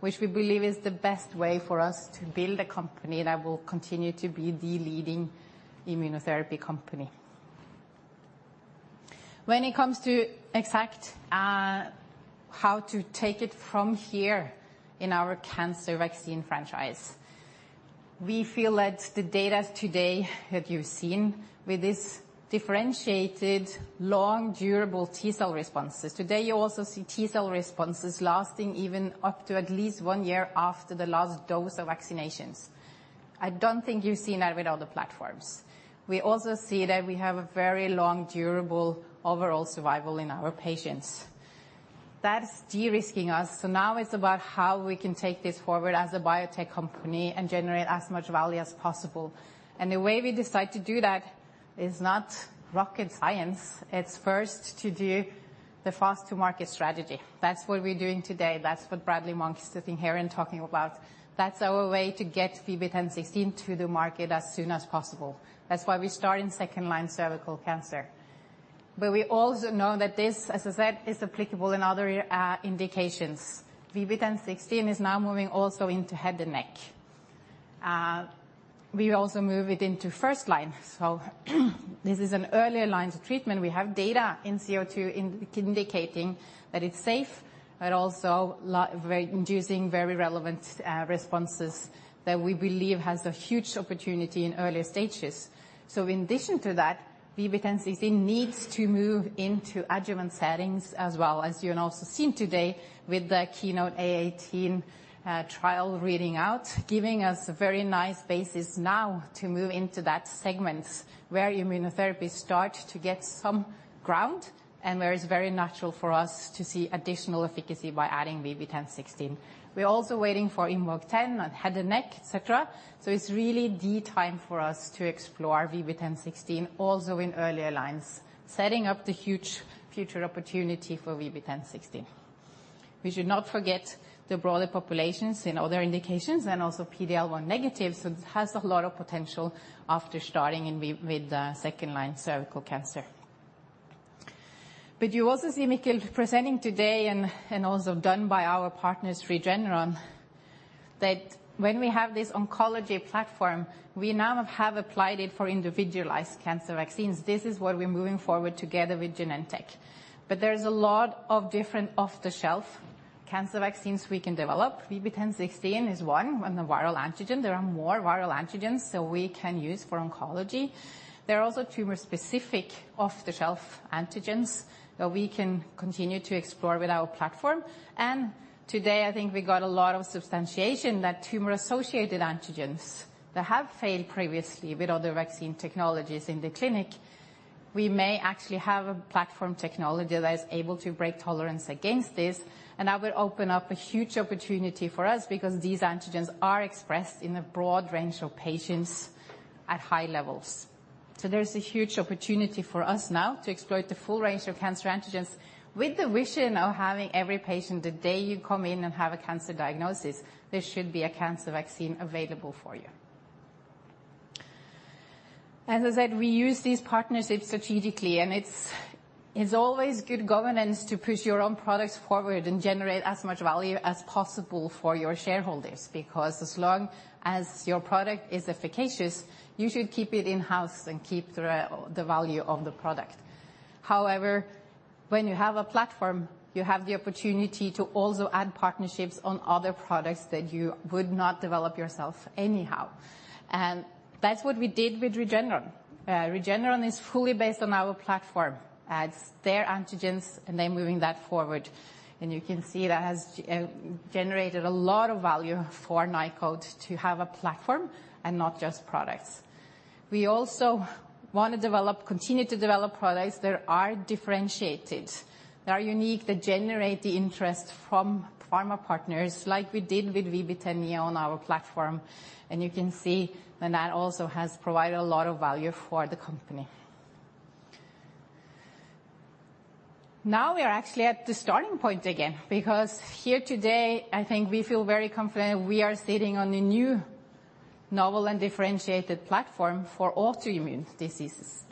S6: which we believe is the best way for us to build a company that will continue to be the leading immunotherapy company. When it comes to exact, how to take it from here in our cancer vaccine franchise, we feel that the data today that you've seen with this differentiated, long, durable T cell responses. Today, you also see T cell responses lasting even up to at least one year after the last dose of vaccinations. I don't think you've seen that with other platforms. We also see that we have a very long, durable overall survival in our patients. That's de-risking us, so now it's about how we can take this forward as a biotech company and generate as much value as possible. And the way we decide to do that is not rocket science, it's first to do the fast-to-market strategy. That's what we're doing today. That's what Bradley Monk is sitting here and talking about. That's our way to get VB10.16 to the market as soon as possible. That's why we start in second-line cervical cancer. But we also know that this, as I said, is applicable in other indications. VB10.16 is now moving also into head and neck. We also move it into first line, so this is an earlier line of treatment. We have data in VB-C-02 indicating that it's safe, but also likely inducing very relevant responses that we believe has a huge opportunity in earlier stages. So in addition to that, VB10.16 needs to move into adjuvant settings as well, as you have also seen today with the KEYNOTE-A18 trial reading out, giving us a very nice basis now to move into that segment where immunotherapy start to get some ground, and where it's very natural for us to see additional efficacy by adding VB10.16. We're also waiting for IMvoke010 on head and neck, et cetera, so it's really the time for us to explore VB10.16 also in earlier lines, setting up the huge future opportunity for VB10.16. We should not forget the broader populations in other indications and also PD-L1 negative, so it has a lot of potential after starting in with second-line cervical cancer. But you also see Mikkel presenting today, and also done by our partners, Regeneron, that when we have this oncology platform, we now have applied it for individualized cancer vaccines. This is what we're moving forward together with Genentech. But there's a lot of different off-the-shelf cancer vaccines we can develop. VB10.16 is one, on the viral antigen. There are more viral antigens that we can use for oncology. There are also tumor-specific off-the-shelf antigens that we can continue to explore with our platform. Today, I think we got a lot of substantiation that tumor-associated antigens that have failed previously with other vaccine technologies in the clinic, we may actually have a platform technology that is able to break tolerance against this, and that will open up a huge opportunity for us because these antigens are expressed in a broad range of patients at high levels. So there's a huge opportunity for us now to exploit the full range of cancer antigens with the vision of having every patient, the day you come in and have a cancer diagnosis, there should be a cancer vaccine available for you. As I said, we use these partnerships strategically, and it's, it's always good governance to push your own products forward and generate as much value as possible for your shareholders, because as long as your product is efficacious, you should keep it in-house and keep the value of the product. However, when you have a platform, you have the opportunity to also add partnerships on other products that you would not develop yourself anyhow. And that's what we did with Regeneron. Regeneron is fully based on our platform, adds their antigens, and they're moving that forward. And you can see that has generated a lot of value for Nykode to have a platform and not just products. We also want to continue to develop products that are differentiated, that are unique, that generate the interest from pharma partners, like we did with VB10.NEO on our platform. And you can see that also has provided a lot of value for the company. Now we are actually at the starting point again, because here today, I think we feel very confident we are sitting on a new novel and differentiated platform for autoimmune diseases.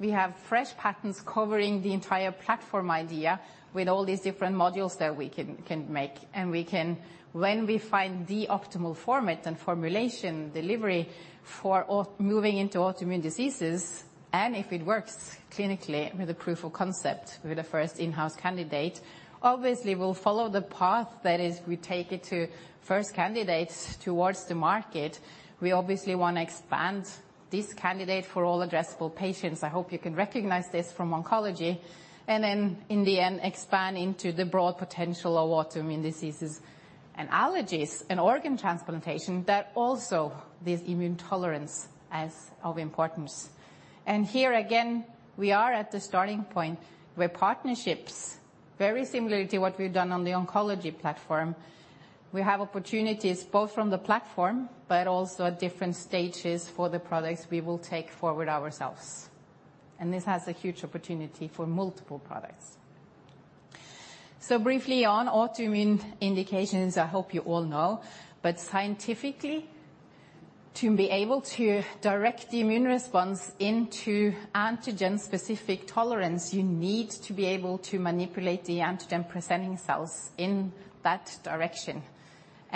S6: We have fresh patents covering the entire platform idea with all these different modules that we can make. And we can. When we find the optimal format and formulation delivery for autoimmune moving into autoimmune diseases, and if it works clinically with a proof of concept with the first in-house candidate, obviously, we'll follow the path, that is, we take it to first candidates towards the market. We obviously want to expand this candidate for all addressable patients. I hope you can recognize this from oncology. And then in the end, expand into the broad potential of autoimmune diseases and allergies and organ transplantation, that also this immune tolerance as of importance. And here again, we are at the starting point where partnerships, very similar to what we've done on the oncology platform, we have opportunities both from the platform but also at different stages for the products we will take forward ourselves. And this has a huge opportunity for multiple products. So briefly on autoimmune indications, I hope you all know, but scientifically, to be able to direct the immune response into antigen-specific tolerance, you need to be able to manipulate the antigen-presenting cells in that direction.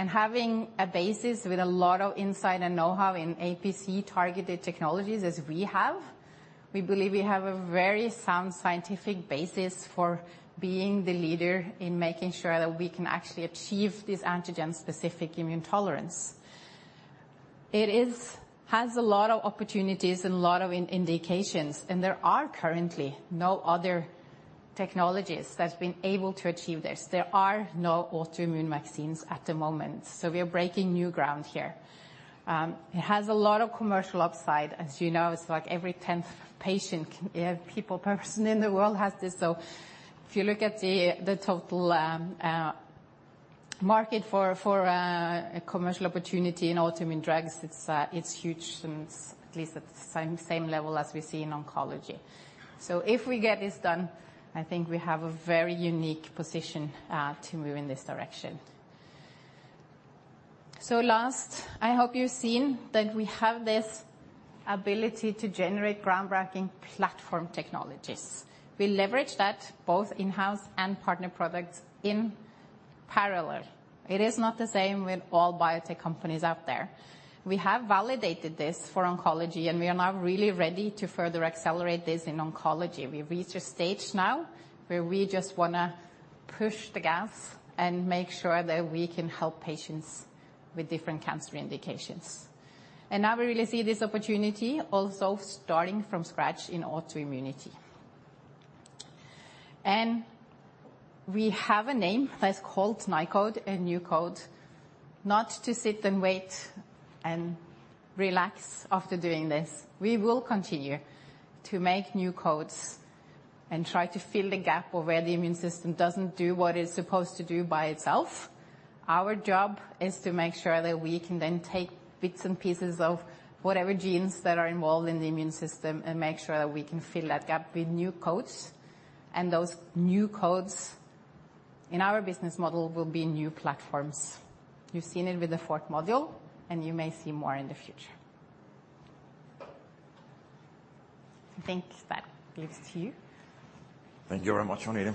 S6: Having a basis with a lot of insight and know-how in APC-targeted technologies as we have, we believe we have a very sound scientific basis for being the leader in making sure that we can actually achieve this antigen-specific immune tolerance. It has a lot of opportunities and a lot of indications, and there are currently no other technologies that's been able to achieve this. There are no autoimmune vaccines at the moment, so we are breaking new ground here. It has a lot of commercial upside. As you know, it's like every tenth patient, people, person in the world has this, so if you look at the, the total, market for, for, a commercial opportunity in autoimmune drugs, it's, it's huge and it's at least at the same, same level as we see in oncology. So if we get this done, I think we have a very unique position to move in this direction. So last, I hope you've seen that we have this ability to generate groundbreaking platform technologies. We leverage that both in-house and partner products in parallel. It is not the same with all biotech companies out there. We have validated this for oncology, and we are now really ready to further accelerate this in oncology. We've reached a stage now where we just wanna push the gas and make sure that we can help patients with different cancer indications. And now we really see this opportunity also starting from scratch in autoimmunity. And we have a name that's called Nykode, a new code, not to sit and wait and relax after doing this. We will continue to make new codes and try to fill the gap of where the immune system doesn't do what it's supposed to do by itself. Our job is to make sure that we can then take bits and pieces of whatever genes that are involved in the immune system and make sure that we can fill that gap with new codes. Those new codes in our business model will be new platforms. You've seen it with the fourth module, and you may see more in the future.... I think that leaves to you.
S1: Thank you very much, Arne-Ole.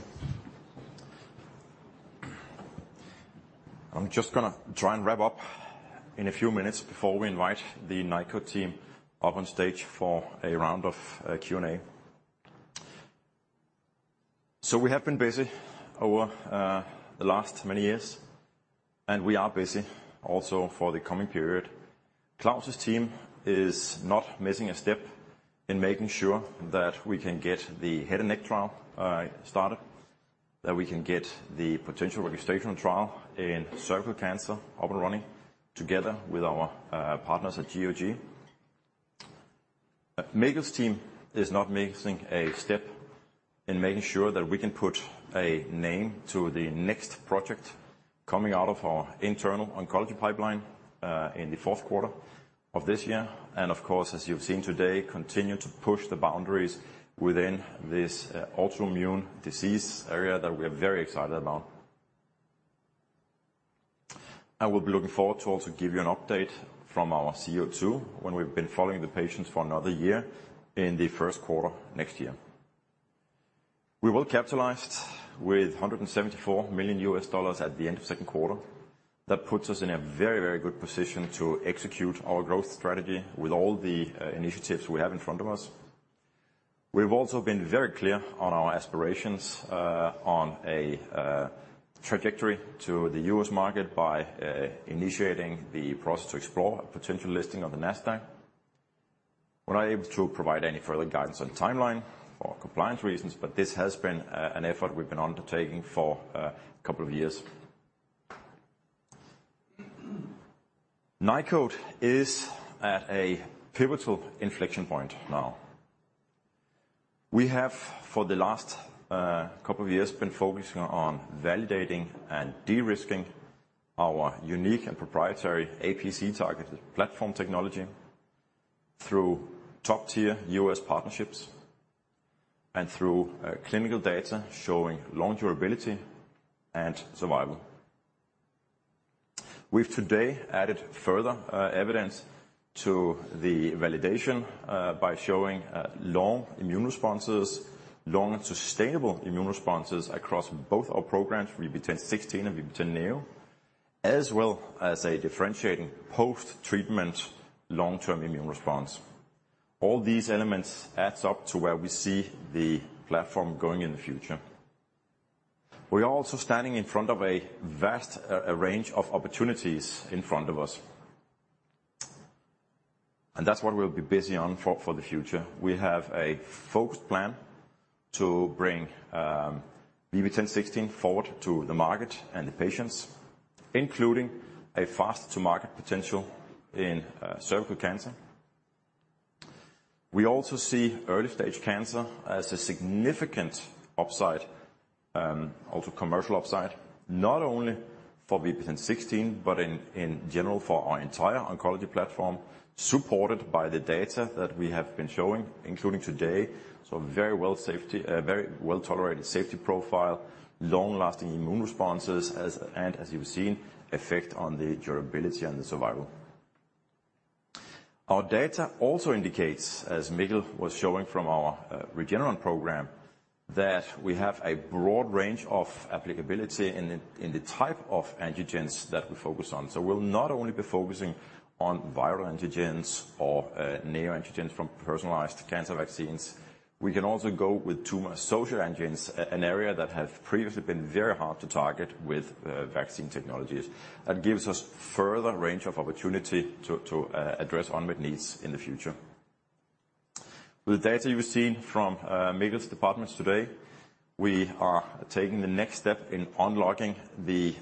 S1: I'm just gonna try and wrap up in a few minutes before we invite the Nykode team up on stage for a round of Q&A. So we have been busy over the last many years, and we are busy also for the coming period. Klaus's team is not missing a step in making sure that we can get the head and neck trial started, that we can get the potential registration trial in cervical cancer up and running together with our partners at GOG. Mikkel's team is not missing a step in making sure that we can put a name to the next project coming out of our internal oncology pipeline in the fourth quarter of this year, and of course, as you've seen today, continue to push the boundaries within this autoimmune disease area that we are very excited about. I will be looking forward to also give you an update from our VB-C-02, when we've been following the patients for another year in the first quarter next year. We were capitalized with $174 million at the end of second quarter. That puts us in a very, very good position to execute our growth strategy with all the initiatives we have in front of us. We've also been very clear on our aspirations on a trajectory to the U.S. market by initiating the process to explore a potential listing on the Nasdaq. We're not able to provide any further guidance on the timeline for compliance reasons, but this has been an effort we've been undertaking for a couple of years. Nykode is at a pivotal inflection point now. We have, for the last couple of years, been focusing on validating and de-risking our unique and proprietary APC-targeted platform technology through top-tier U.S. partnerships and through clinical data showing long durability and survival. We've today added further evidence to the validation by showing long immune responses, long and sustainable immune responses across both our programs, VB10.16 and VB10.NEO, as well as a differentiating post-treatment long-term immune response. All these elements adds up to where we see the platform going in the future. We are also standing in front of a vast range of opportunities in front of us. And that's what we'll be busy on for, for the future. We have a focused plan to bring VB10.16 forward to the market and the patients, including a fast-to-market potential in cervical cancer. We also see early-stage cancer as a significant upside, also commercial upside, not only for VB10.16, but in, in general, for our entire oncology platform, supported by the data that we have been showing, including today. So very well safety, very well-tolerated safety profile, long-lasting immune responses, and as you've seen, effect on the durability and the survival. Our data also indicates, as Mikkel was showing from our Regeneron program, that we have a broad range of applicability in the type of antigens that we focus on. So we'll not only be focusing on viral antigens or neoantigens from personalized cancer vaccines, we can also go with tumor-associated antigens, an area that has previously been very hard to target with vaccine technologies. That gives us further range of opportunity to address unmet needs in the future. The data you've seen from Mikkel's departments today, we are taking the next step in unlocking the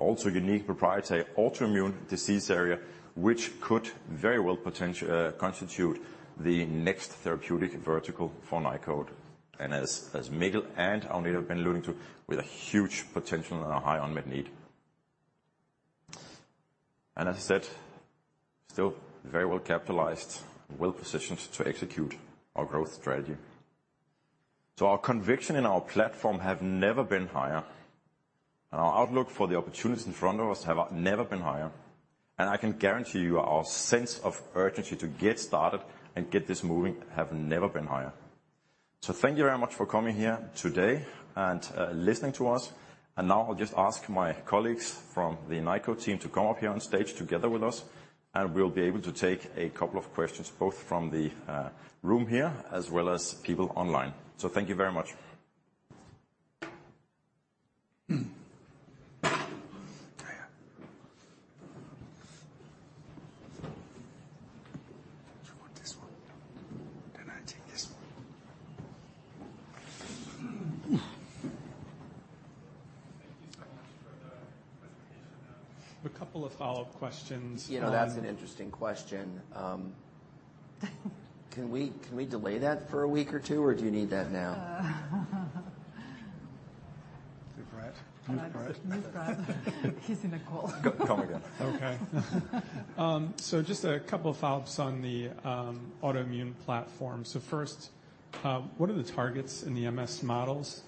S1: also unique proprietary autoimmune disease area, which could very well potentially constitute the next therapeutic vertical for Nykode. And as Mikkel and Arne-Ole have been alluding to, with a huge potential and a high unmet need. And as I said, still very well capitalized, well positioned to execute our growth strategy. So our conviction in our platform have never been higher, and our outlook for the opportunities in front of us have never been higher. And I can guarantee you, our sense of urgency to get started and get this moving have never been higher. So thank you very much for coming here today and listening to us. And now I'll just ask my colleagues from the Nykode team to come up here on stage together with us, and we'll be able to take a couple of questions, both from the room here as well as people online. So thank you very much.
S7: Do you want this one?
S1: No.
S7: Then I take this one.
S4: Thank you so much for the presentation. A couple of follow-up questions-
S3: You know, that's an interesting question. Can we, can we delay that for a week or two, or do you need that now?
S1: Is it Brad? Brad.
S6: He's in a call.
S1: Come again.
S4: Okay. So just a couple of follow-ups on the autoimmune platform. What are the targets in the MS models?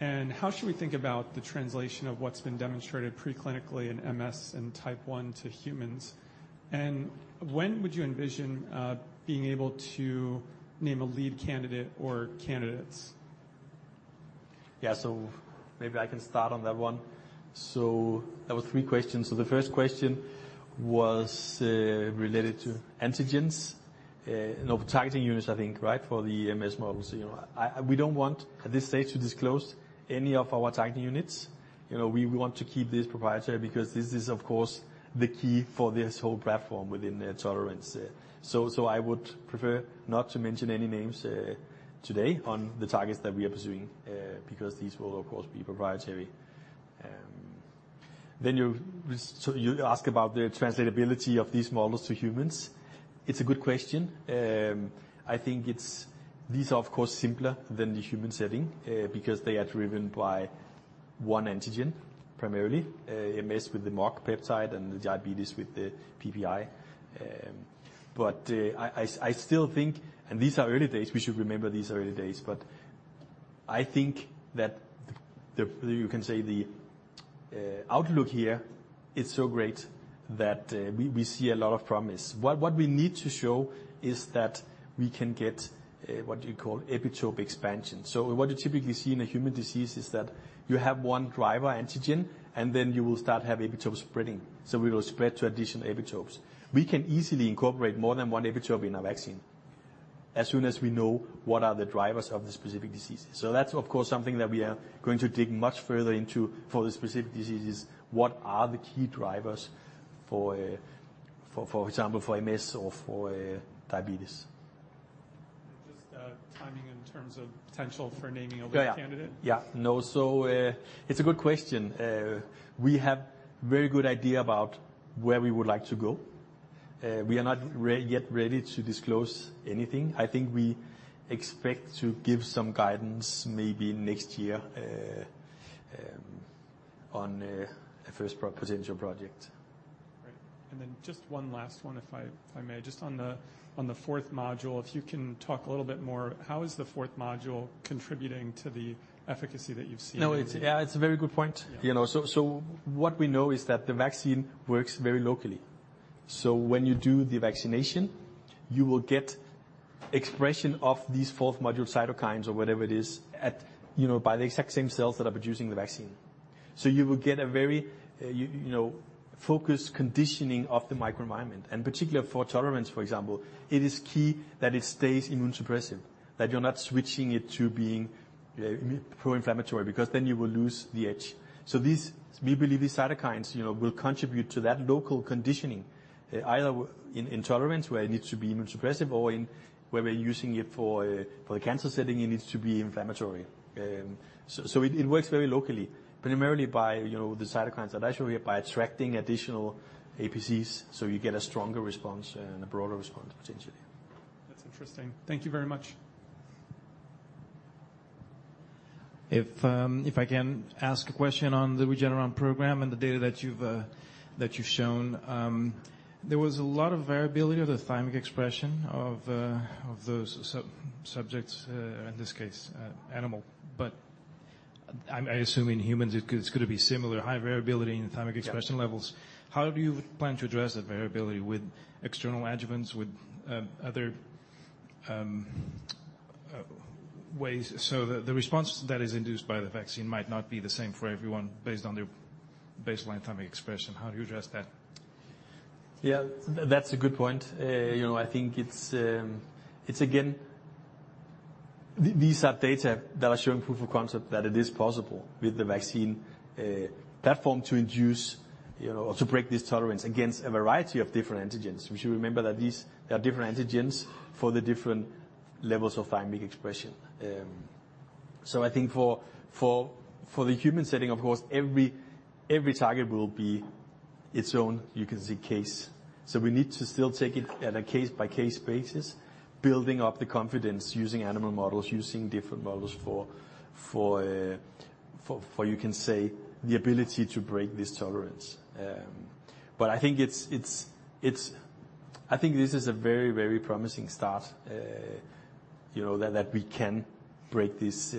S4: And how should we think about the translation of what's been demonstrated preclinically in MS and type one to humans? And when would you envision being able to name a lead candidate or candidates?
S8: Yeah, so maybe I can start on that one. So that was three questions. So the first question was, related to antigens, no, targeting units, I think, right, for the MS models. You know, we don't want, at this stage, to disclose any of our targeting units. You know, we want to keep this proprietary because this is, of course, the key for this whole platform within the tolerance. So, I would prefer not to mention any names, today on the targets that we are pursuing, because these will, of course, be proprietary. Then, so you ask about the translatability of these models to humans. It's a good question. I think it's... These are, of course, simpler than the human setting, because they are driven by one antigen, primarily, MS with the MOG peptide and the diabetes with the PPI. I still think, and these are early days, we should remember these are early days, but I think that you can say the outlook here is so great that we see a lot of promise. What we need to show is that we can get what you call epitope expansion. What you typically see in a human disease is that you have one driver antigen, and then you will start to have epitope spreading. We will spread to additional epitopes. We can easily incorporate more than one epitope in a vaccine as soon as we know what are the drivers of the specific diseases. So that's, of course, something that we are going to dig much further into for the specific diseases. What are the key drivers for, for example, for MS or for diabetes?
S4: Just, timing in terms of potential for naming a lead candidate?
S8: Yeah. Yeah. No, so, it's a good question. We have very good idea about where we would like to go. We are not yet ready to disclose anything. I think we expect to give some guidance maybe next year on a first potential project.
S4: Great. And then just one last one, if I, if I may. Just on the, on the Fourth Module, if you can talk a little bit more, how is the Fourth Module contributing to the efficacy that you've seen?
S8: No, it's... Yeah, it's a very good point.
S4: Yeah.
S8: You know, so, so what we know is that the vaccine works very locally. So when you do the vaccination, you will get expression of these fourth module cytokines or whatever it is, at, you know, by the exact same cells that are producing the vaccine. So you will get a very, you know, focused conditioning of the microenvironment, and particularly for tolerance, for example, it is key that it stays immunosuppressive, that you're not switching it to being pro-inflammatory, because then you will lose the edge. So these, we believe these cytokines, you know, will contribute to that local conditioning, either in tolerance, where it needs to be immunosuppressive, or in, where we're using it for the cancer setting, it needs to be inflammatory. So it works very locally, primarily by, you know, the cytokines, but actually by attracting additional APCs, so you get a stronger response and a broader response, potentially.
S4: That's interesting. Thank you very much.
S5: If I can ask a question on the Regeneron program and the data that you've shown. There was a lot of variability of the thymic expression of those subsubjects in this case animal. But I assume in humans, it's gonna be similar, high variability in thymic expression levels.
S8: Yeah.
S5: How do you plan to address that variability with external adjuvants, with other ways? So the response that is induced by the vaccine might not be the same for everyone based on their baseline thymic expression. How do you address that?
S8: Yeah, that's a good point. You know, I think it's, again, these are data that are showing proof of concept that it is possible with the vaccine platform to induce, you know, or to break this tolerance against a variety of different antigens. We should remember that these are different antigens for the different levels of thymic expression. So I think for the human setting, of course, every target will be its own, you can say, case. So we need to still take it at a case-by-case basis, building up the confidence, using animal models, using different models for, you can say, the ability to break this tolerance. But I think it's, it's- I think this is a very, very promising start, you know, that we can break this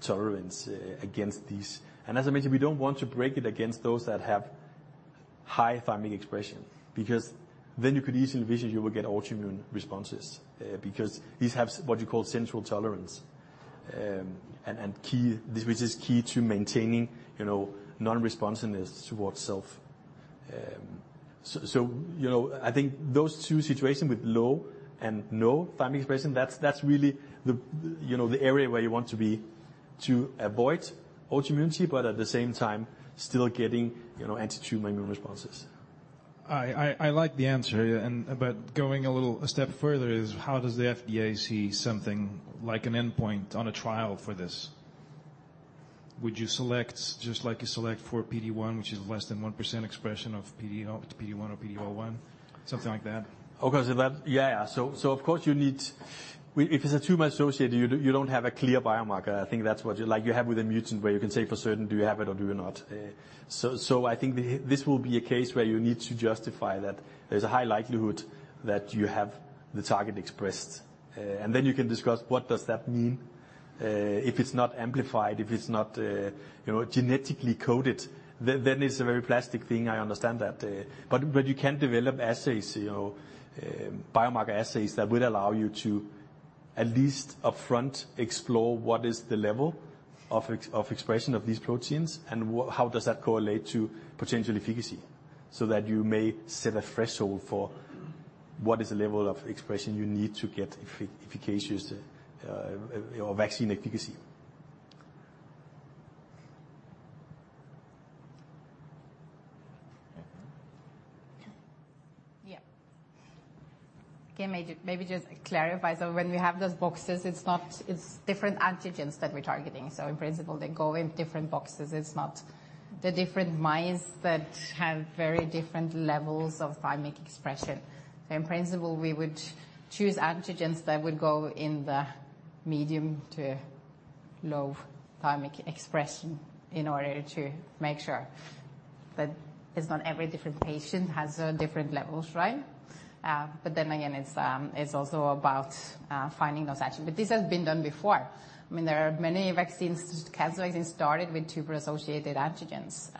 S8: tolerance against these. As I mentioned, we don't want to break it against those that have high thymic expression, because then you could easily envision you will get autoimmune responses, because these have what you call central tolerance, and this, which is key to maintaining, you know, non-responsiveness towards self. So, you know, I think those two situations with low and no thymic expression, that's really the, you know, the area where you want to be to avoid autoimmunity, but at the same time, still getting, you know, anti-tumor immune responses.
S5: I like the answer, but going a little step further, how does the FDA see something like an endpoint on a trial for this? Would you select, just like you select for PD-1, which is less than 1% expression of PD-1 or PD-L1, something like that?
S8: Okay, yeah. Of course, you need—if it's a tumor-associated, you don't have a clear biomarker. I think that's what you—like you have with a mutant, where you can say for certain, do you have it or do you not? I think this will be a case where you need to justify that there's a high likelihood that you have the target expressed, and then you can discuss what does that mean? If it's not amplified, if it's not genetically coded, then it's a very plastic thing, I understand that. But you can develop assays, you know, biomarker assays that would allow you to at least upfront explore what is the level of expression of these proteins, and how does that correlate to potential efficacy? So that you may set a threshold for what is the level of expression you need to get efficacious, or vaccine efficacy.
S6: Yeah. Okay, maybe just clarify. So when we have those boxes, it's not... It's different antigens that we're targeting. So in principle, they go in different boxes. It's not the different mice that have very different levels of thymic expression. In principle, we would choose antigens that would go in the medium to low thymic expression in order to make sure that it's not every different patient has different levels, right? But then again, it's also about finding those antigens. But this has been done before. I mean, there are many vaccines, cancer vaccines, started with tumor-associated antigens.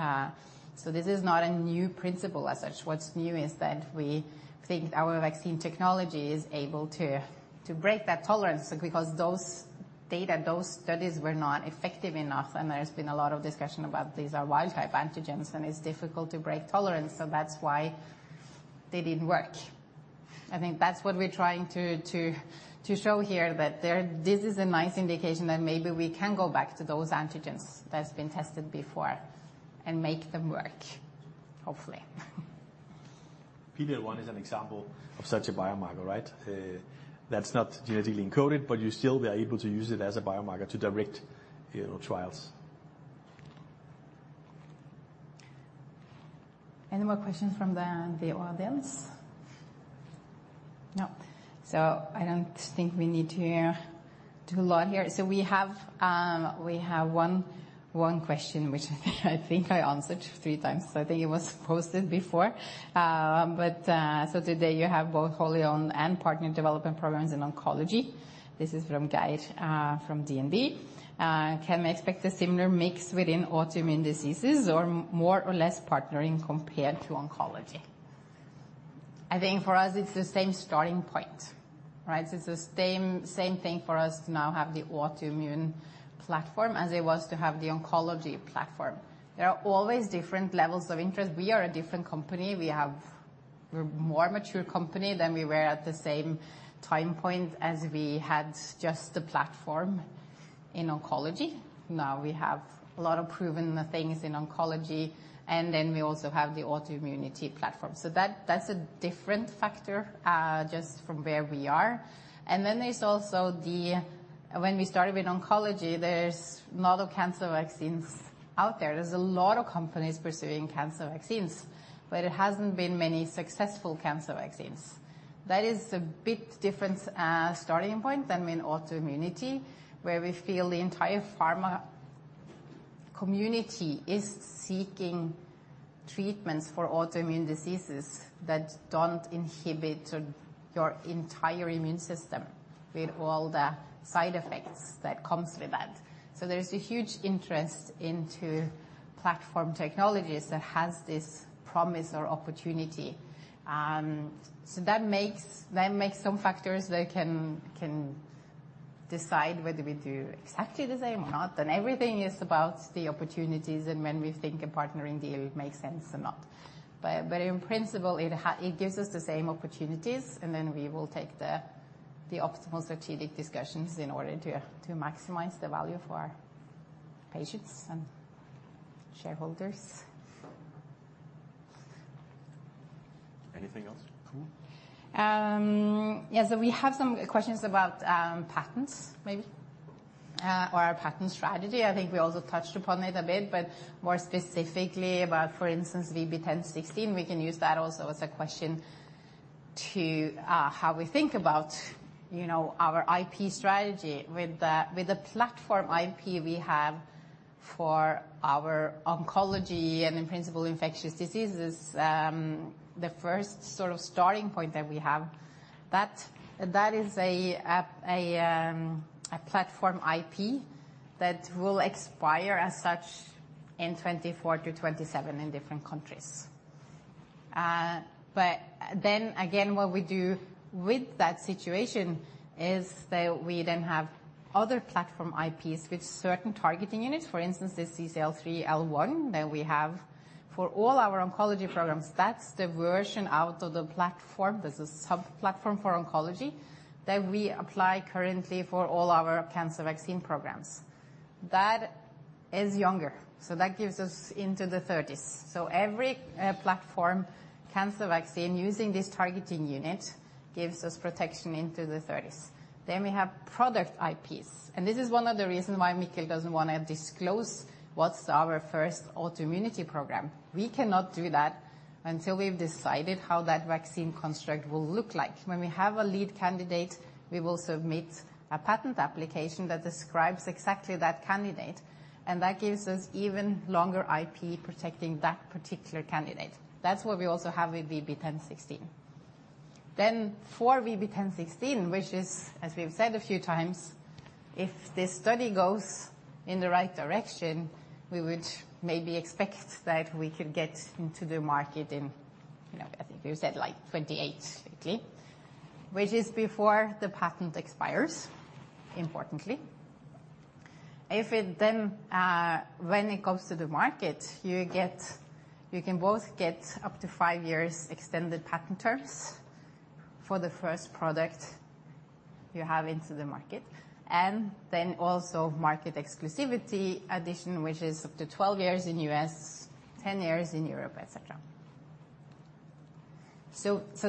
S6: So this is not a new principle as such. What's new is that we think our vaccine technology is able to break that tolerance, because those data, those studies were not effective enough, and there's been a lot of discussion about these are wild type antigens, and it's difficult to break tolerance, so that's why they didn't work. I think that's what we're trying to show here, that there, this is a nice indication that maybe we can go back to those antigens that's been tested before and make them work, hopefully.
S8: PD-L1 is an example of such a biomarker, right? That's not genetically encoded, but you still are able to use it as a biomarker to direct, you know, trials.
S6: Any more questions from the audience? No. I don't think we need to do a lot here. We have one question, which I think I answered three times. I think it was posted before. "Today you have both wholly owned and partner development programs in oncology." This is from Gabe from DNB. "Can we expect a similar mix within autoimmune diseases or more or less partnering compared to oncology?" I think for us it's the same starting point, right? It's the same thing for us to now have the autoimmune platform as it was to have the oncology platform. There are always different levels of interest. We are a different company. We have... We're a more mature company than we were at the same time point as we had just the platform in oncology. Now, we have a lot of proven things in oncology, and then we also have the autoimmunity platform. So that, that's a different factor, just from where we are. And then there's also the... When we started with oncology, there's a lot of cancer vaccines out there. There's a lot of companies pursuing cancer vaccines, but it hasn't been many successful cancer vaccines. That is a bit different, starting point than in autoimmunity, where we feel the entire pharma community is seeking treatments for autoimmune diseases that don't inhibit your, your entire immune system with all the side effects that comes with that. So there's a huge interest into platform technologies that has this promise or opportunity. So that makes some factors that can decide whether we do exactly the same or not, and everything is about the opportunities and when we think a partnering deal makes sense or not. But in principle, it gives us the same opportunities, and then we will take the optimal strategic discussions in order to maximize the value for our patients and shareholders.
S8: Anything else come in?
S6: Yes, we have some questions about patents, maybe, or our patent strategy. I think we also touched upon it a bit, but more specifically about, for instance, VB10.16. We can use that also as a question to how we think about, you know, our IP strategy. With the platform IP we have for our oncology and in principle, infectious diseases, the first sort of starting point that we have, that is a platform IP that will expire as such in 2024 to 2027 in different countries. What we do with that situation is that we then have other platform IPs with certain targeting units. For instance, this CCL3L1 that we have for all our oncology programs, that's the version out of the platform. There's a sub-platform for oncology that we apply currently for all our cancer vaccine programs. That is younger, so that gives us into the thirties. So every platform cancer vaccine using this targeting unit gives us protection into the thirties. Then we have product IPs, and this is one of the reasons why Mikkel doesn't wanna disclose what's our first autoimmunity program. We cannot do that until we've decided how that vaccine construct will look like. When we have a lead candidate, we will submit a patent application that describes exactly that candidate, and that gives us even longer IP protecting that particular candidate. That's what we also have with VB10.16.... For VB10.16, which is, as we've said a few times, if this study goes in the right direction, we would maybe expect that we could get into the market in, you know, I think you said, like, 2028, lately, which is before the patent expires, importantly. If it then, when it comes to the market, you get- you can both get up to 5 years extended patent terms for the first product you have into the market, and then also market exclusivity addition, which is up to 12 years in the U.S., 10 years in Europe, et cetera.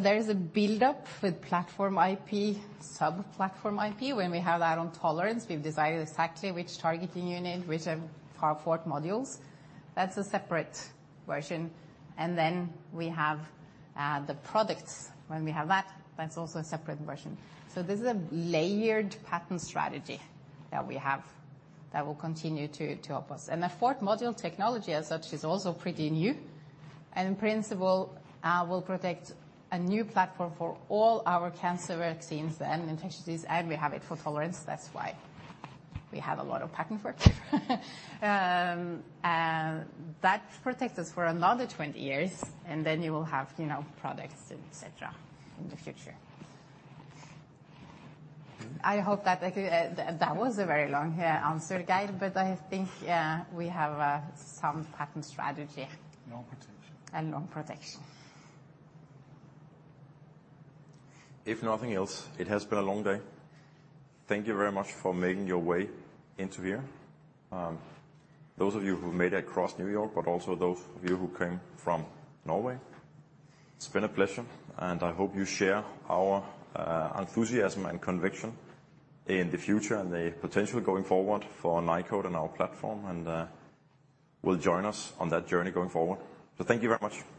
S6: There is a buildup with platform IP, sub-platform IP. When we have that on tolerance, we've decided exactly which targeting unit, which are our fourth modules. That's a separate version. Then we have the products. When we have that, that's also a separate version. This is a layered patent strategy that we have that will continue to help us. The fourth module technology as such is also pretty new, and in principle, will protect a new platform for all our cancer vaccines and infectious disease, and we have it for tolerance. That's why we have a lot of patent work, and that protects us for another 20 years, and then you will have, you know, products, et cetera, in the future. I hope that was a very long answer, Geir, but I think we have some patent strategy.
S1: Long protection.
S6: Long protection.
S1: If nothing else, it has been a long day. Thank you very much for making your way into here. Those of you who made it across New York, but also those of you who came from Norway, it's been a pleasure, and I hope you share our enthusiasm and conviction in the future and the potential going forward for Nykode and our platform, and will join us on that journey going forward. So thank you very much.